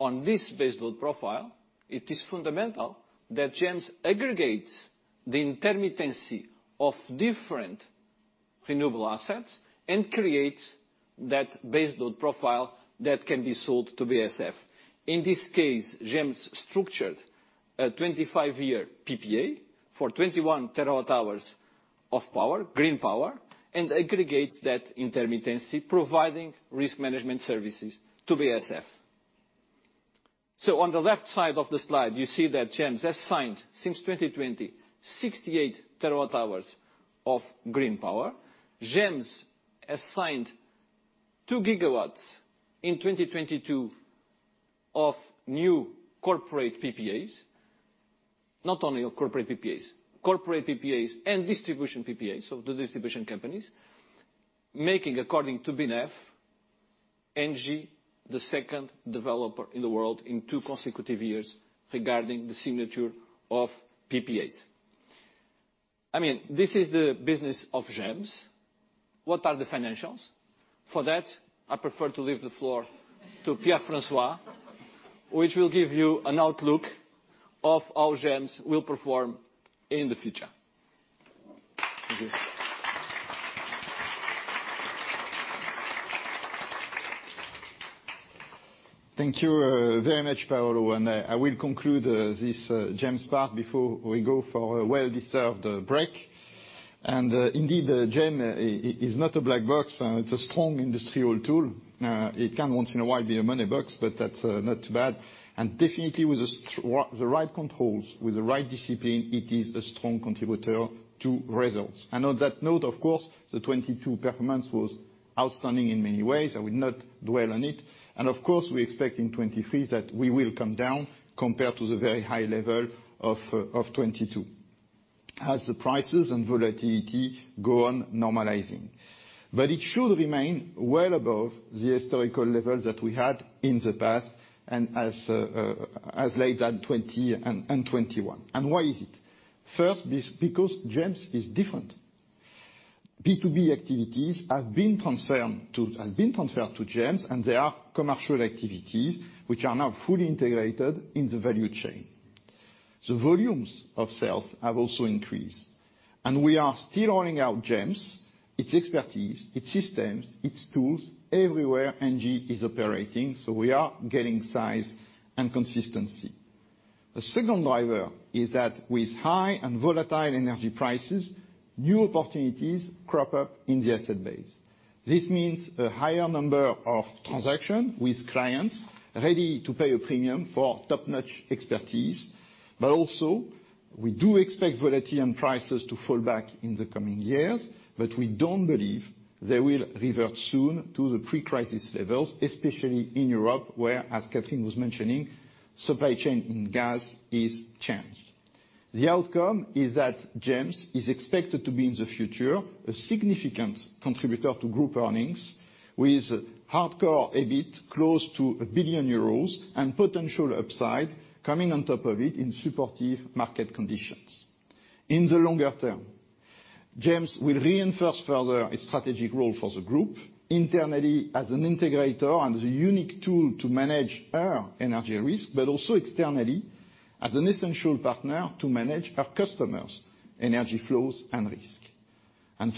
On this baseload profile, it is fundamental that GEMS aggregates the intermittency of different renewable assets and creates that baseload profile that can be sold to BASF. In this case, GEMS's structured a 25-year PPA for 21 TWh of power, green power, and aggregates that intermittency, providing risk management services to BASF. On the left side of the slide, you see that GEMS's assigned since 2020 68 TWh of green power. GEMS's has signed 2 GW in 2022 of new corporate PPAs. Not only of corporate PPAs, corporate PPAs and distribution PPAs, so the distribution companies, making, according to BNEF, ENGIE the second developer in the world in two consecutive years regarding the signature of PPAs. I mean, this is the business of GEMS's. What are the financials? For that, I prefer to leave the floor to Pierre-François, which will give you an outlook of how GEMS will perform in the future. Thank you. Thank you very much, Paulo. I will conclude this GEMS's part before we go for a well-deserved break. Indeed, GEMS is not a black box. It's a strong industrial tool. It can once in a while be a money box, but that's not too bad. Definitely with the right controls, with the right discipline, it is a strong contributor to results. On that note, of course, the 2022 performance was outstanding in many ways. I will not dwell on it. Of course, we expect in 2023 that we will come down compared to the very high level of 2022 as the prices and volatility go on normalizing. It should remain well above the historical level that we had in the past and as late as 2020 and 2021. Why is it? First, this because GEMS is different. B2B activities have been transferred to GEMS, and they are commercial activities which are now fully integrated in the value chain. The volumes of sales have also increased, and we are still rolling out GEMS, its expertise, its systems, its tools everywhere ENGIE is operating, so we are gaining size and consistency. The second driver is that with high and volatile energy prices, new opportunities crop up in the asset base. This means a higher number of transaction with clients ready to pay a premium for top-notch expertise. Also we do expect volatility and prices to fall back in the coming years, but we don't believe they will revert soon to the pre-crisis levels, especially in Europe, where, as Catherine was mentioning, supply chain in gas is changed. The outcome is that GEMS is expected to be, in the future, a significant contributor to group earnings with hardcore EBIT close to 1 billion euros and potential upside coming on top of it in supportive market conditions. In the longer term, GEMS will reinforce further its strategic role for the group internally as an integrator and as a unique tool to manage our energy risk, but also externally as an essential partner to manage our customers' energy flows and risk.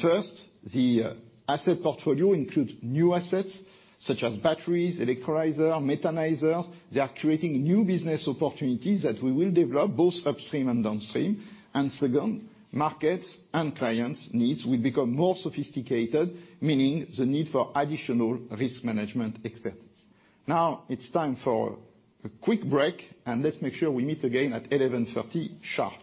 First, the asset portfolio includes new assets such as batteries, electrolyzer, methanizers. They are creating new business opportunities that we will develop both upstream and downstream. Second, markets and clients' needs will become more sophisticated, meaning the need for additional risk management expertise. Now it's time for a quick break and let's make sure we meet again at 11:30 A.M. sharp.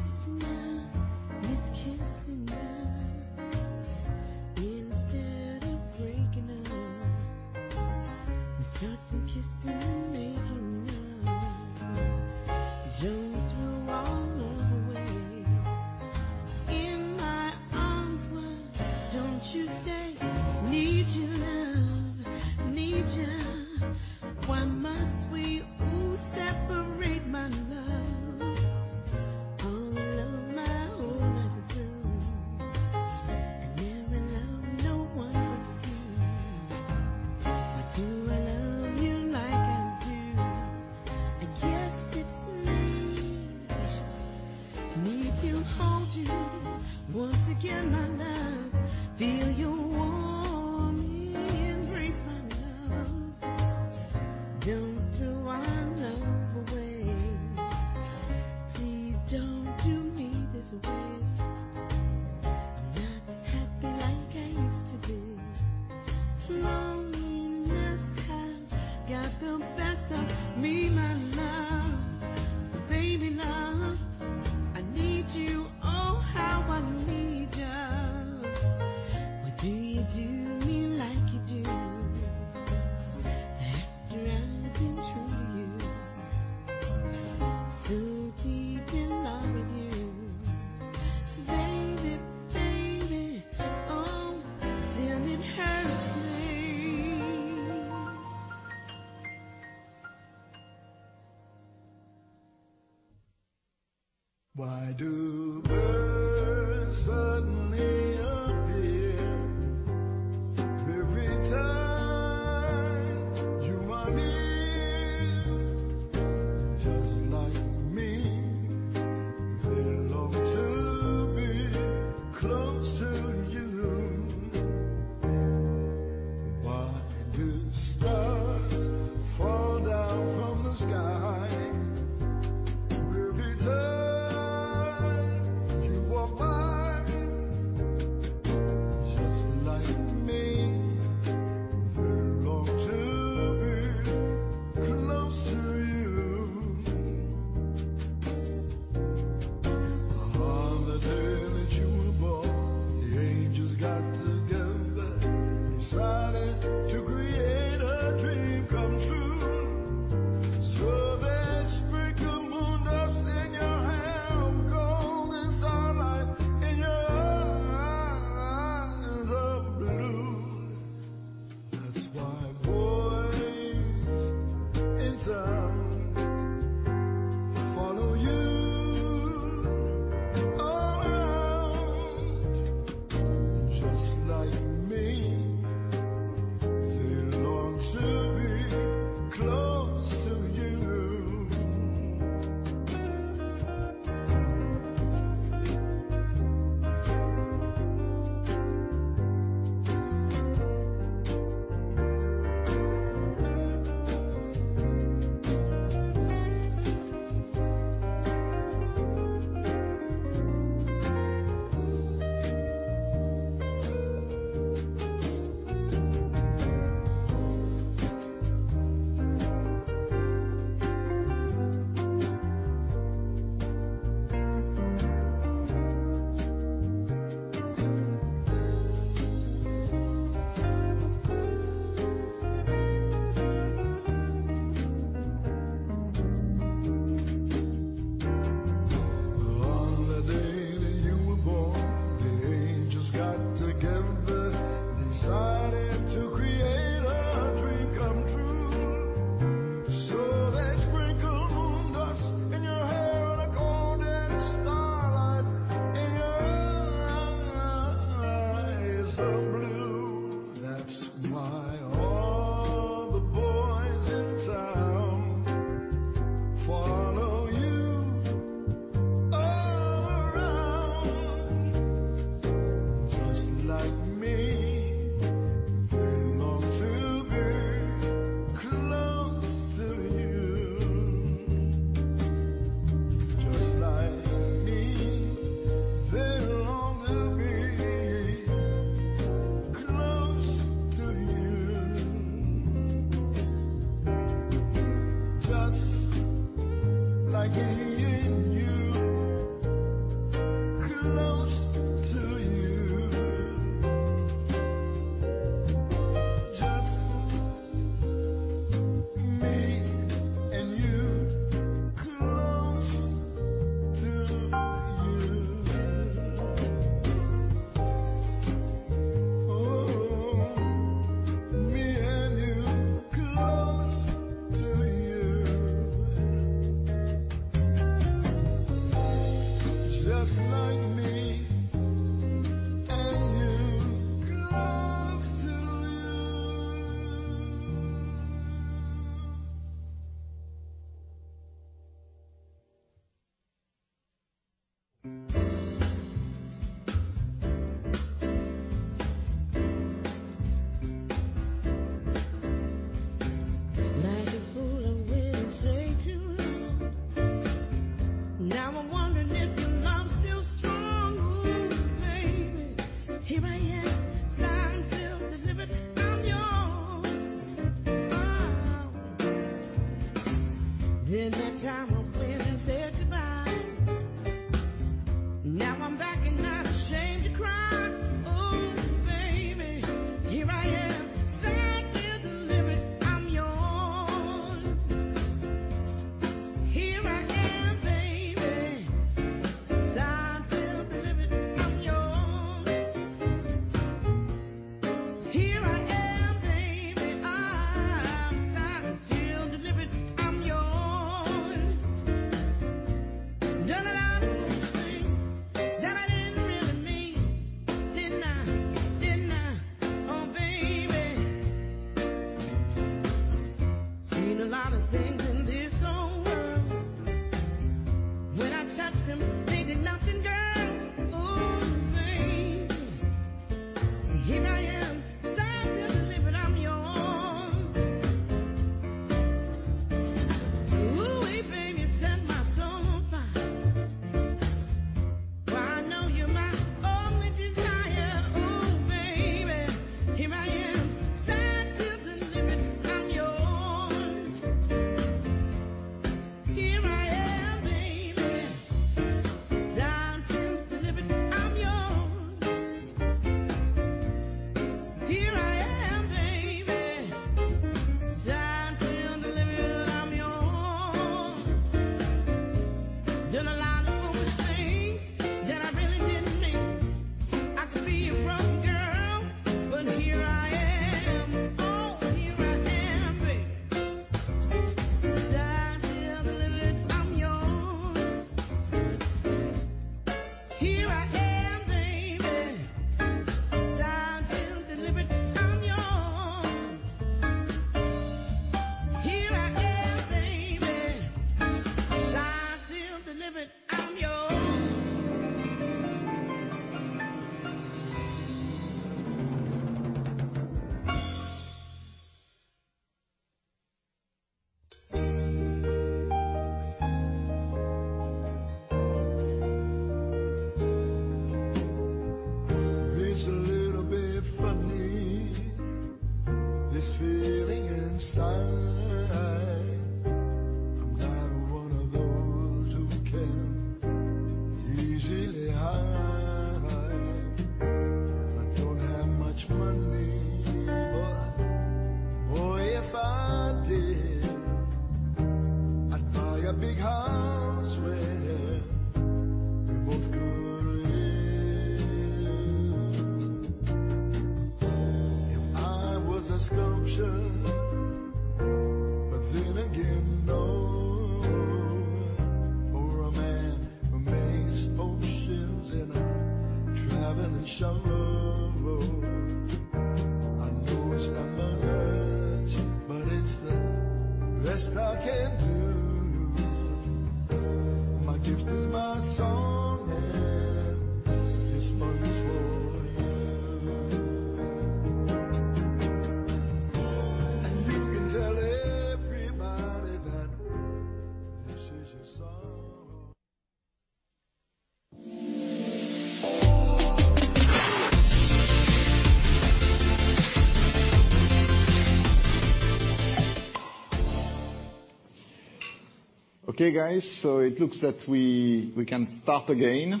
Okay, guys, it looks that we can start again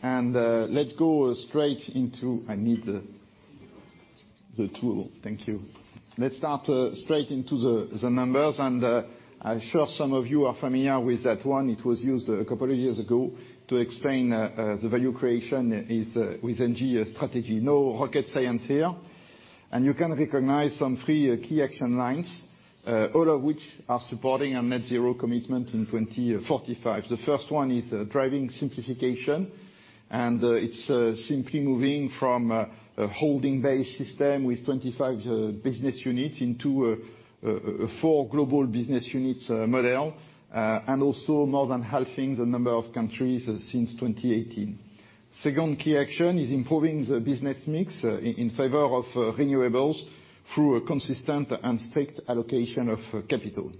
and, let's go straight into-- I need the tool. Thank you. Let's start straight into the numbers and I'm sure some of you are familiar with that one. It was used a couple of years ago to explain the value creation is with ENGIE strategy. No rocket science here. You can recognize some three key action lines, all of which are supporting our net zero commitment in 2045. The first one is driving simplification, and it's simply moving from a holding base system with 25 business units into a four global business units model and also more than halving the number of countries since 2018. Second key action is improving the business mix in favor of renewables through a consistent and strict allocation of capital.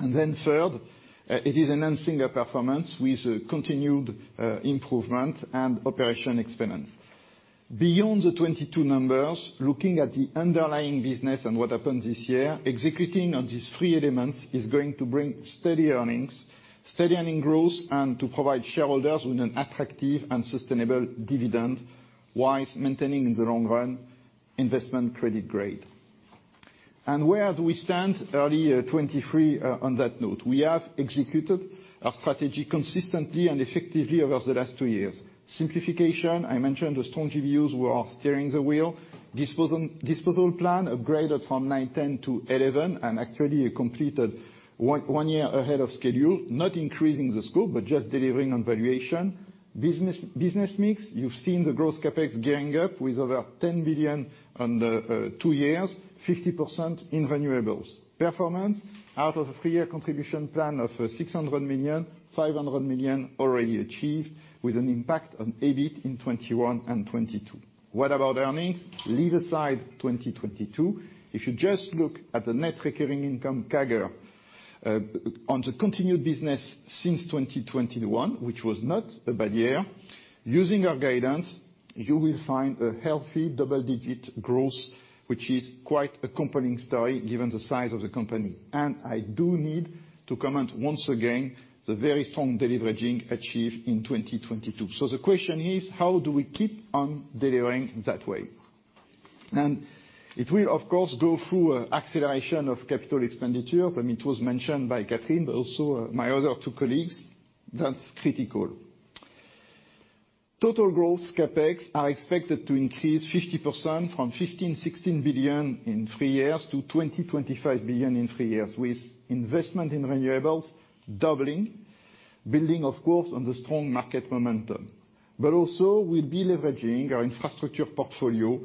Third, it is enhancing our performance with continued improvement and operation experience. Beyond the 2022 numbers, looking at the underlying business and what happened this year, executing on these three elements is going to bring steady earnings, steady earning growth, and to provide shareholders with an attractive and sustainable dividend, whilst maintaining in the long run investment credit grade. Where do we stand early 2023 on that note? We have executed our strategy consistently and effectively over the last two years. Simplification, I mentioned the strong GBUs who are steering the wheel. Disposal, disposal plan upgraded from nine, 10 to 11 and actually completed one year ahead of schedule, not increasing the scope, but just delivering on valuation. Business mix, you've seen the gross CapEx going up with over 10 billion on the two years, 50% in renewables. Performance, out of a three-year contribution plan of 600 million, 500 million already achieved with an impact on EBIT in 2021 and 2022. What about earnings? Leave aside 2022. If you just look at the net recurring income CAGR on the continued business since 2021, which was not a bad year, using our guidance. You will find a healthy double-digit growth, which is quite a compelling story given the size of the company. I do need to comment once again, the very strong deleveraging achieved in 2022. The question is, how do we keep on delivering that way? It will of course, go through acceleration of capital expenditures. I mean, it was mentioned by Catherine, but also my other two colleagues. That's critical. Total growth CapEx are expected to increase 50% from 15 billion-16 billion in three years to 20 billion-25 billion in three years, with investment in renewables doubling, building, of course, on the strong market momentum. Also we'll be leveraging our infrastructure portfolio,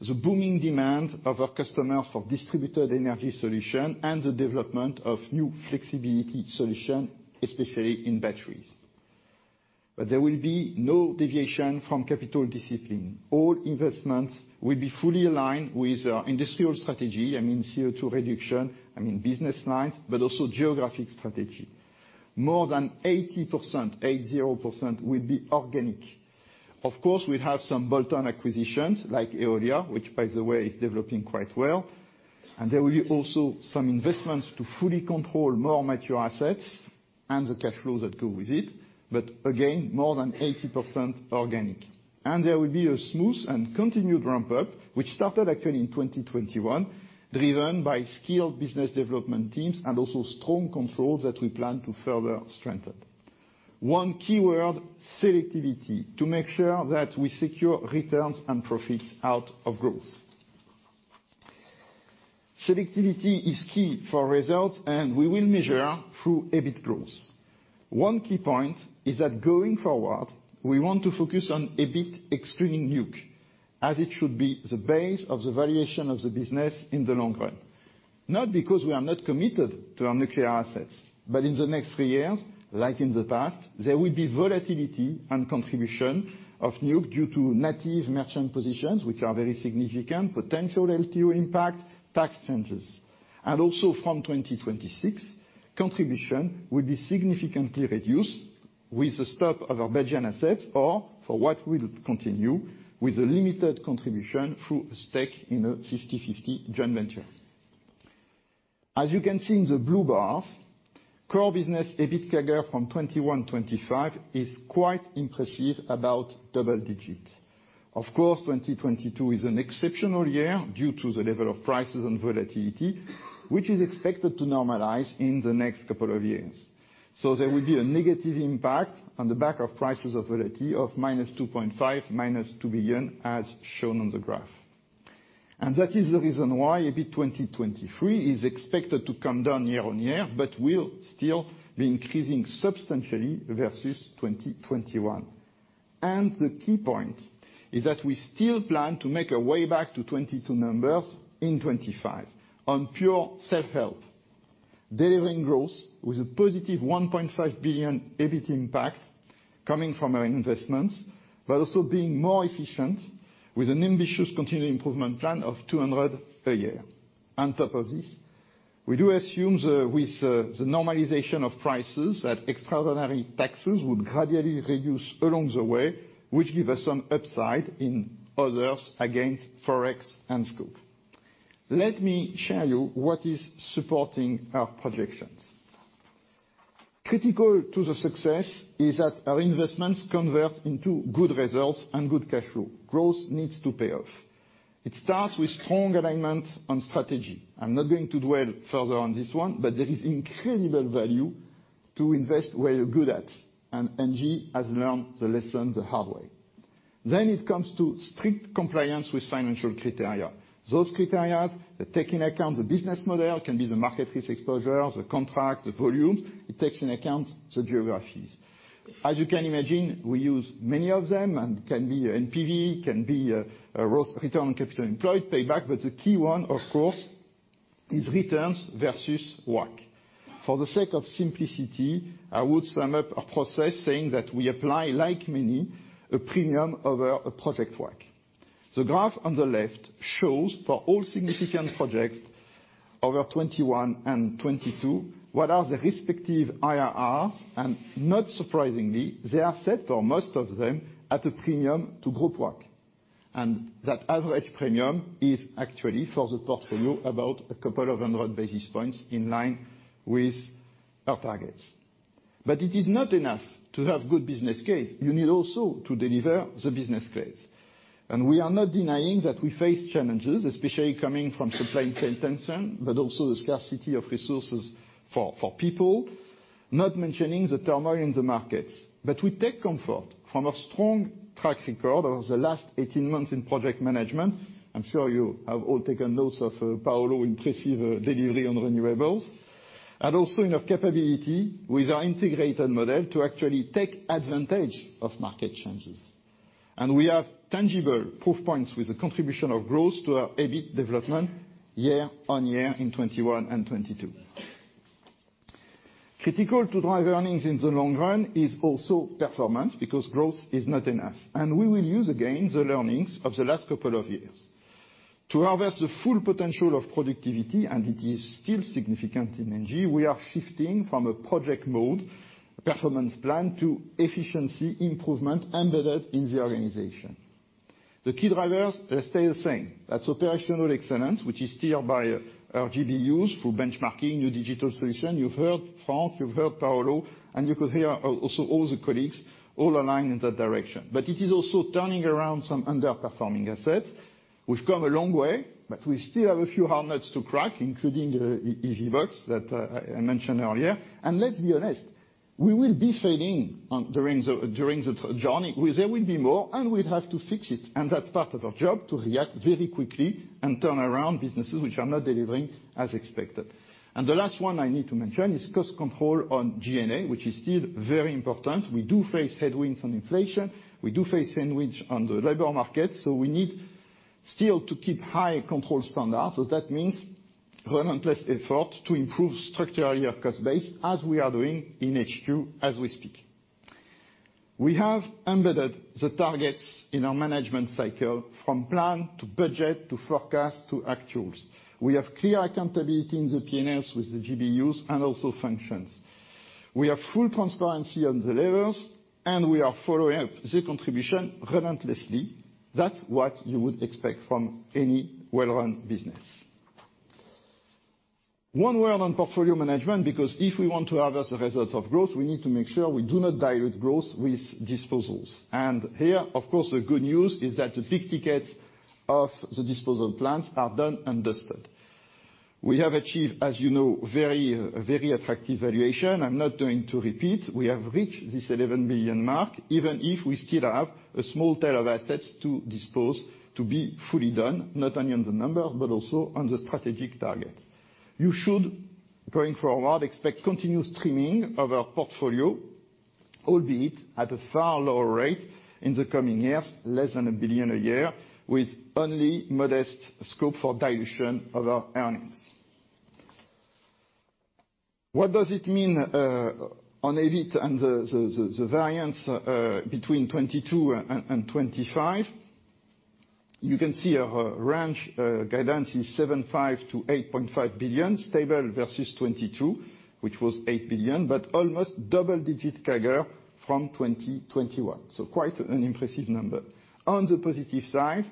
the booming demand of our customers for distributed energy solution, and the development of new flexibility solution, especially in batteries. There will be no deviation from capital discipline. All investments will be fully aligned with our industrial strategy. I mean, CO2 reduction, I mean business lines, but also geographic strategy. More than 80% will be organic. Of course, we'll have some bolt-on acquisitions like Eolia, which by the way is developing quite well. There will be also some investments to fully control more mature assets and the cash flows that go with it. Again, more than 80% organic. There will be a smooth and continued ramp-up, which started actually in 2021, driven by skilled business development teams and also strong controls that we plan to further strengthen. One key word, selectivity, to make sure that we secure returns and profits out of growth. Selectivity is key for results, and we will measure through EBIT growth. One key point is that going forward, we want to focus on EBIT excluding nuke, as it should be the base of the valuation of the business in the long run. Not because we are not committed to our nuclear assets, but in the next three years, like in the past, there will be volatility and contribution of nuke due to native merchant positions, which are very significant, potential LTO impact, tax changes. Also from 2026, contribution will be significantly reduced with the stop of our Belgian assets or for what will continue with a limited contribution through a stake in a 50/50 joint venture. As you can see in the blue bars, core business EBIT CAGR from 2021-2025 is quite impressive, about double digits. Of course, 2022 is an exceptional year due to the level of prices and volatility, which is expected to normalize in the next couple of years. There will be a negative impact on the back of prices volatility of -2.5 billion, -2 billion, as shown on the graph. That is the reason why EBIT 2023 is expected to come down year-on-year, but will still be increasing substantially versus 2021. The key point is that we still plan to make our way back to 2022 numbers in 2025 on pure self-help, delivering growth with a +1.5 billion EBIT impact coming from our investments, but also being more efficient with an ambitious continuing improvement plan of 200 million a year. On top of this, we do assume the normalization of prices that extraordinary taxes would gradually reduce along the way, which give us some upside in others against Forex and scope. Let me share you what is supporting our projections. Critical to the success is that our investments convert into good results and good cash flow. Growth needs to pay off. It starts with strong alignment on strategy. I'm not going to dwell further on this one, there is incredible value to invest where you're good at, and ENGIE has learned the lesson the hard way. It comes to strict compliance with financial criteria. Those criterias that take in account the business model, can be the market risk exposure, the contracts, the volume, it takes in account the geographies. As you can imagine, we use many of them, and can be NPV, can be a return on capital employed, payback. The key one, of course, is returns versus WACC. For the sake of simplicity, I would sum up our process saying that we apply, like many, a premium over a project WACC. The graph on the left shows for all significant projects over 2021 and 2022, what are the respective IRRs. Not surprisingly, they are set for most of them at a premium to group WACC. That average premium is actually for the portfolio about a couple of hundred basis points in line with our targets. It is not enough to have good business case. You need also to deliver the business case. We are not denying that we face challenges, especially coming from supply chain tension, but also the scarcity of resources for people. Not mentioning the turmoil in the markets. We take comfort from a strong track record of the last 18 months in project management. I'm sure you have all taken notes of Paulo impressive delivery on renewables. Also in our capability with our integrated model to actually take advantage of market changes. We have tangible proof points with the contribution of growth to our EBIT development year-on-year in 2021 and 2022. Critical to drive earnings in the long run is also performance, because growth is not enough. We will use again the learnings of the last couple of years. To harvest the full potential of productivity, and it is still significant in ENGIE, we are shifting from a project mode performance plan to efficiency improvement embedded in the organization. The key drivers, they stay the same. That's operational excellence, which is steered by our GBUs through benchmarking new digital solution. You've heard Frank, you've heard Paulo, and you could hear also all the colleagues all aligned in that direction. It is also turning around some underperforming assets. We've come a long way, we still have a few hard nuts to crack, including EVBox that I mentioned earlier. Let's be honest, we will be failing during the journey. There will be more, we'd have to fix it, that's part of our job, to react very quickly and turn around businesses which are not delivering as expected. The last one I need to mention is cost control on G&A, which is still very important. We do face headwinds on inflation, we do face sandwich on the labor market, we need still to keep high control standards. That means relentless effort to improve structurally our cost base as we are doing in HQ as we speak. We have embedded the targets in our management cycle from plan to budget to forecast to actuals. We have clear accountability in the P&Ls with the GBUs and also functions. We have full transparency on the levels, we are following up the contribution relentlessly. That's what you would expect from any well-run business. One word on portfolio management, because if we want to harvest the results of growth, we need to make sure we do not dilute growth with disposals. Here, of course, the good news is that the big tickets of the disposal plans are done and dusted. We have achieved, as you know, very, very attractive valuation. I'm not going to repeat. We have reached this 11 billion mark, even if we still have a small tail of assets to dispose to be fully done, not only on the number, but also on the strategic target. You should, going forward, expect continuous trimming of our portfolio, albeit at a far lower rate in the coming years, less than 1 billion a year, with only modest scope for dilution of our earnings. What does it mean on EBIT and the variance between 2022 and 2025? You can see our range guidance is 7.5 billion-8.5 billion, stable versus 2022, which was 8 billion, but almost double-digit CAGR from 2021, so quite an impressive number. On the positive side,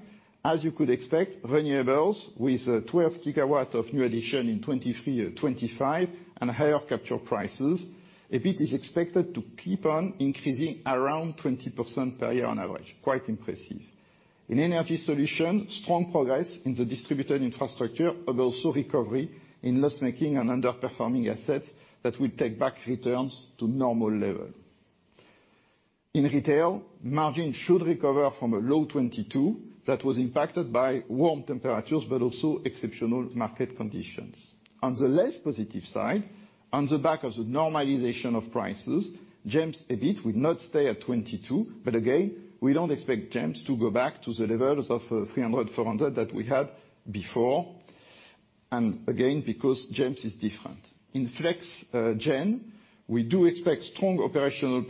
as you could expect, renewables with 12 GW of new addition in 2023-2025 and higher capture prices, EBIT is expected to keep on increasing around 20% per year on average. Quite impressive. In Energy Solutions, strong progress in the distributed infrastructure, but also recovery in loss-making and underperforming assets that will take back returns to normal level. In Retail, margin should recover from a low 2022 that was impacted by warm temperatures, but also exceptional market conditions. On the less positive side, on the back of the normalization of prices, GEMS EBIT will not stay at 2022, but again, we don't expect GEMS to go back to the levels of 300 million-400 million that we had before, and again, because GEMS is different. In Flex Gen, we do expect strong operational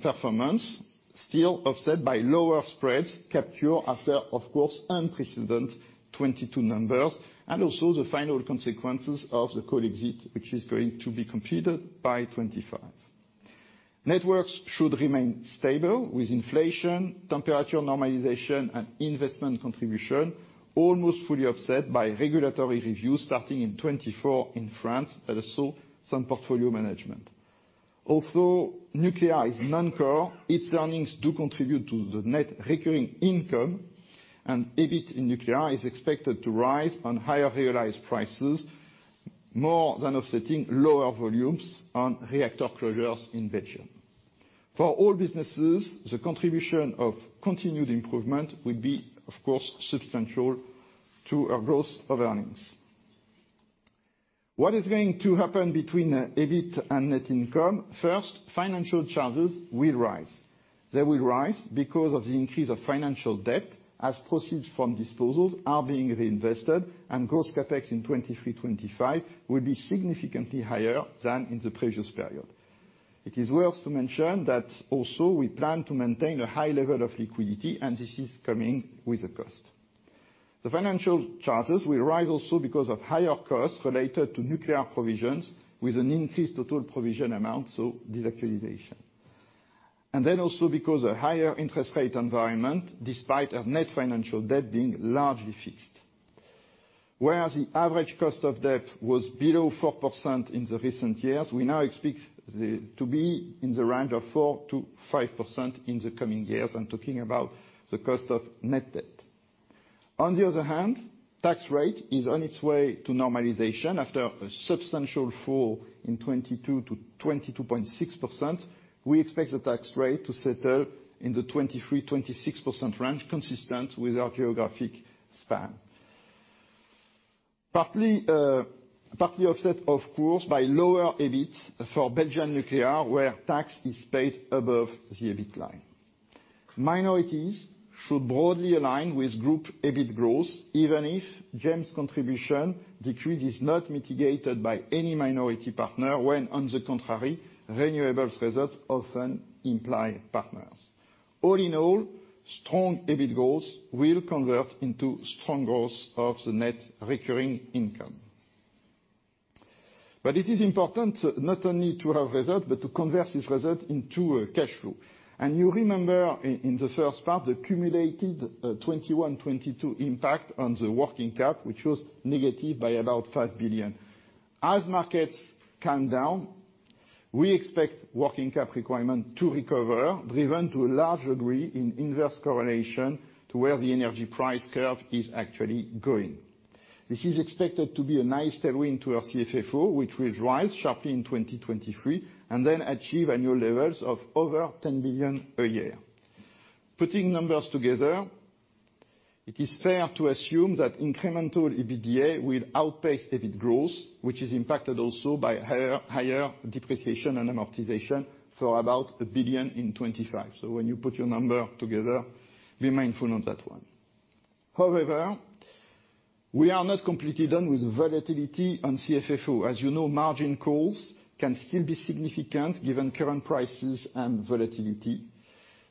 performance, still offset by lower spreads capture after, of course, unprecedented 2022 numbers and also the final consequences of the coal exit, which is going to be completed by 2025. Networks should remain stable with inflation, temperature normalization, and investment contribution almost fully offset by regulatory reviews starting in 2024 in France, but also some portfolio management. Although nuclear is non-core, its earnings do contribute to the net recurring income. EBIT in nuclear is expected to rise on higher realized prices, more than offsetting lower volumes on reactor closures in Belgium. For all businesses, the contribution of continued improvement will be, of course, substantial to our growth of earnings. What is going to happen between EBIT and net income? First, financial charges will rise. They will rise because of the increase of financial debt as proceeds from disposals are being reinvested. Gross CapEx in 2023-2025 will be significantly higher than in the previous period. It is worth to mention that also we plan to maintain a high level of liquidity, and this is coming with a cost. The financial charges will rise also because of higher costs related to nuclear provisions with an increased total provision amount, so this actualization. Also because a higher interest rate environment, despite our net financial debt being largely fixed. Whereas the average cost of debt was below 4% in the recent years, we now expect to be in the range of 4%-5% in the coming years. I'm talking about the cost of net debt. On the other hand, tax rate is on its way to normalization after a substantial fall in 22%-22.6%. We expect the tax rate to settle in the 23%-26% range, consistent with our geographic span. Partly offset of course by lower EBIT for Belgian nuclear, where tax is paid above the EBIT line. Minorities should broadly align with group EBIT growth, even if GEMS contribution decrease is not mitigated by any minority partner when, on the contrary, renewables results often imply partners. All in all, strong EBIT growth will convert into strong growth of the net recurring income. It is important not only to have result, but to convert this result into cash flow. You remember in the first part, the cumulated 2021-2022 impact on the working cap, which was negative by about 5 billion. As markets calm down, we expect working cap requirement to recover, driven to a large degree in inverse correlation to where the energy price curve is actually going. This is expected to be a nice tailwind to our CFFO, which will rise sharply in 2023, and then achieve annual levels of over 10 billion a year. Putting numbers together, it is fair to assume that incremental EBITDA will outpace EBIT growth, which is impacted also by higher depreciation and amortization for about 1 billion in 2025. When you put your number together, be mindful of that one. However, we are not completely done with volatility on CFFO. As you know, margin calls can still be significant given current prices and volatility.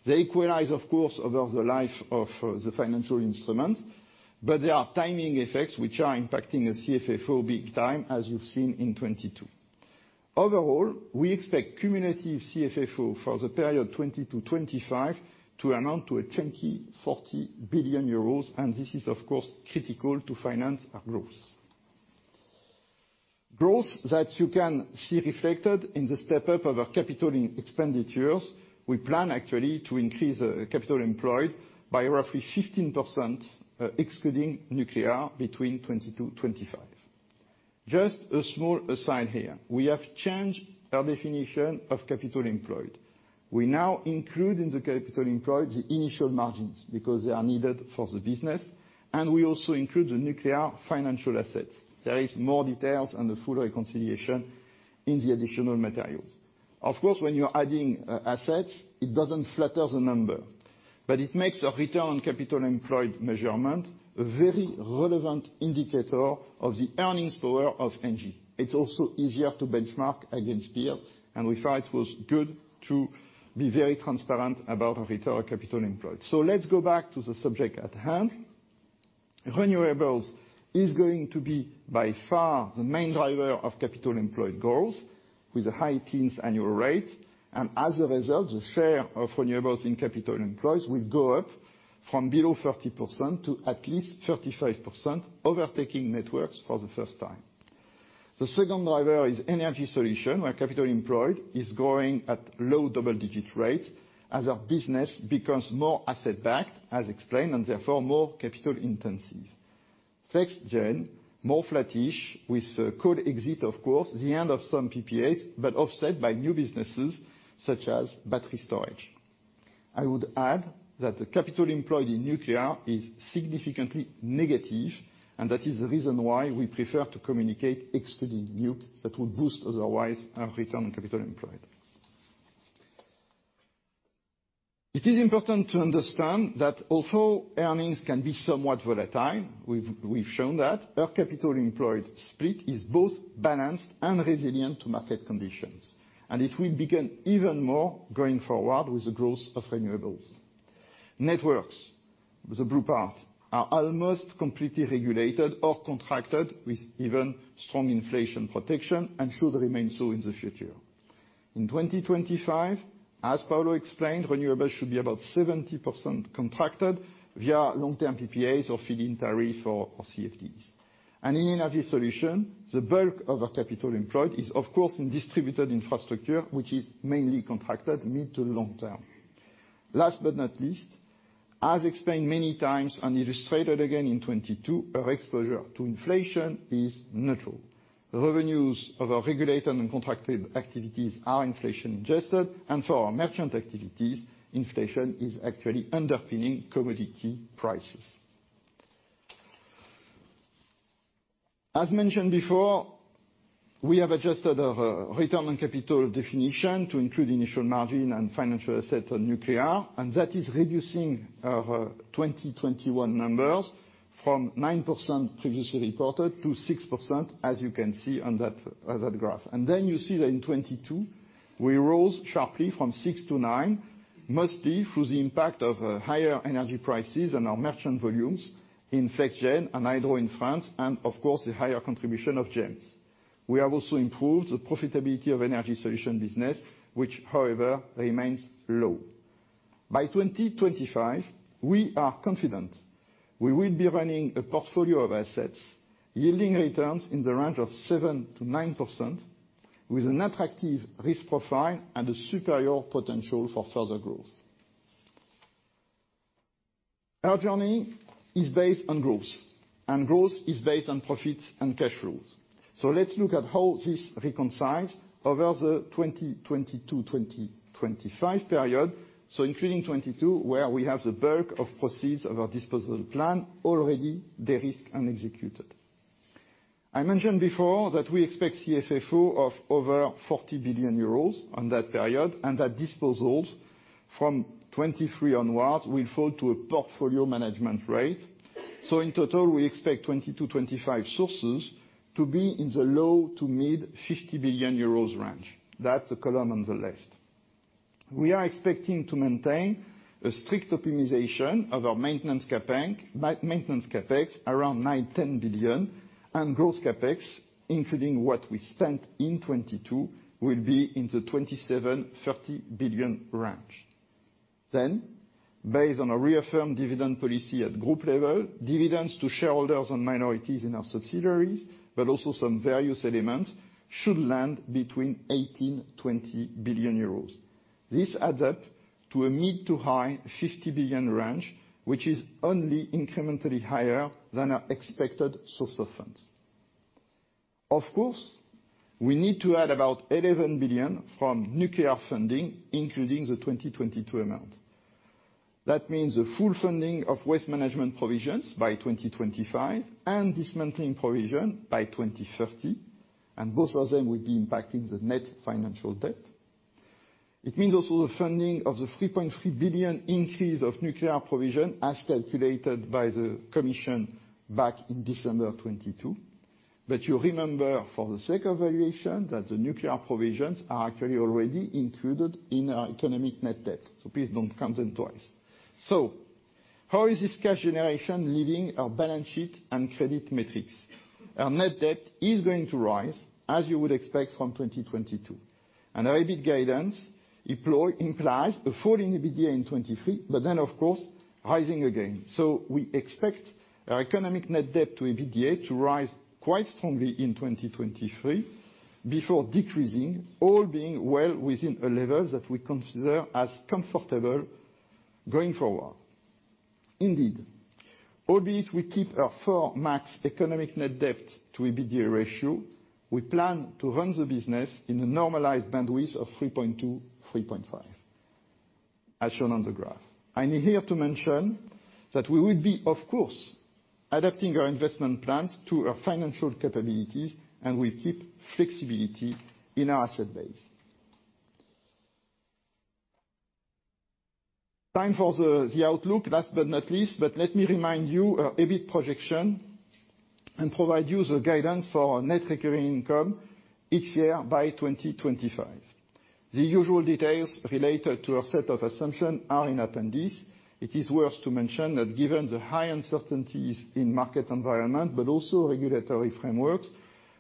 They equalize, of course, over the life of the financial instrument, but there are timing effects which are impacting the CFFO big time, as you've seen in 2022. Overall, we expect cumulative CFFO for the period 2022-2025 to amount to a chunky 40 billion euros. This is of course critical to finance our growth. Growth that you can see reflected in the step up of our capital expenditures. We plan actually to increase capital employed by roughly 15%, excluding nuclear between 2022-2025. Just a small aside here. We have changed our definition of capital employed. We now include in the capital employed the initial margins, because they are needed for the business. We also include the nuclear financial assets. There is more details on the full reconciliation in the additional materials. Of course, when you're adding assets, it doesn't flatter the number, but it makes a return on capital employed measurement a very relevant indicator of the earnings power of ENGIE. It's also easier to benchmark against peer, and we thought it was good to be very transparent about our return on capital employed. Let's go back to the subject at hand. Renewables is going to be by far the main driver of capital employed growth with a high teens annual rate. As a result, the share of renewables in capital employed will go up from below 30% to at least 35%, overtaking networks for the first time. The second driver is Energy Solutions, where capital employed is growing at low-double-digit rates as our business becomes more asset backed, as explained, and therefore more capital intensive. Flex Gen, more flattish, with a cold exit, of course, the end of some PPAs, but offset by new businesses such as battery storage. I would add that the capital employed in nuclear is significantly negative, and that is the reason why we prefer to communicate excluding nuke, that would boost otherwise our return on capital employed. It is important to understand that although earnings can be somewhat volatile, we've shown that, our capital employed split is both balanced and resilient to market conditions, and it will become even more going forward with the growth of renewables. Networks, the blue part, are almost completely regulated or contracted with even strong inflation protection and should remain so in the future. In 2025, as Paulo explained, renewables should be about 70% contracted via long-term PPAs or feed-in tariff or CFTs. In energy solution, the bulk of our capital employed is of course in distributed infrastructure, which is mainly contracted mid to long term. Last but not least, as explained many times and illustrated again in 2022, our exposure to inflation is neutral. Revenues of our regulated and contracted activities are inflation adjusted. For our merchant activities, inflation is actually underpinning commodity prices. As mentioned before, we have adjusted our return on capital definition to include initial margin and financial asset on nuclear. That is reducing our 2021 numbers from 9% previously reported to 6%, as you can see on that graph. You see that in 2022, we rose sharply from 6% to 9%, mostly through the impact of higher energy prices and our merchant volumes in Flex Gen and hydro in France and of course, the higher contribution of GEMS. We have also improved the profitability of Energy Solutions business, which however remains low. By 2025, we are confident we will be running a portfolio of assets yielding returns in the range of 7%-9% with an attractive risk profile and a superior potential for further growth. Our journey is based on growth, and growth is based on profits and cash flows. Let's look at how this reconciles over the 2022-2025 period, including 2022, where we have the bulk of proceeds of our disposal plan already de-risked and executed. I mentioned before that we expect CFFO of over 40 billion euros on that period, and that disposals from 2023 onwards will fall to a portfolio management rate. In total, we expect 2022-2025 sources to be in the low to mid 50 billion euros range. That's the column on the left. We are expecting to maintain a strict optimization of our maintenance CapEx around 9 billion-10 billion, and gross CapEx, including what we spent in 2022, will be in the 27 billion-30 billion range. Based on a reaffirmed dividend policy at group level, dividends to shareholders on minorities in our subsidiaries, but also some various elements, should land between 18 billion-20 billion euros. This adds up to a mid to high-EUR 50 billion range, which is only incrementally higher than our expected source of funds. Of course, we need to add about 11 billion from nuclear funding, including the 2022 amount. That means the full funding of waste management provisions by 2025 and dismantling provision by 2030, and both of them will be impacting the net financial debt. It means also the funding of the 3.3 billion increase of nuclear provision as calculated by the commission back in December of 2022. You remember for the sake of valuation, that the nuclear provisions are actually already included in our economic net debt, so please don't count them twice. How is this cash generation leaving our balance sheet and credit metrics? Our net debt is going to rise, as you would expect from 2022. Our EBIT guidance implies a falling EBITDA in 2023, but then, of course, rising again. We expect our economic net debt to EBITDA to rise quite strongly in 2023 before decreasing, all being well within a level that we consider as comfortable going forward. Indeed, albeit we keep our 4x economic net debt to EBITDA ratio, we plan to run the business in a normalized bandwidth of 3.2x-3.5x, as shown on the graph. I need here to mention that we will be, of course, adapting our investment plans to our financial capabilities, and we keep flexibility in our asset base. Time for the outlook, last but not least. Let me remind you our EBIT projection and provide you the guidance for our net recurring income each year by 2025. The usual details related to our set of assumption are in attendance. It is worth to mention that given the high uncertainties in market environment, but also regulatory frameworks,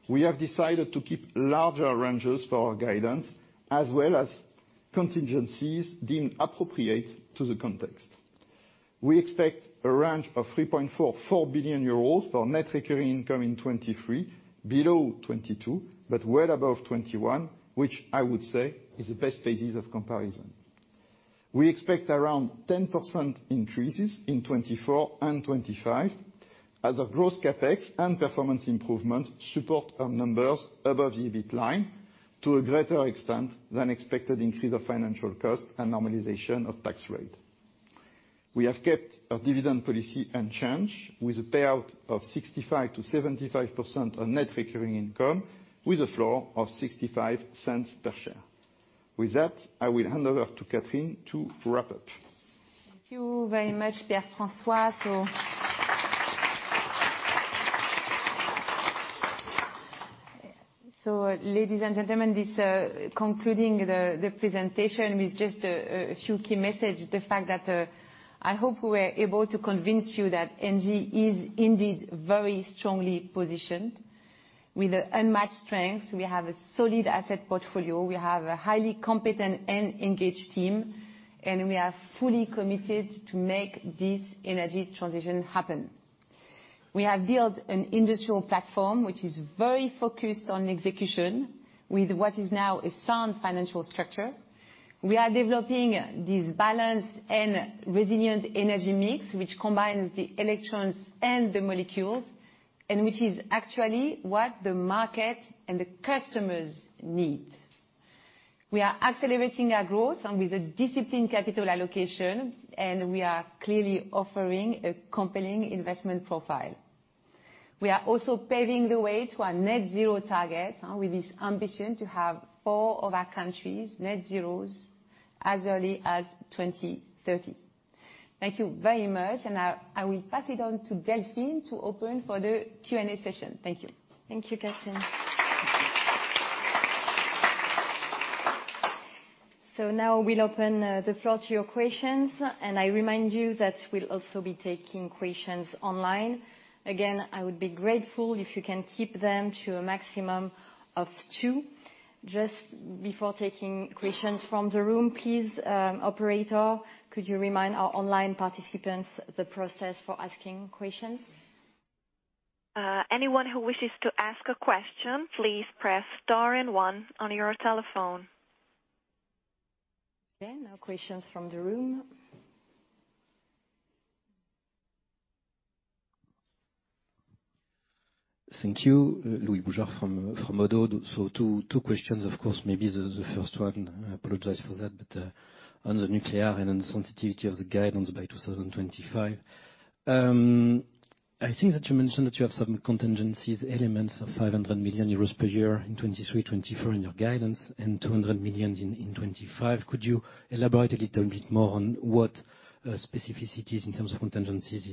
we have decided to keep larger ranges for our guidance as well as contingencies deemed appropriate to the context. We expect a range of 3.4 billion-4 billion euros for net recurring income in 2023, below 2022, but well above 2021, which I would say is the best basis of comparison. We expect around 10% increases in 2024 and 2025, as our gross CapEx and performance improvement support our numbers above the EBIT line to a greater extent than expected increase of financial costs and normalization of tax rate. We have kept our dividend policy unchanged with a payout of 65%-75% on net recurring income with a flow of 0.65 per share. With that, I will hand over to Catherine to wrap up. Thank you very much, Pierre-François. Ladies and gentlemen, this concluding the presentation with just a few key messages. The fact that I hope we were able to convince you that ENGIE is indeed very strongly positioned. With a unmatched strength, we have a solid asset portfolio, we have a highly competent and engaged team, and we are fully committed to make this energy transition happen. We have built an industrial platform, which is very focused on execution with what is now a sound financial structure. We are developing this balanced and resilient energy mix, which combines the electrons and the molecules, and which is actually what the market and the customers need. We are accelerating our growth and with a disciplined capital allocation, and we are clearly offering a compelling investment profile. We are also paving the way to our net zero target, with this ambition to have four of our countries net zeros as early as 2030. Thank you very much. Now I will pass it on to Delphine to open for the Q&A session. Thank you. Thank you, Catherine. Now we'll open the floor to your questions. I remind you that we'll also be taking questions online. I would be grateful if you can keep them to a maximum of two. Just before taking questions from the room, please, operator, could you remind our online participants the process for asking questions? Anyone who wishes to ask a question, please press star and one on your telephone. Okay, now questions from the room. Thank you. Louis Boujard from ODDO. Two questions, of course. Maybe the first one, I apologize for that. On the nuclear and on the sensitivity of the guidance by 2025, I think that you mentioned that you have some contingencies elements of 500 million euros per year in 2023, 2024 in your guidance, and 200 million in 2025. Could you elaborate a little bit more on what specificities in terms of contingencies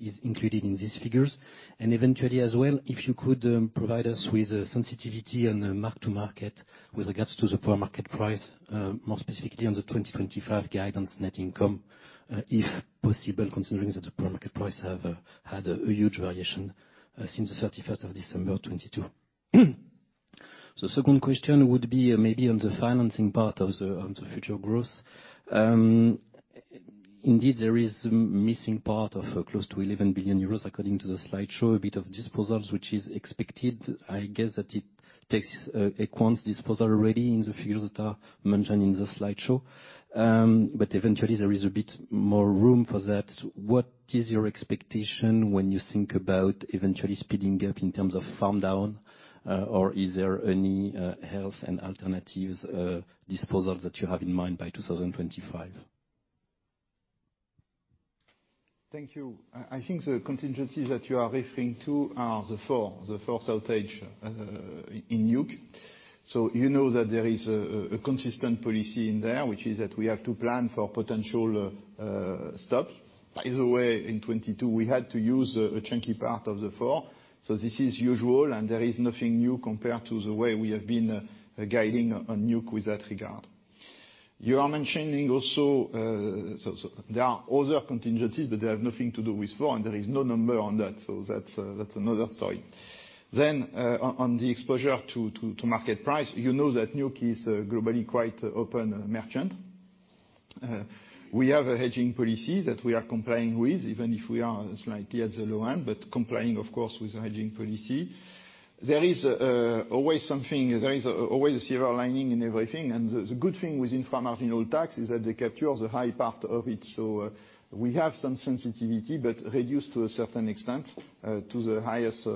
is included in these figures? Eventually as well, if you could provide us with a sensitivity and a mark-to-market with regards to the power market price, more specifically on the 2025 guidance net income, if possible, considering that the power market price have had a huge variation since the 31st of December 2022. The second question would be maybe on the financing part of the future growth. Indeed, there is missing part of close to 11 billion euros according to the slideshow, a bit of disposals which is expected. I guess that it takes a EQUANS disposal already in the figures that are mentioned in the slideshow. Eventually there is a bit more room for that. What is your expectation when you think about eventually speeding up in terms of farm down? Is there any health and alternatives disposals that you have in mind by 2025? Thank you. I think the contingencies that you are referring to are the four outage in nuke. You know that there is a consistent policy in there, which is that we have to plan for potential stop. By the way, in 2022 we had to use a chunky part of the floor. This is usual and there is nothing new compared to the way we have been guiding on nuke with that regard. You are mentioning also. There are other contingencies, but they have nothing to do with four and there is no number on that. That's another story. On the exposure to market price, you know that nuke is globally quite open merchant. We have a hedging policy that we are complying with, even if we are slightly at the low end, but complying of course with the hedging policy. There is always something, there is always a silver lining in everything. The, the good thing with inframarginal tax is that they capture the high part of it. We have some sensitivity, but reduced to a certain extent to the highest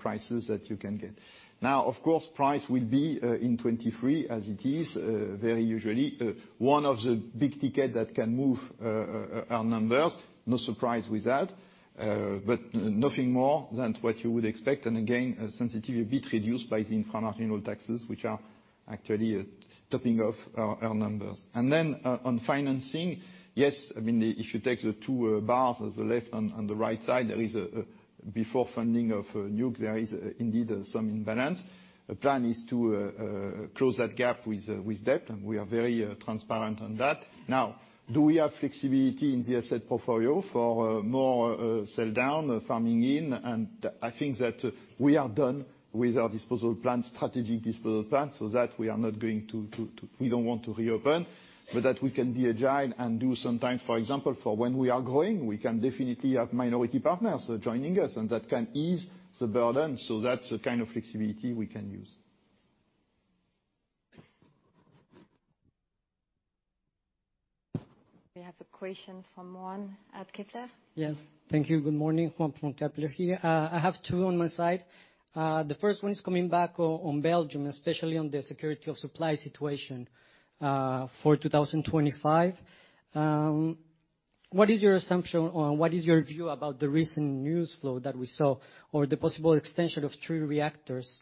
prices that you can get. Now, of course, price will be in 2023 as it is very usually one of the big ticket that can move our numbers. No surprise with that, but nothing more than what you would expect. Again, a sensitivity bit reduced by the inframarginal taxes, which are actually topping off our numbers. On financing, yes, I mean, if you take the two bars on the left and the right side, there is before funding of nuke, there is indeed some imbalance. The plan is to close that gap with debt. We are very transparent on that. Now, do we have flexibility in the asset portfolio for more sell down, farming in? I think that we are done with our disposal plan, strategic disposal plan. We don't want to reopen, but that we can be agile and do some time. For example, for when we are growing, we can definitely have minority partners joining us, and that can ease the burden. That's the kind of flexibility we can use. We have a question from Juan at Kepler. Yes. Thank you. Good morning. Juan from Kepler here. I have two on my side. The first one is coming back on Belgium, especially on the security of supply situation for 2025. What is your assumption or what is your view about the recent news flow that we saw, or the possible extension of three reactors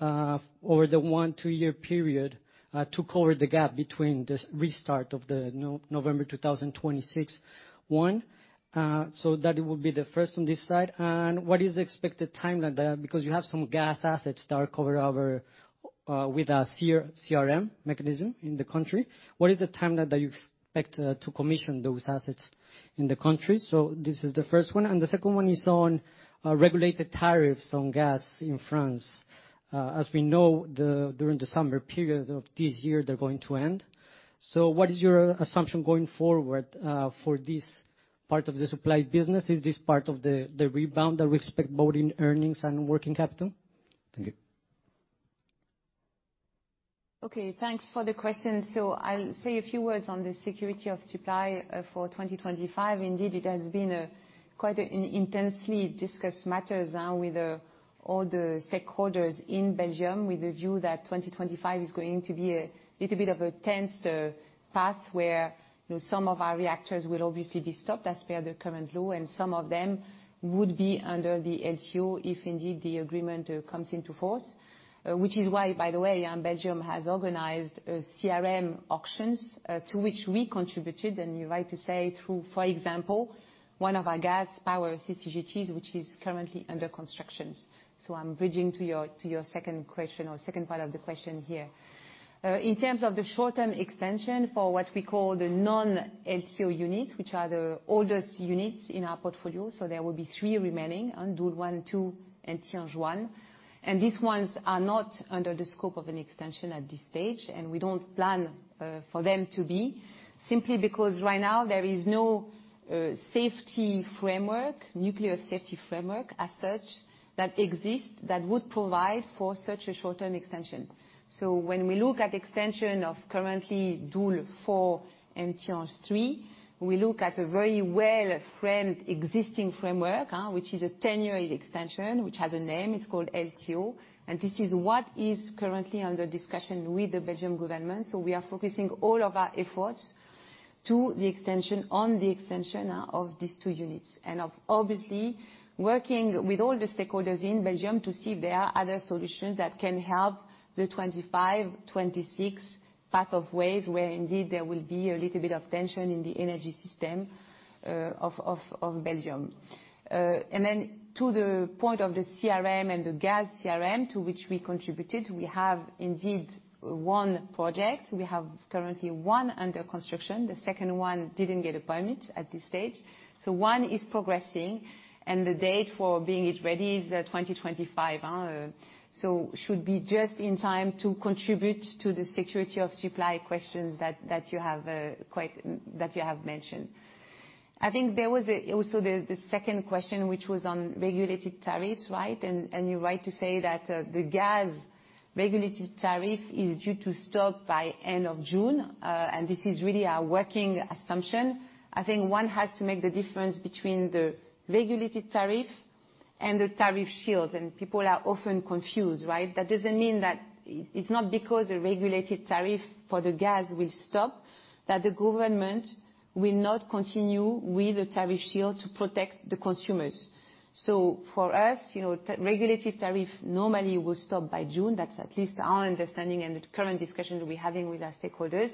over the one to two year period to cover the gap between the restart of the November 2026? That it will be the first on this side. What is the expected timeline there? Because you have some gas assets that are covered over with a CRM mechanism in the country. What is the timeline that you expect to commission those assets in the country? This is the first one. The second one is on regulated tariffs on gas in France. As we know, during the summer period of this year, they're going to end. What is your assumption going forward for this part of the supply business? Is this part of the rebound that we expect both in earnings and working capital? Thank you. Thanks for the question. I'll say a few words on the security of supply for 2025. Indeed, it has been a quite intensely discussed matters now with all the stakeholders in Belgium, with the view that 2025 is going to be a little bit of a tense path where, you know, some of our reactors will obviously be stopped as per the current law, and some of them would be under the LTO if indeed the agreement comes into force. Which is why, by the way, Belgium has organized CRM auctions to which we contributed, and you're right to say through, for example, one of our gas power CCGTs, which is currently under construction. I'm bridging to your second question or second part of the question here. In terms of the short-term extension for what we call the non-LTO units, which are the oldest units in our portfolio, so there will be three remaining on Doel 1, 2 and Tihange 1. These ones are not under the scope of an extension at this stage, and we don't plan for them to be. Simply because right now there is no safety framework, nuclear safety framework as such, that exists that would provide for such a short-term extension. When we look at extension of currently Doel 4 and Tihange 3, we look at a very well framed existing framework, which is a 10-year extension, which has a name, it's called LTO, and it is what is currently under discussion with the Belgian government. We are focusing all of our efforts to the extension, on the extension of these two units. Obviously working with all the stakeholders in Belgium to see if there are other solutions that can help the 2025, 2026 path of ways, where indeed there will be a little bit of tension in the energy system of Belgium. Then to the point of the CRM and the gas CRM, to which we contributed, we have indeed one project. We have currently one under construction. The second one didn't get a permit at this stage. One is progressing, and the date for being it ready is 2025. Should be just in time to contribute to the security of supply questions that you have mentioned. I think there was also the second question, which was on regulated tariffs, right? You're right to say that the gas regulated tariff is due to stop by end of June. This is really our working assumption. I think one has to make the difference between the regulated tariff and the tariff shield. People are often confused, right? That doesn't mean that-- It's not because the regulated tariff for the gas will stop that the government will not continue with the tariff shield to protect the consumers. For us, you know, regulated tariff normally will stop by June. That's at least our understanding in the current discussions we're having with our stakeholders.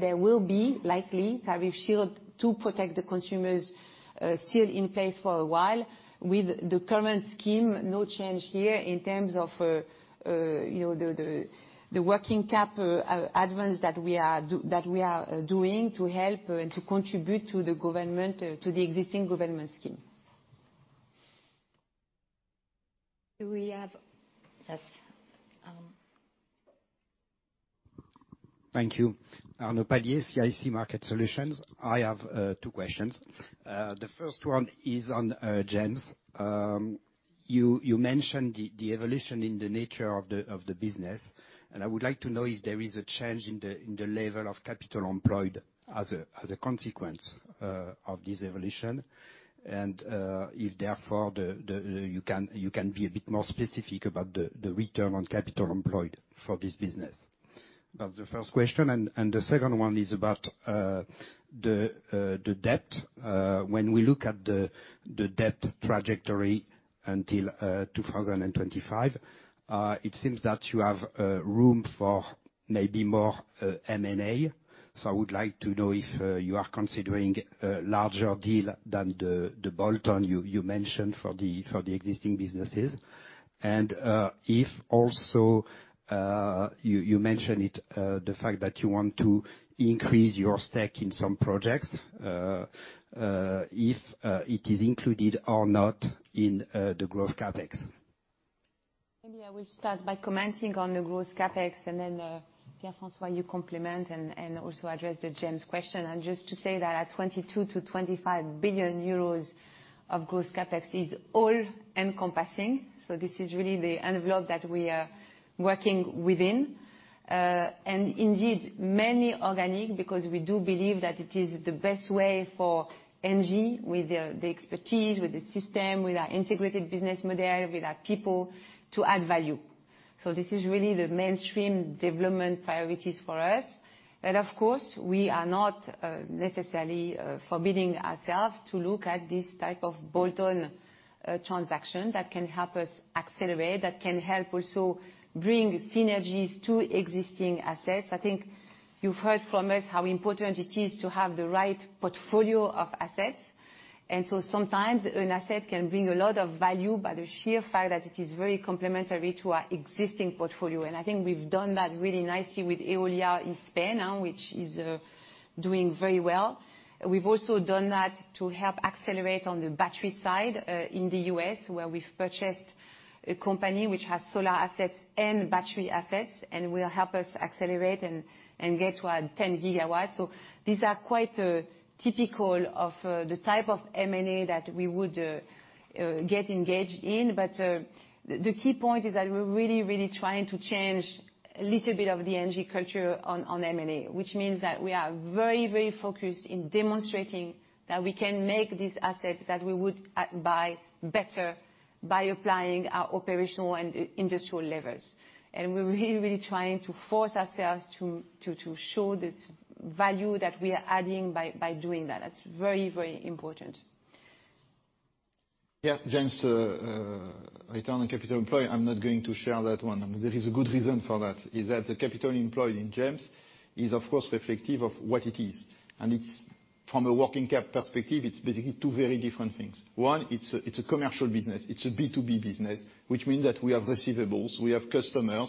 There will be likely tariff shield to protect the consumers, still in place for a while. With the current scheme, no change here in terms of, you know, the working cap advance that we are doing to help and to contribute to the government to the existing government scheme. Do we have? Yes. Thank you. Arnaud Palliez, CIC Market Solutions. I have two questions. The first one is on GEMS. You mentioned the evolution in the nature of the business, and I would like to know if there is a change in the level of capital employed as a consequence of this evolution. If therefore the you can be a bit more specific about the return on capital employed for this business. That's the first question. The second one is about the debt. When we look at the debt trajectory until 2025, it seems that you have room for maybe more M&A. I would like to know if you are considering a larger deal than the bolt-on you mentioned for the existing businesses? If also, you mentioned it, the fact that you want to increase your stake in some projects, if it is included or not in the growth CapEx? Maybe I will start by commenting on the growth CapEx. Then Pierre-François, you complement and also address the GEMS question. Just to say that at 22 billion-25 billion euros of growth CapEx is all-encompassing. This is really the envelope that we are working within. Indeed, many organic because we do believe that it is the best way for ENGIE with the expertise, with the system, with our integrated business model, with our people to add value. This is really the mainstream development priorities for us. Of course, we are not necessarily forbidding ourselves to look at this type of bolt-on transaction that can help us accelerate, that can help also bring synergies to existing assets. I think you've heard from us how important it is to have the right portfolio of assets. Sometimes an asset can bring a lot of value by the sheer fact that it is very complementary to our existing portfolio. I think we've done that really nicely with Eolia in Spain, which is doing very well. We've also done that to help accelerate on the battery side, in the U.S., where we've purchased a company which has solar assets and battery assets and will help us accelerate and get to our 10 GW. These are quite typical of the type of M&A that we would get engaged in. The key point is that we're really, really trying to change a little bit of the ENGIE culture on M&A, which means that we are very, very focused in demonstrating that we can make these assets that we would buy better by applying our operational and industrial levers. We're really, really trying to force ourselves to show this value that we are adding by doing that. That's very, very important. Yeah. GEMS, return on capital employed, I'm not going to share that one. There is a good reason for that, is that the capital employed in GEMS is of course reflective of what it is. From a working cap perspective, it's basically two very different things. One, it's a commercial business. It's a B2B business, which means that we have receivables, we have customers,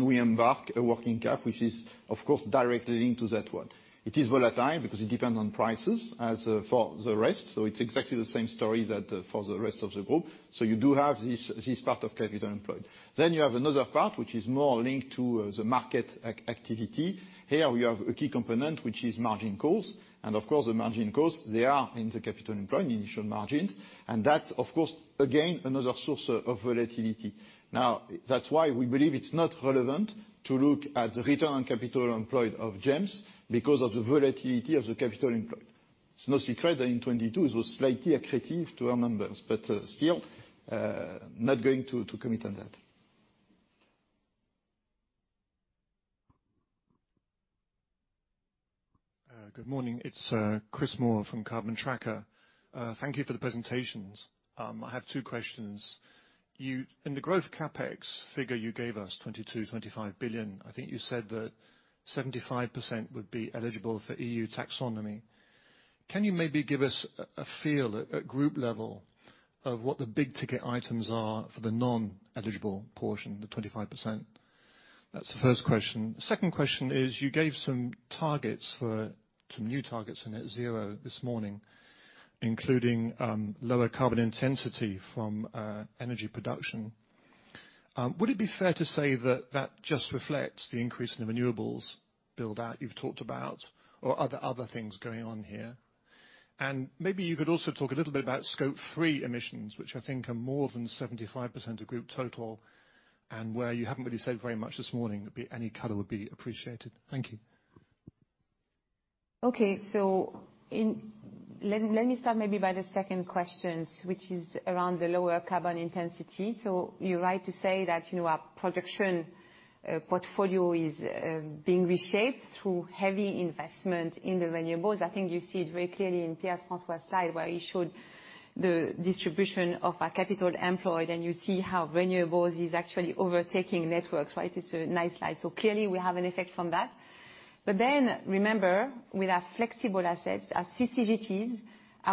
we embark a working cap, which is of course directly into that one. It is volatile because it depends on prices as for the rest. It's exactly the same story that for the rest of the group. You do have this part of capital employed. You have another part which is more linked to the market activity. Here we have a key component, which is margin cost. Of course, the margin cost, they are in the capital employment initial margins. That's of course, again, another source of volatility. That's why we believe it's not relevant to look at the return on capital employed of GEMS because of the volatility of the capital employed. It's no secret that in 2022 it was slightly accretive to our members. Still, not going to commit on that. Good morning. It's Chris Moore from Carbon Tracker. Thank you for the presentations. I have two questions. In the growth CapEx figure you gave us, 22 billion-25 billion, I think you said that 75% would be eligible for EU taxonomy. Can you maybe give us a feel at Group level of what the big ticket items are for the non-eligible portion, the 25%? That's the first question. The second question is, you gave some new targets in net zero this morning, including lower carbon intensity from energy production. Would it be fair to say that that just reflects the increase in the renewables build-out you've talked about or are there other things going on here? Maybe you could also talk a little bit about Scope 3 emissions, which I think are more than 75% of Group total, and where you haven't really said very much this morning. Any color would be appreciated. Thank you. Okay. Let me start maybe by the second questions, which is around the lower carbon intensity. You're right to say that, you know, our production portfolio is being reshaped through heavy investment in the renewables. I think you see it very clearly in Pierre-François's slide where he showed the distribution of our capital employed, and you see how renewables is actually overtaking networks, right? It's a nice slide. Clearly we have an effect from that. Remember, with our flexible assets, our CCGTs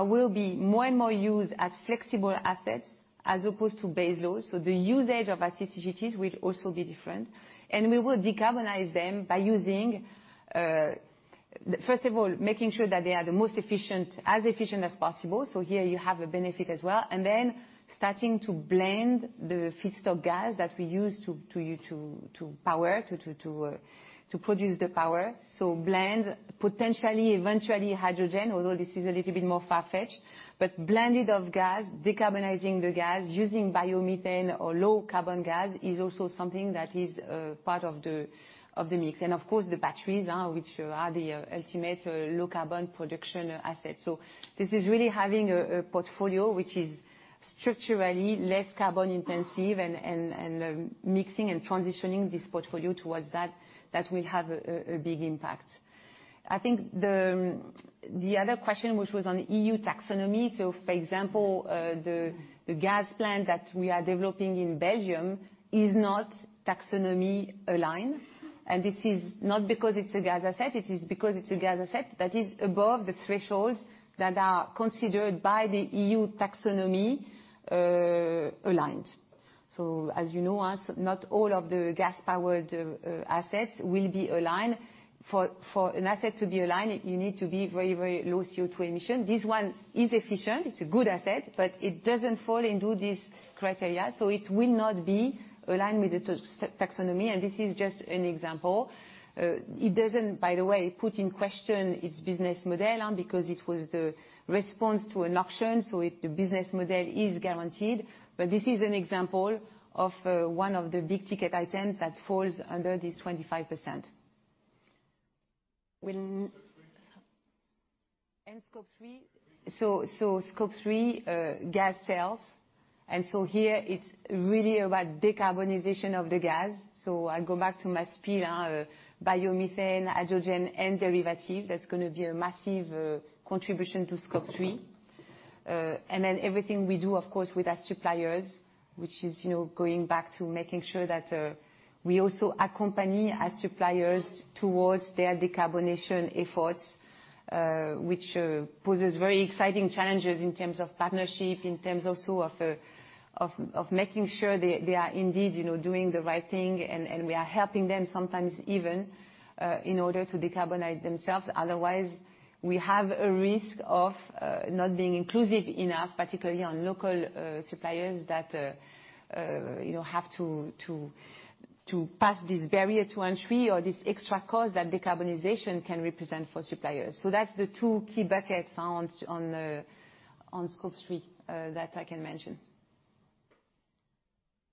will be more and more used as flexible assets as opposed to base load. The usage of our CCGTs will also be different, and we will decarbonize them by using, first of all, making sure that they are the most efficient, as efficient as possible. Here you have a benefit as well. Starting to blend the feedstock gas that we use to produce the power. Blend potentially eventually hydrogen, although this is a little bit more far-fetched, blended of gas, decarbonizing the gas, using biomethane or low carbon gas is also something that is part of the mix. Of course, the batteries, which are the ultimate low carbon production asset. This is really having a portfolio which is structurally less carbon intensive and mixing and transitioning this portfolio towards that will have a big impact. I think the other question, which was on EU taxonomy, for example, the gas plant that we are developing in Belgium is not taxonomy aligned. This is not because it's a gas asset, it is because it's a gas asset that is above the thresholds that are considered by the EU taxonomy aligned. As you know, not all of the gas powered assets will be aligned. For an asset to be aligned, you need to be very, very low CO2 emission. This one is efficient, it's a good asset, but it doesn't fall into this criteria. It will not be aligned with the taxonomy, and this is just an example. It doesn't, by the way, put in question its business model on, because it was the response to an auction, the business model is guaranteed. This is an example of one of the big ticket items that falls under this 25%. Scope 3. Scope 3, gas sales. Here it's really about decarbonization of the gas. I go back to my speed on biomethane, hydrogen and derivative. That's gonna be a massive contribution to Scope 3. And then everything we do, of course, with our suppliers, which is, you know, going back to making sure that we also accompany our suppliers towards their decarbonization efforts, which poses very exciting challenges in terms of partnership, in terms also of making sure they are indeed, you know, doing the right thing. We are helping them sometimes even in order to decarbonize themselves. Otherwise, we have a risk of not being inclusive enough, particularly on local suppliers that, you know, have to pass this barrier to entry or this extra cost that decarbonization can represent for suppliers. That's the two key buckets on Scope 3 that I can mention.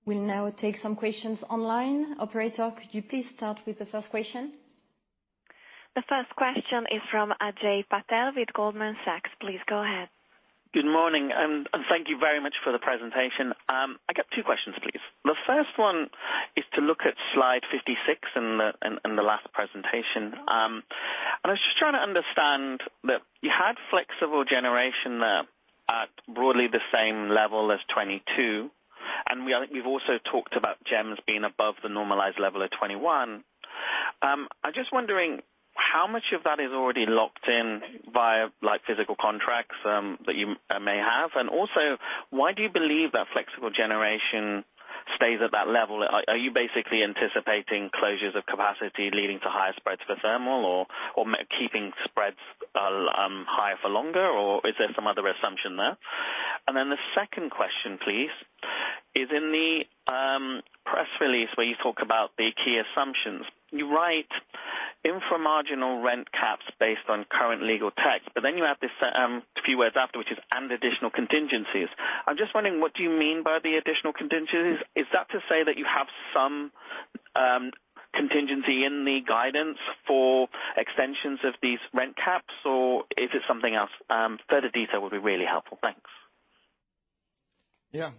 We'll now take some questions online. Operator, could you please start with the first question? The first question is from Ajay Patel with Goldman Sachs. Please go ahead. Good morning, and thank you very much for the presentation. I got two questions, please. The first one is to look at slide 56 in the last presentation. I was just trying to understand that you had flexible generation there broadly the same level as 2022, and we've also talked about GEMS being above the normalized level of 2021. I'm just wondering how much of that is already locked in via, like, physical contracts that you may have? Also, why do you believe that flexible generation stays at that level? Are you basically anticipating closures of capacity leading to higher spreads for thermal or keeping spreads higher for longer, or is there some other assumption there? The second question, please, is in the press release where you talk about the key assumptions. You write inframarginal rent caps based on current legal text. You have this few words after, which is and additional contingencies. I'm just wondering, what do you mean by the additional contingencies? That to say that you have some contingency in the guidance for extensions of these rent caps, or is it something else? Further detail would be really helpful. Thanks. Yeah.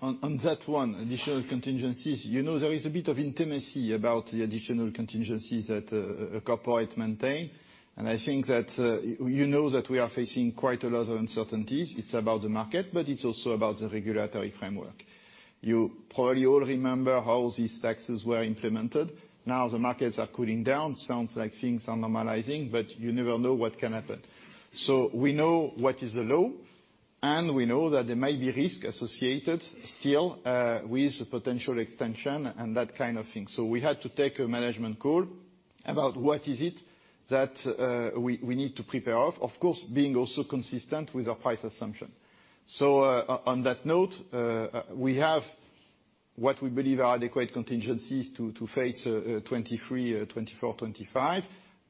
On that one, additional contingencies, you know, there is a bit of intimacy about the additional contingencies that a couple might maintain. I think that, you know that we are facing quite a lot of uncertainties. It's about the market, but it's also about the regulatory framework. You probably all remember how these taxes were implemented. The markets are cooling down. Sounds like things are normalizing, but you never know what can happen. We know what is the low, and we know that there might be risk associated still with potential extension and that kind of thing. We had to take a management call about what is it that we need to prepare of. Of course, being also consistent with our price assumption. On that note, we have what we believe are adequate contingencies to face 2023, 2024, 2025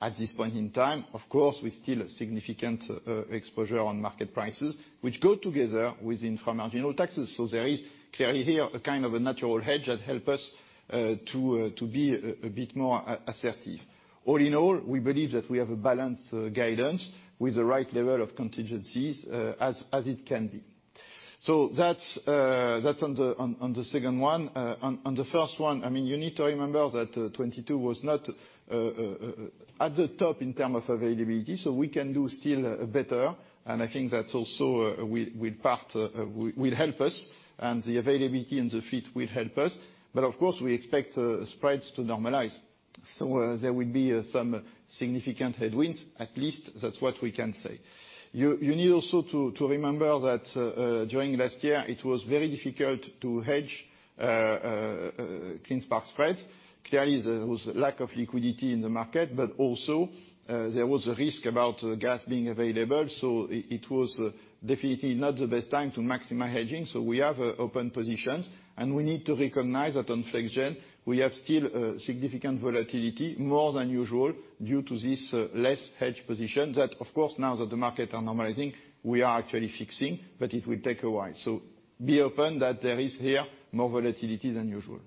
at this point in time. Of course, with still significant exposure on market prices, which go together with inframarginal taxes. There is clearly here a kind of a natural hedge that help us to be a bit more assertive. All in all, we believe that we have a balanced guidance with the right level of contingencies as it can be. That's on the second one. On the first one, I mean, you need to remember that 2022 was not at the top in terms of availability, so we can do still better. I think that's also, will part, will help us, and the availability and the fleet will help us. Of course, we expect spreads to normalize. There will be some significant headwinds. At least that's what we can say. You need also to remember that during last year it was very difficult to hedge clean spark spreads. Clearly, there was lack of liquidity in the market, but also, there was a risk about gas being available. It was definitely not the best time to maximize hedging. We have open positions, and we need to recognize that on Flex Gen, we have still significant volatility, more than usual, due to this less hedged position. Of course, now that the market are normalizing, we are actually fixing, but it will take a while. So be open that there is here more volatility than usual.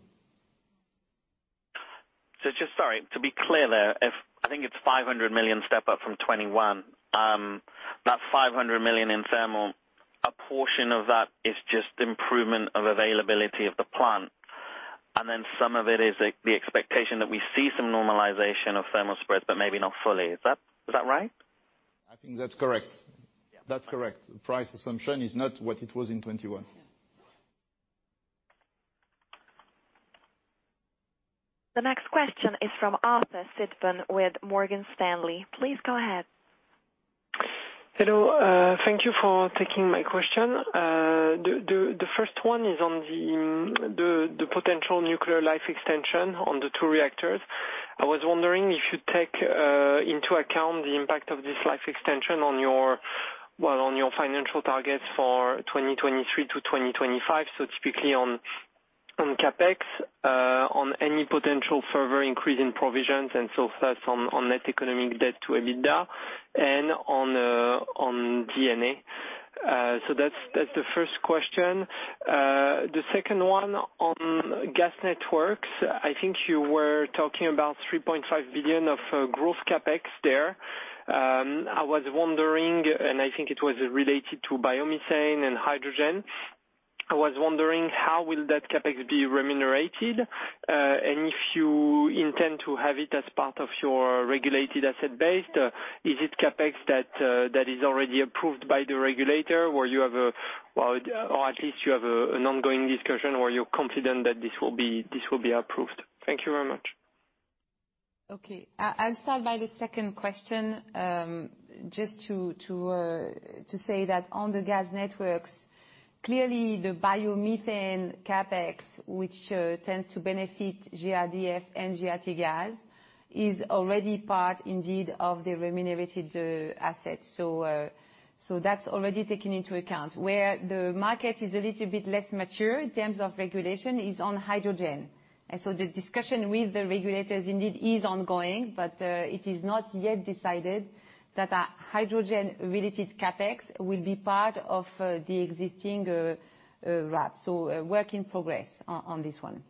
Sorry, to be clear there, I think it's 500 million step up from 2021. That 500 million in thermal, a portion of that is just improvement of availability of the plant. Some of it is the expectation that we see some normalization of thermal spreads, but maybe not fully. Is that, is that right? I think that's correct. That's correct. Price assumption is not what it was in 2021. The next question is from Arthur Sitbon with Morgan Stanley. Please go ahead. Hello. Thank you for taking my question. The first one is on the potential nuclear life extension on the two reactors. I was wondering if you take into account the impact of this life extension on your, well, on your financial targets for 2023-2025. Typically, on CapEx, on any potential further increase in provisions, first, on net economic debt to EBITDA and on D&A. That's the first question. The second one on gas networks. I think you were talking about 3.5 billion of growth CapEx there. I was wondering, I think it was related to biomethane and hydrogen. I was wondering how will that CapEx be remunerated? If you intend to have it as part of your regulated asset base, is it CapEx that is already approved by the regulator, or you have a, well, or at least you have an ongoing discussion, or you're confident that this will be approved? Thank you very much. Okay. I'll start by the second question. Just to say that on the gas networks, clearly the biomethane CapEx, which tends to benefit GRDF and GRTgaz, is already part indeed, of the remunerated assets. That's already taken into account. Where the market is a little bit less mature in terms of regulation is on hydrogen. The discussion with the regulators indeed is ongoing. It is not yet decided that a hydrogen-related CapEx will be part of the existing wrap. A work in progress on this one.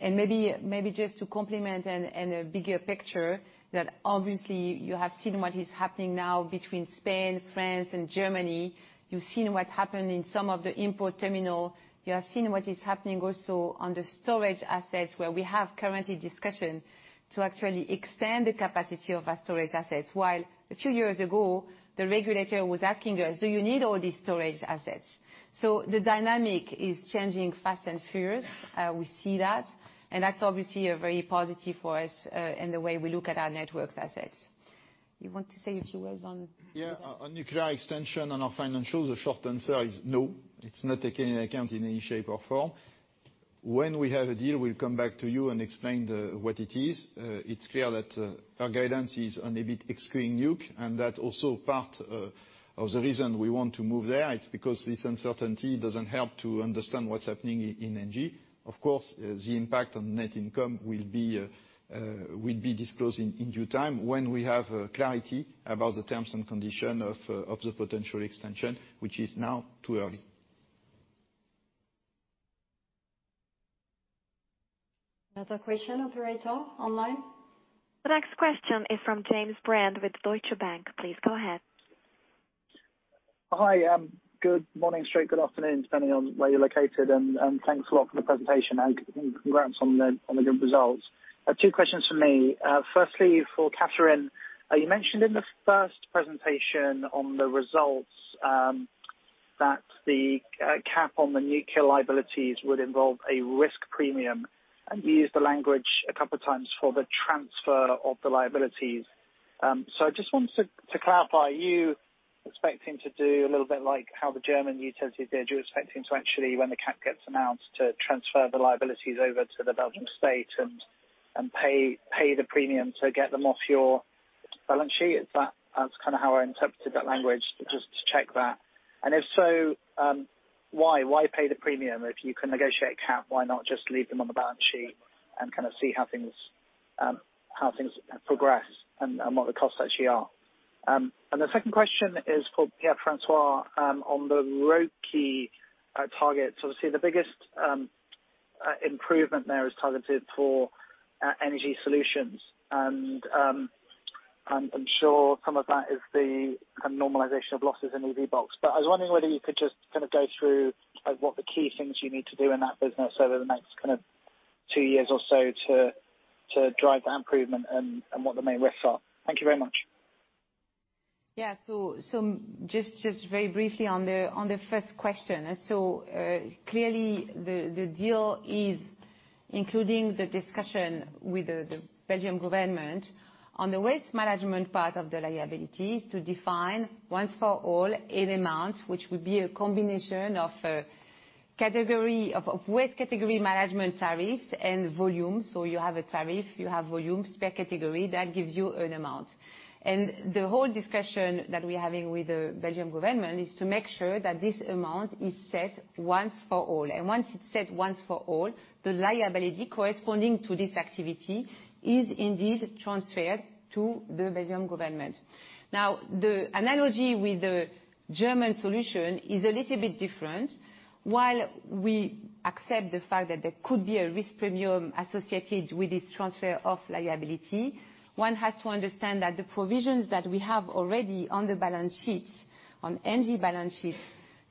Maybe, maybe just to complement and a bigger picture, that obviously you have seen what is happening now between Spain, France and Germany. You've seen what happened in some of the import terminal. You have seen what is happening also on the storage assets, where we have currently discussion. To actually extend the capacity of our storage assets. While a few years ago, the regulator was asking us, "Do you need all these storage assets?" The dynamic is changing fast and furious. We see that, and that's obviously, very positive for us, in the way we look at our networks assets. You want to say a few words on nuclear extension? On nuclear extension and our financials, the short answer is no. It's not taken into account in any shape or form. When we have a deal, we'll come back to you and explain the, what it is. It's clear that our guidance is on a bit extreme nuke, and that also part of the reason we want to move there, it's because this uncertainty doesn't help to understand what's happening in ENGIE. Of course, the impact on net income will be disclosed in due time when we have clarity about the terms and condition of the potential extension, which is now too early. Another question, operator, online? The next question is from James Brand with Deutsche Bank. Please go ahead. Hi. Good morning, straight. Good afternoon, depending on where you're located, and thanks a lot for the presentation and congrats on the good results. I have two questions for me. Firstly, for Catherine, you mentioned in the first presentation on the results, that the cap on the nuclear liabilities would involve a risk premium. You used the language a couple of times for the transfer of the liabilities. So I just wanted to clarify, are you expecting to do a little bit like how the German utilities did? You're expecting to actually, when the cap gets announced, to transfer the liabilities over to the Belgium State and pay the premium to get them off your balance sheet? That's kinda how I interpreted that language, just to check that. If so, why? Why pay the premium if you can negotiate cap? Why not just leave them on the balance sheet and kinda see how things progress and what the costs actually are? The second question is for Pierre-François on the ROACE target. Obviously the biggest improvement there is targeted for Energy Solutions. I'm sure some of that is the normalization of losses in EVBox. I was wondering whether you could just kinda go through, like, what the key things you need to do in that business over the next kind of two years or so to drive that improvement and what the main risks are? Thank you very much. Yeah. Just very briefly on the first question. Clearly the deal is including the discussion with the Belgian government on the waste management part of the liabilities to define once for all an amount, which would be a combination of waste category management tariffs and volume. You have a tariff, you have volume per category that gives you an amount. The whole discussion that we're having with the Belgian government is to make sure that this amount is set once for all. Once it's set once for all, the liability corresponding to this activity is indeed transferred to the Belgian government. Now, the analogy with the German solution is a little bit different. While we accept the fact that there could be a risk premium associated with this transfer of liability, one has to understand that the provisions that we have already on the balance sheet, on ENGIE balance sheet,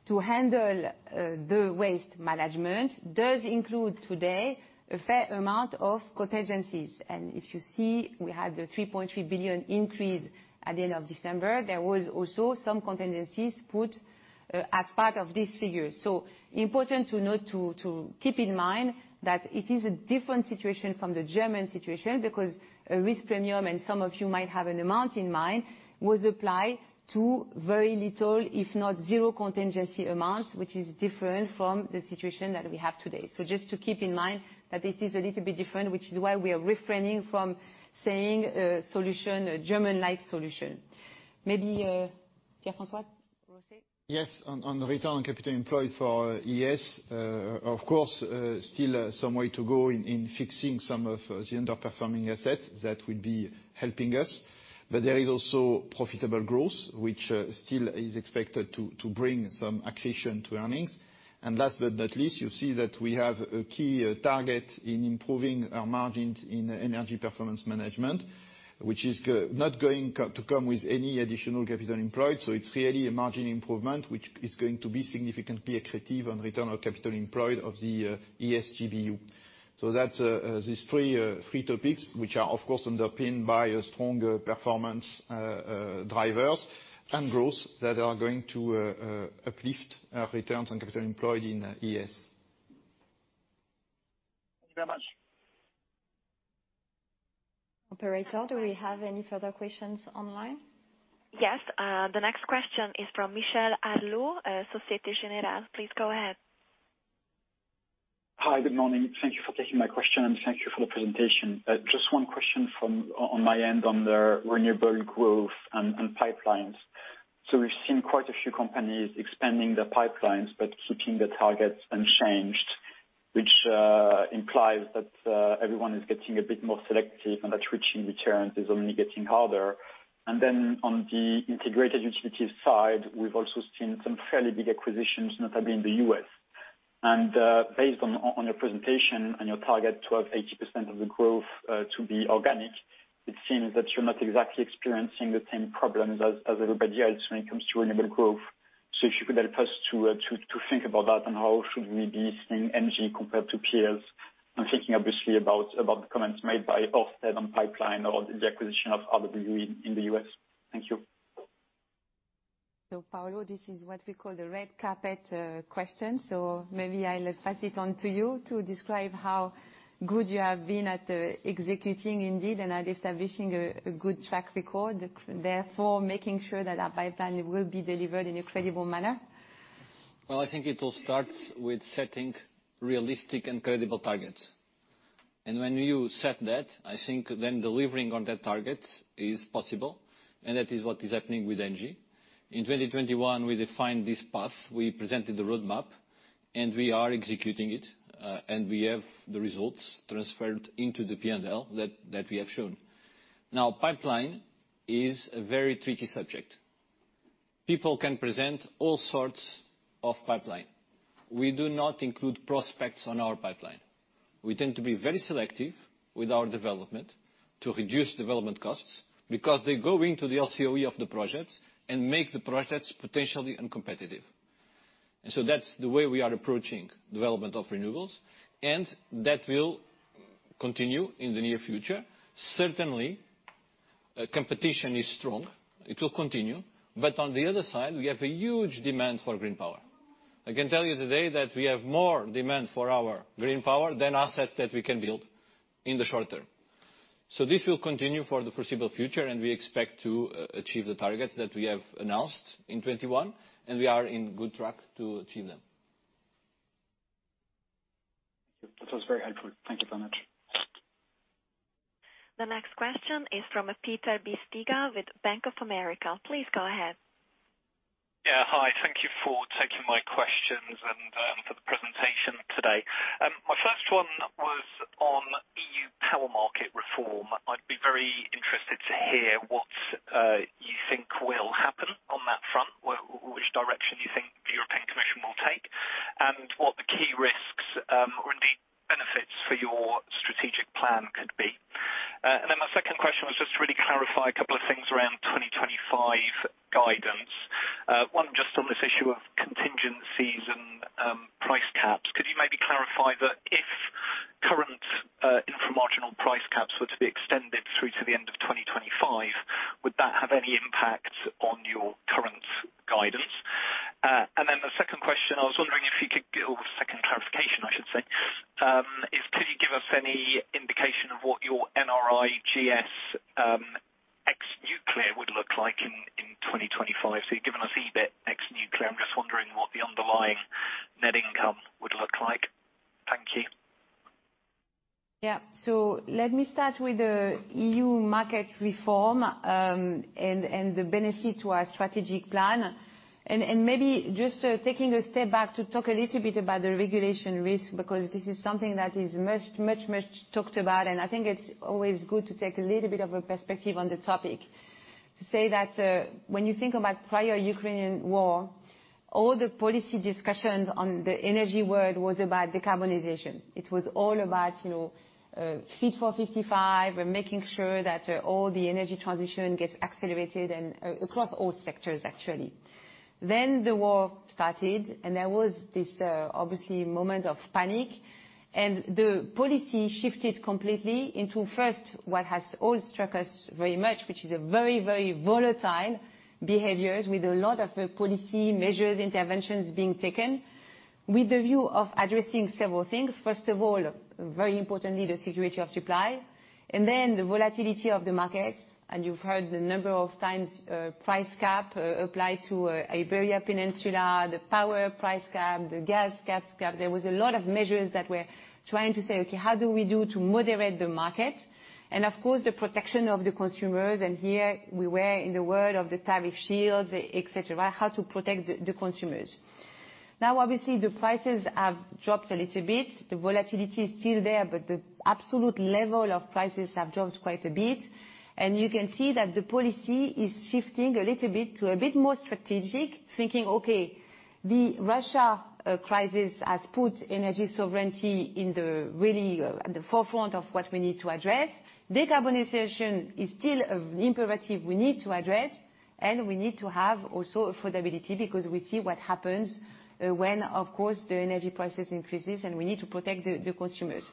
to handle the waste management, does include today a fair amount of contingencies. If you see, we have the 3.3 billion increase at the end of December. There was also some contingencies put as part of this figure. Important to note, to keep in mind that it is a different situation from the German situation because a risk premium, and some of you might have an amount in mind, was applied to very little, if not zero contingency amounts, which is different from the situation that we have today. Just to keep in mind that it is a little bit different, which is why we are refraining from saying a solution, a German-like solution. Maybe, Pierre-François, proceed. Yes. On return on capital employed for ES, of course, still some way to go in fixing some of the underperforming assets that would be helping us. There is also profitable growth, which still is expected to bring some accretion to earnings. Last but not least, you see that we have a key target in improving our margins in energy performance management. Which is not going to come with any additional capital employed. It's really a margin improvement, which is going to be significantly accretive on return on capital employed of the ESGBU. That's these three topics, which are of course underpinned by a strong performance drivers and growth that are going to uplift our returns on capital employed in ES. Thank you very much. Operator, do we have any further questions online? Yes. The next question is from Michael Harleaux, Société Générale. Please go ahead. Hi. Good morning. Thank you for taking my question, and thank you for the presentation. Just one question from, on my end on the renewable growth and pipelines. We've seen quite a few companies expanding their pipelines but keeping the targets unchanged, which implies that everyone is getting a bit more selective and that reaching returns is only getting harder. On the integrated utilities side, we've also seen some fairly big acquisitions, notably in the U.S. Based on your presentation and your target towards 80% of the growth to be organic. It seems that you're not exactly experiencing the same problems as everybody else when it comes to renewable growth. If you could help us to think about that and how should we be seeing ENGIE compared to peers? I'm thinking obviously about the comments made by Ørsted on pipeline or the acquisition of RWE in the U.S. Thank you. Paulo, this is what we call the red carpet question. Maybe I'll pass it on to you to describe how good you have been at executing indeed and at establishing a good track record, therefore making sure that our pipeline will be delivered in a credible manner. Well, I think it all starts with setting realistic and credible targets. When you set that, I think then delivering on that target is possible, and that is what is happening with ENGIE. In 2021, we defined this path. We presented the roadmap, and we are executing it, and we have the results transferred into the P&L that we have shown. Pipeline is a very tricky subject. People can present all sorts of pipeline. We do not include prospects on our pipeline. We tend to be very selective with our development to reduce development costs because they go into the LCOE of the projects and make the projects potentially uncompetitive. That's the way we are approaching development of renewables, and that will continue in the near future. Certainly, competition is strong. It will continue. On the other side, we have a huge demand for green power. I can tell you today that we have more demand for our green power than assets that we can build in the short term. This will continue for the foreseeable future, and we expect to achieve the targets that we have announced in 2021, and we are in good track to achieve them. Thank you. That was very helpful. Thank you very much. The next question is from Peter Bisztyga with Bank of America. Please go ahead. Yeah. Hi. Thank you for taking my questions and for the presentation today. My first one was Fit for 55. We're making sure that all the energy transition gets accelerated and across all sectors, actually. The war started, and there was this obviously moment of panic. The policy shifted completely into, first, what has all struck us very much, which is a very volatile behaviors with a lot of policy measures, interventions being taken with the view of addressing several things. First of all, very importantly, the security of supply. Then the volatility of the markets, and you've heard the number of times, price cap applied to Iberia Peninsula, the power price cap, the gas cap. There was a lot of measures that we're trying to say, "Okay, how do we do to moderate the market?" Of course, the protection of the consumers, and here we were in the world of the tariff shields, et cetera, right? How to protect the consumers. Obviously, the prices have dropped a little bit. The volatility is still there, but the absolute level of prices have dropped quite a bit. You can see that the policy is shifting a little bit to a bit more strategic thinking, okay, the Russia crisis has put energy sovereignty in the really at the forefront of what we need to address. Decarbonization is still an imperative we need to address, and we need to have also affordability because we see what happens when, of course, the energy prices increases, and we need to protect the consumers.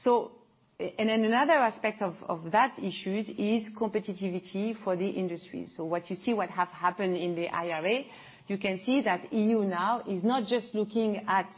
And then another aspect of that issues is competitivity for the industry. What you see what have happened in the IRA, you can see that EU now is not just looking at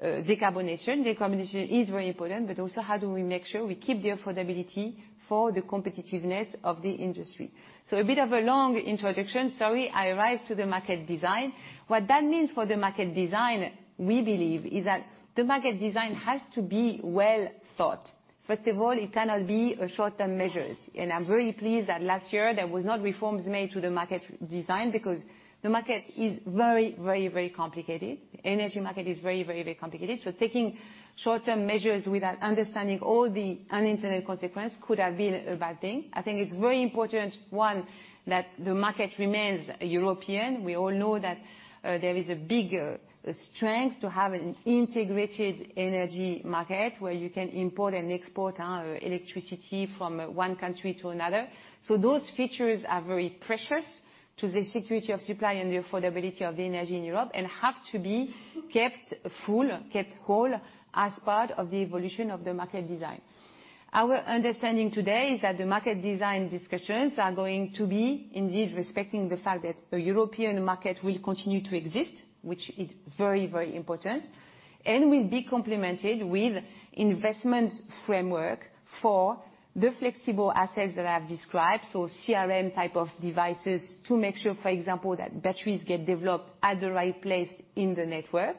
decarbonization. Decarbonization is very important, but also how do we make sure we keep the affordability for the competitiveness of the industry? A bit of a long introduction. Sorry. I arrive to the market design. What that means for the market design, we believe, is that the market design has to be well thought. First of all, it cannot be a short-term measures. I'm very pleased that last year there was not reforms made to the market design because the market is very complicated. Energy market is very complicated. Taking short-term measures without understanding all the unintended consequence could have been a bad thing. I think it's very important, one, that the market remains European. We all know that there is a big strength to have an integrated energy market where you can import and export electricity from one country to another. Those features are very precious to the security of supply and the affordability of the energy in Europe and have to be kept full, kept whole as part of the evolution of the market design. Our understanding today is that the market design discussions are going to be indeed respecting the fact that the European market will continue to exist, which is very, very important, and will be complemented with investment framework for the flexible assets that I have described. CRM type of devices to make sure, for example, that batteries get developed at the right place in the network.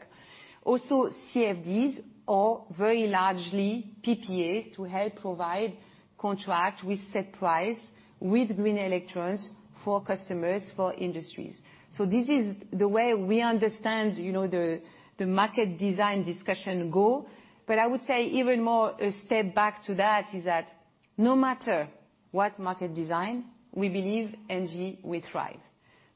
CFDs or very largely PPAs to help provide contract with set price with green electrons for customers, for industries. This is the way we understand, you know, the market design discussion go. I would say even more a step back to that is that no matter what market design, we believe ENGIE will thrive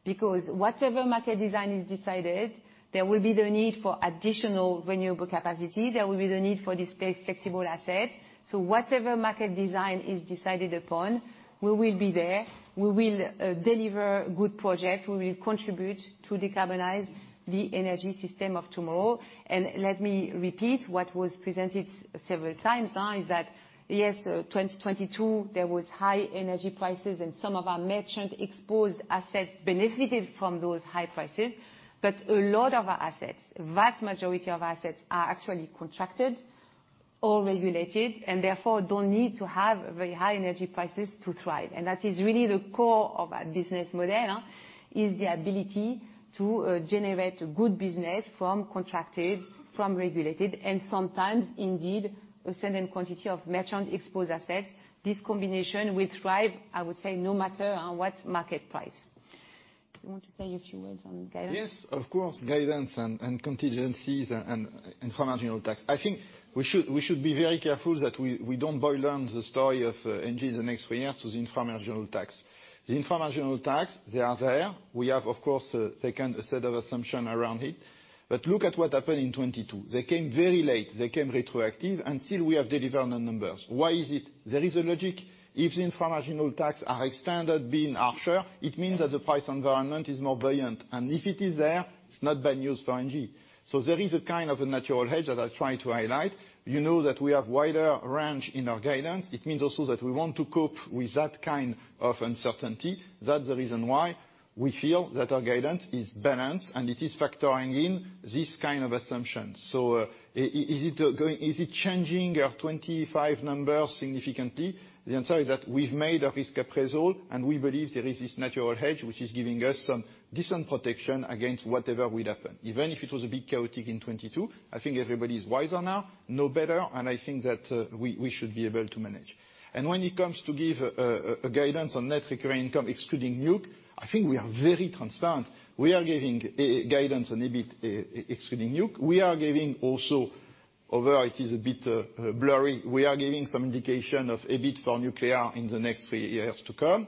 because whatever market design is decided, there will be the need for additional renewable capacity. There will be the need for displaced flexible assets. Whatever market design is decided upon, we will be there. We will deliver good project. We will contribute to decarbonize the energy system of tomorrow. Let me repeat what was presented several times now, is that, yes, 2022 there was high energy prices and some of our merchant-exposed assets benefited from those high prices. A lot of our assets, vast majority of assets, are actually contracted or regulated and therefore don't need to have very high energy prices to thrive. That is really the core of our business model, is the ability to generate good business from contracted, from regulated, and sometimes indeed a certain quantity of merchant-exposed assets. This combination will thrive, I would say, no matter on what market price. Do you want to say a few words on guidance? Yes, of course, guidance, contingencies, and financial tax. I think we should be very careful that we don't boil down the story of ENGIE the next three years to the inframarginal tax. The inframarginal tax, they are there. We have of course taken a set of assumption around it. Look at what happened in 2022. They came very late, they came retroactive, Still we have delivered on the numbers. Why is it? There is a logic. If the inframarginal tax are extended being harsher, it means that the price environment is more buoyant. If it is there, it's not bad news for ENGIE. There is a kind of a natural hedge that I try to highlight. You know that we have wider range in our guidance. It means also that we want to cope with that kind of uncertainty. That's the reason why we feel that our guidance is balanced and it is factoring in this kind of assumption. Is it changing our 2025 numbers significantly? The answer is that we've made a risk appraisal and we believe there is this natural hedge which is giving us some decent protection against whatever would happen. Even if it was a bit chaotic in 2022, I think everybody is wiser now, know better, and I think that we should be able to manage. When it comes to give a guidance on net recurring income excluding nuke, I think we are very transparent. We are giving guidance on EBIT excluding nuke. We are giving also, although it is a bit blurry, we are giving some indication of EBIT for nuclear in the next three years to come.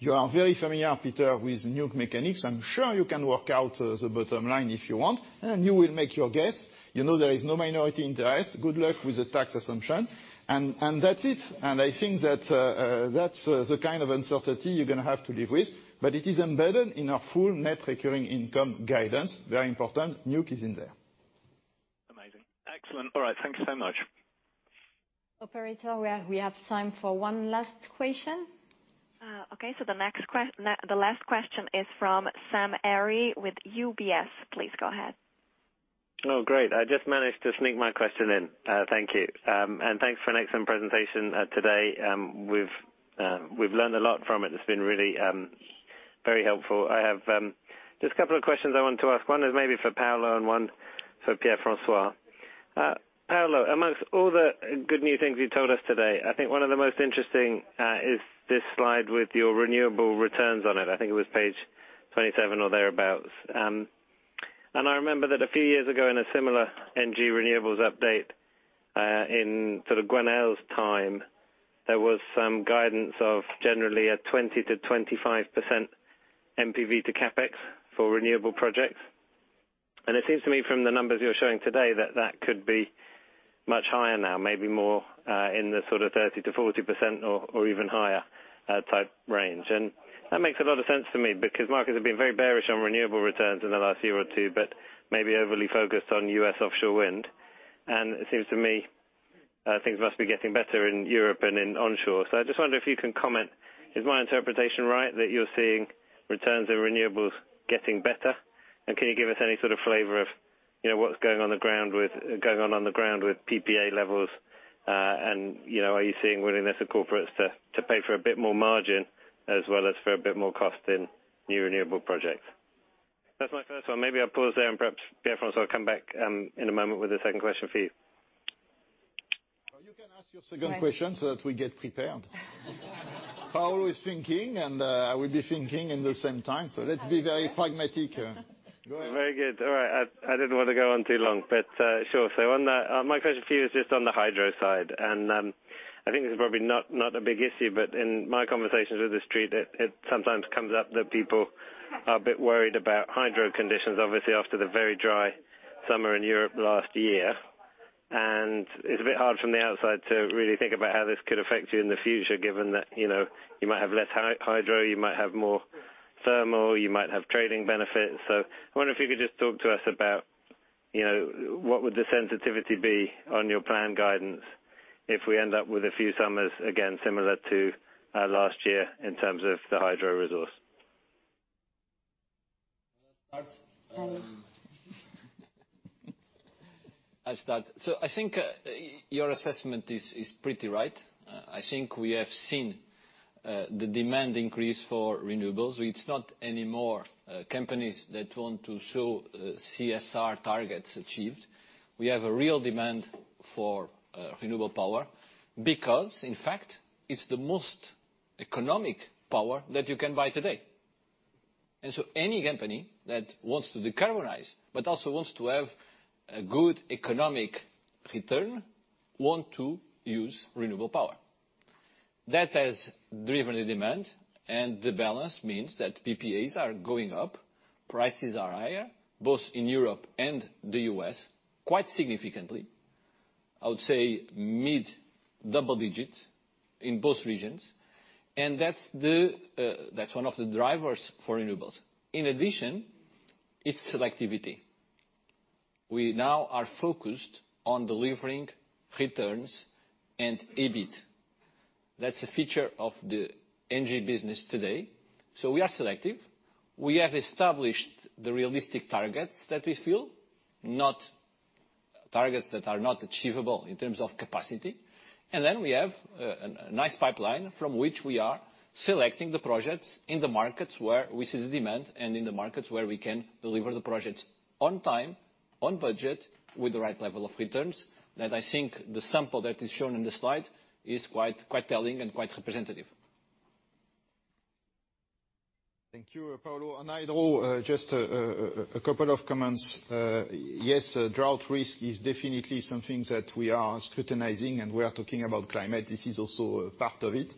You are very familiar, Peter, with nuke mechanics. I'm sure you can work out, the bottom line if you want, and you will make your guess. You know there is no minority interest. Good luck with the tax assumption. That's it. I think that that's the kind of uncertainty you're gonna have to live with. It is embedded in our full net recurring income guidance. Very important, nuke is in there. Amazing. Excellent. All right. Thank you so much. Operator, we have time for one last question. Okay. The last question is from Sam Arie with UBS. Please go ahead. Oh, great. I just managed to sneak my question in. Thank you. Thanks for an excellent presentation today. We've learned a lot from it. It's been really very helpful. I have just a couple of questions I want to ask. One is maybe for Paulo and one for Pierre-François. Paulo, amongst all the good new things you told us today, I think one of the most interesting is this slide with your renewable returns on it. I think it was page 27 or thereabout. I remember that a few years ago in a similar ENGIE renewables update, in sort of Gwenaëlle's time, there was some guidance of generally a 20% to 25% NPV to CapEx for renewable projects. It seems to me from the numbers you're showing today that could be much higher now, maybe more in the sort of 30%-40% or even higher type range. That makes a lot of sense to me because markets have been very bearish on renewable returns in the last year or two, but maybe overly focused on U.S. offshore wind. It seems to me things must be getting better in Europe and in onshore. I just wonder if you can comment, is my interpretation right that you're seeing returns in renewables getting better? Can you give us any sort of flavor of, you know, what's going on the ground with PPA levels? You know, are you seeing willingness of corporates to pay for a bit more margin as well as for a bit more cost in new renewable projects? That's my first one. Maybe I'll pause there and perhaps Pierre-François I'll come back in a moment with a second question for you. Well, you can ask your second question so that we get prepared. Paulo is thinking and I will be thinking in the same time. Let's be very pragmatic. Go ahead. Very good. All right. I didn't want to go on too long, but sure. My question to you is just on the hydro side, and I think this is probably not a big issue, but in my conversations with the street it sometimes comes up that people are a bit worried about hydro conditions, obviously after the very dry summer in Europe last year. It's a bit hard from the outside to really think about how this could affect you in the future, given that, you know, you might have less hydro, you might have more thermal, you might have trading benefits. I wonder if you could just talk to us about, you know, what would the sensitivity be on your plan guidance if we end up with a few summers again, similar to last year in terms of the hydro resource? I'll start. I think your assessment is pretty right. I think we have seen the demand increase for renewables. It's not anymore companies that want to show CSR targets achieved. We have a real demand for renewable power because in fact, it's the most economic power that you can buy today. Any company that wants to decarbonize, but also wants to have a good economic return, want to use renewable power. That has driven the demand, and the balance means that PPAs are going up. Prices are higher, both in Europe and the U.S., quite significantly, I would say mid-double-digits in both regions. That's one of the drivers for renewables. In addition, it's selectivity. We now are focused on delivering returns and EBIT. That's a feature of the ENGIE business today. We are selective. We have established the realistic targets that we feel, not targets that are not achievable in terms of capacity. Then we have a nice pipeline from which we are selecting the projects in the markets where we see the demand and in the markets where we can deliver the projects on time, on budget, with the right level of returns. I think the sample that is shown in the slide is quite telling and quite representative. Thank you, Paulo. On hydro, just a couple of comments. Yes, drought risk is definitely something that we are scrutinizing. We are talking about climate. This is also a part of it.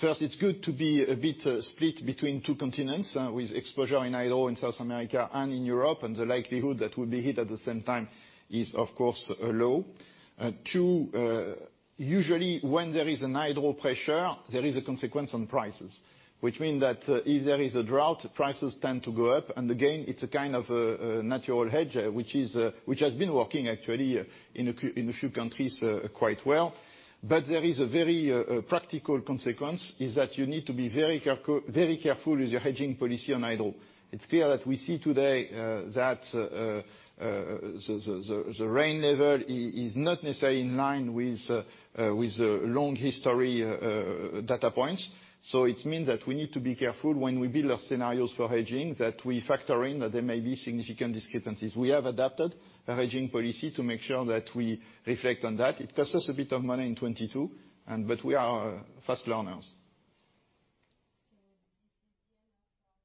First, it's good to be a bit split between two continents with exposure in hydro in South America and in Europe. The likelihood that we'll be hit at the same time is, of course, low. Two, usually, when there is a hydro pressure, there is a consequence on prices, which mean that if there is a drought, prices tend to go up. Again, it's a kind of a natural hedge, which has been working actually in a few countries quite well. There is a very practical consequence, is that you need to be very careful with your hedging policy on hydro. It's clear that we see today that the rain level is not necessarily in line with long history data points. It means that we need to be careful when we build our scenarios for hedging, that we factor in that there may be significant discrepancies. We have adapted a hedging policy to make sure that we reflect on that. It costs us a bit of money in 2022, but we are fast learners.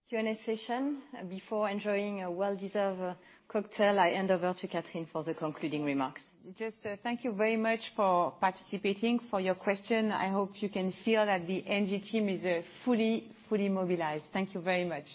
This is the end of our Q&A session. Before enjoying a well-deserved cocktail, I hand over to Catherine for the concluding remarks. Just, thank you very much for participating, for your question. I hope you can feel that the ENGIE team is fully mobilized. Thank you very much.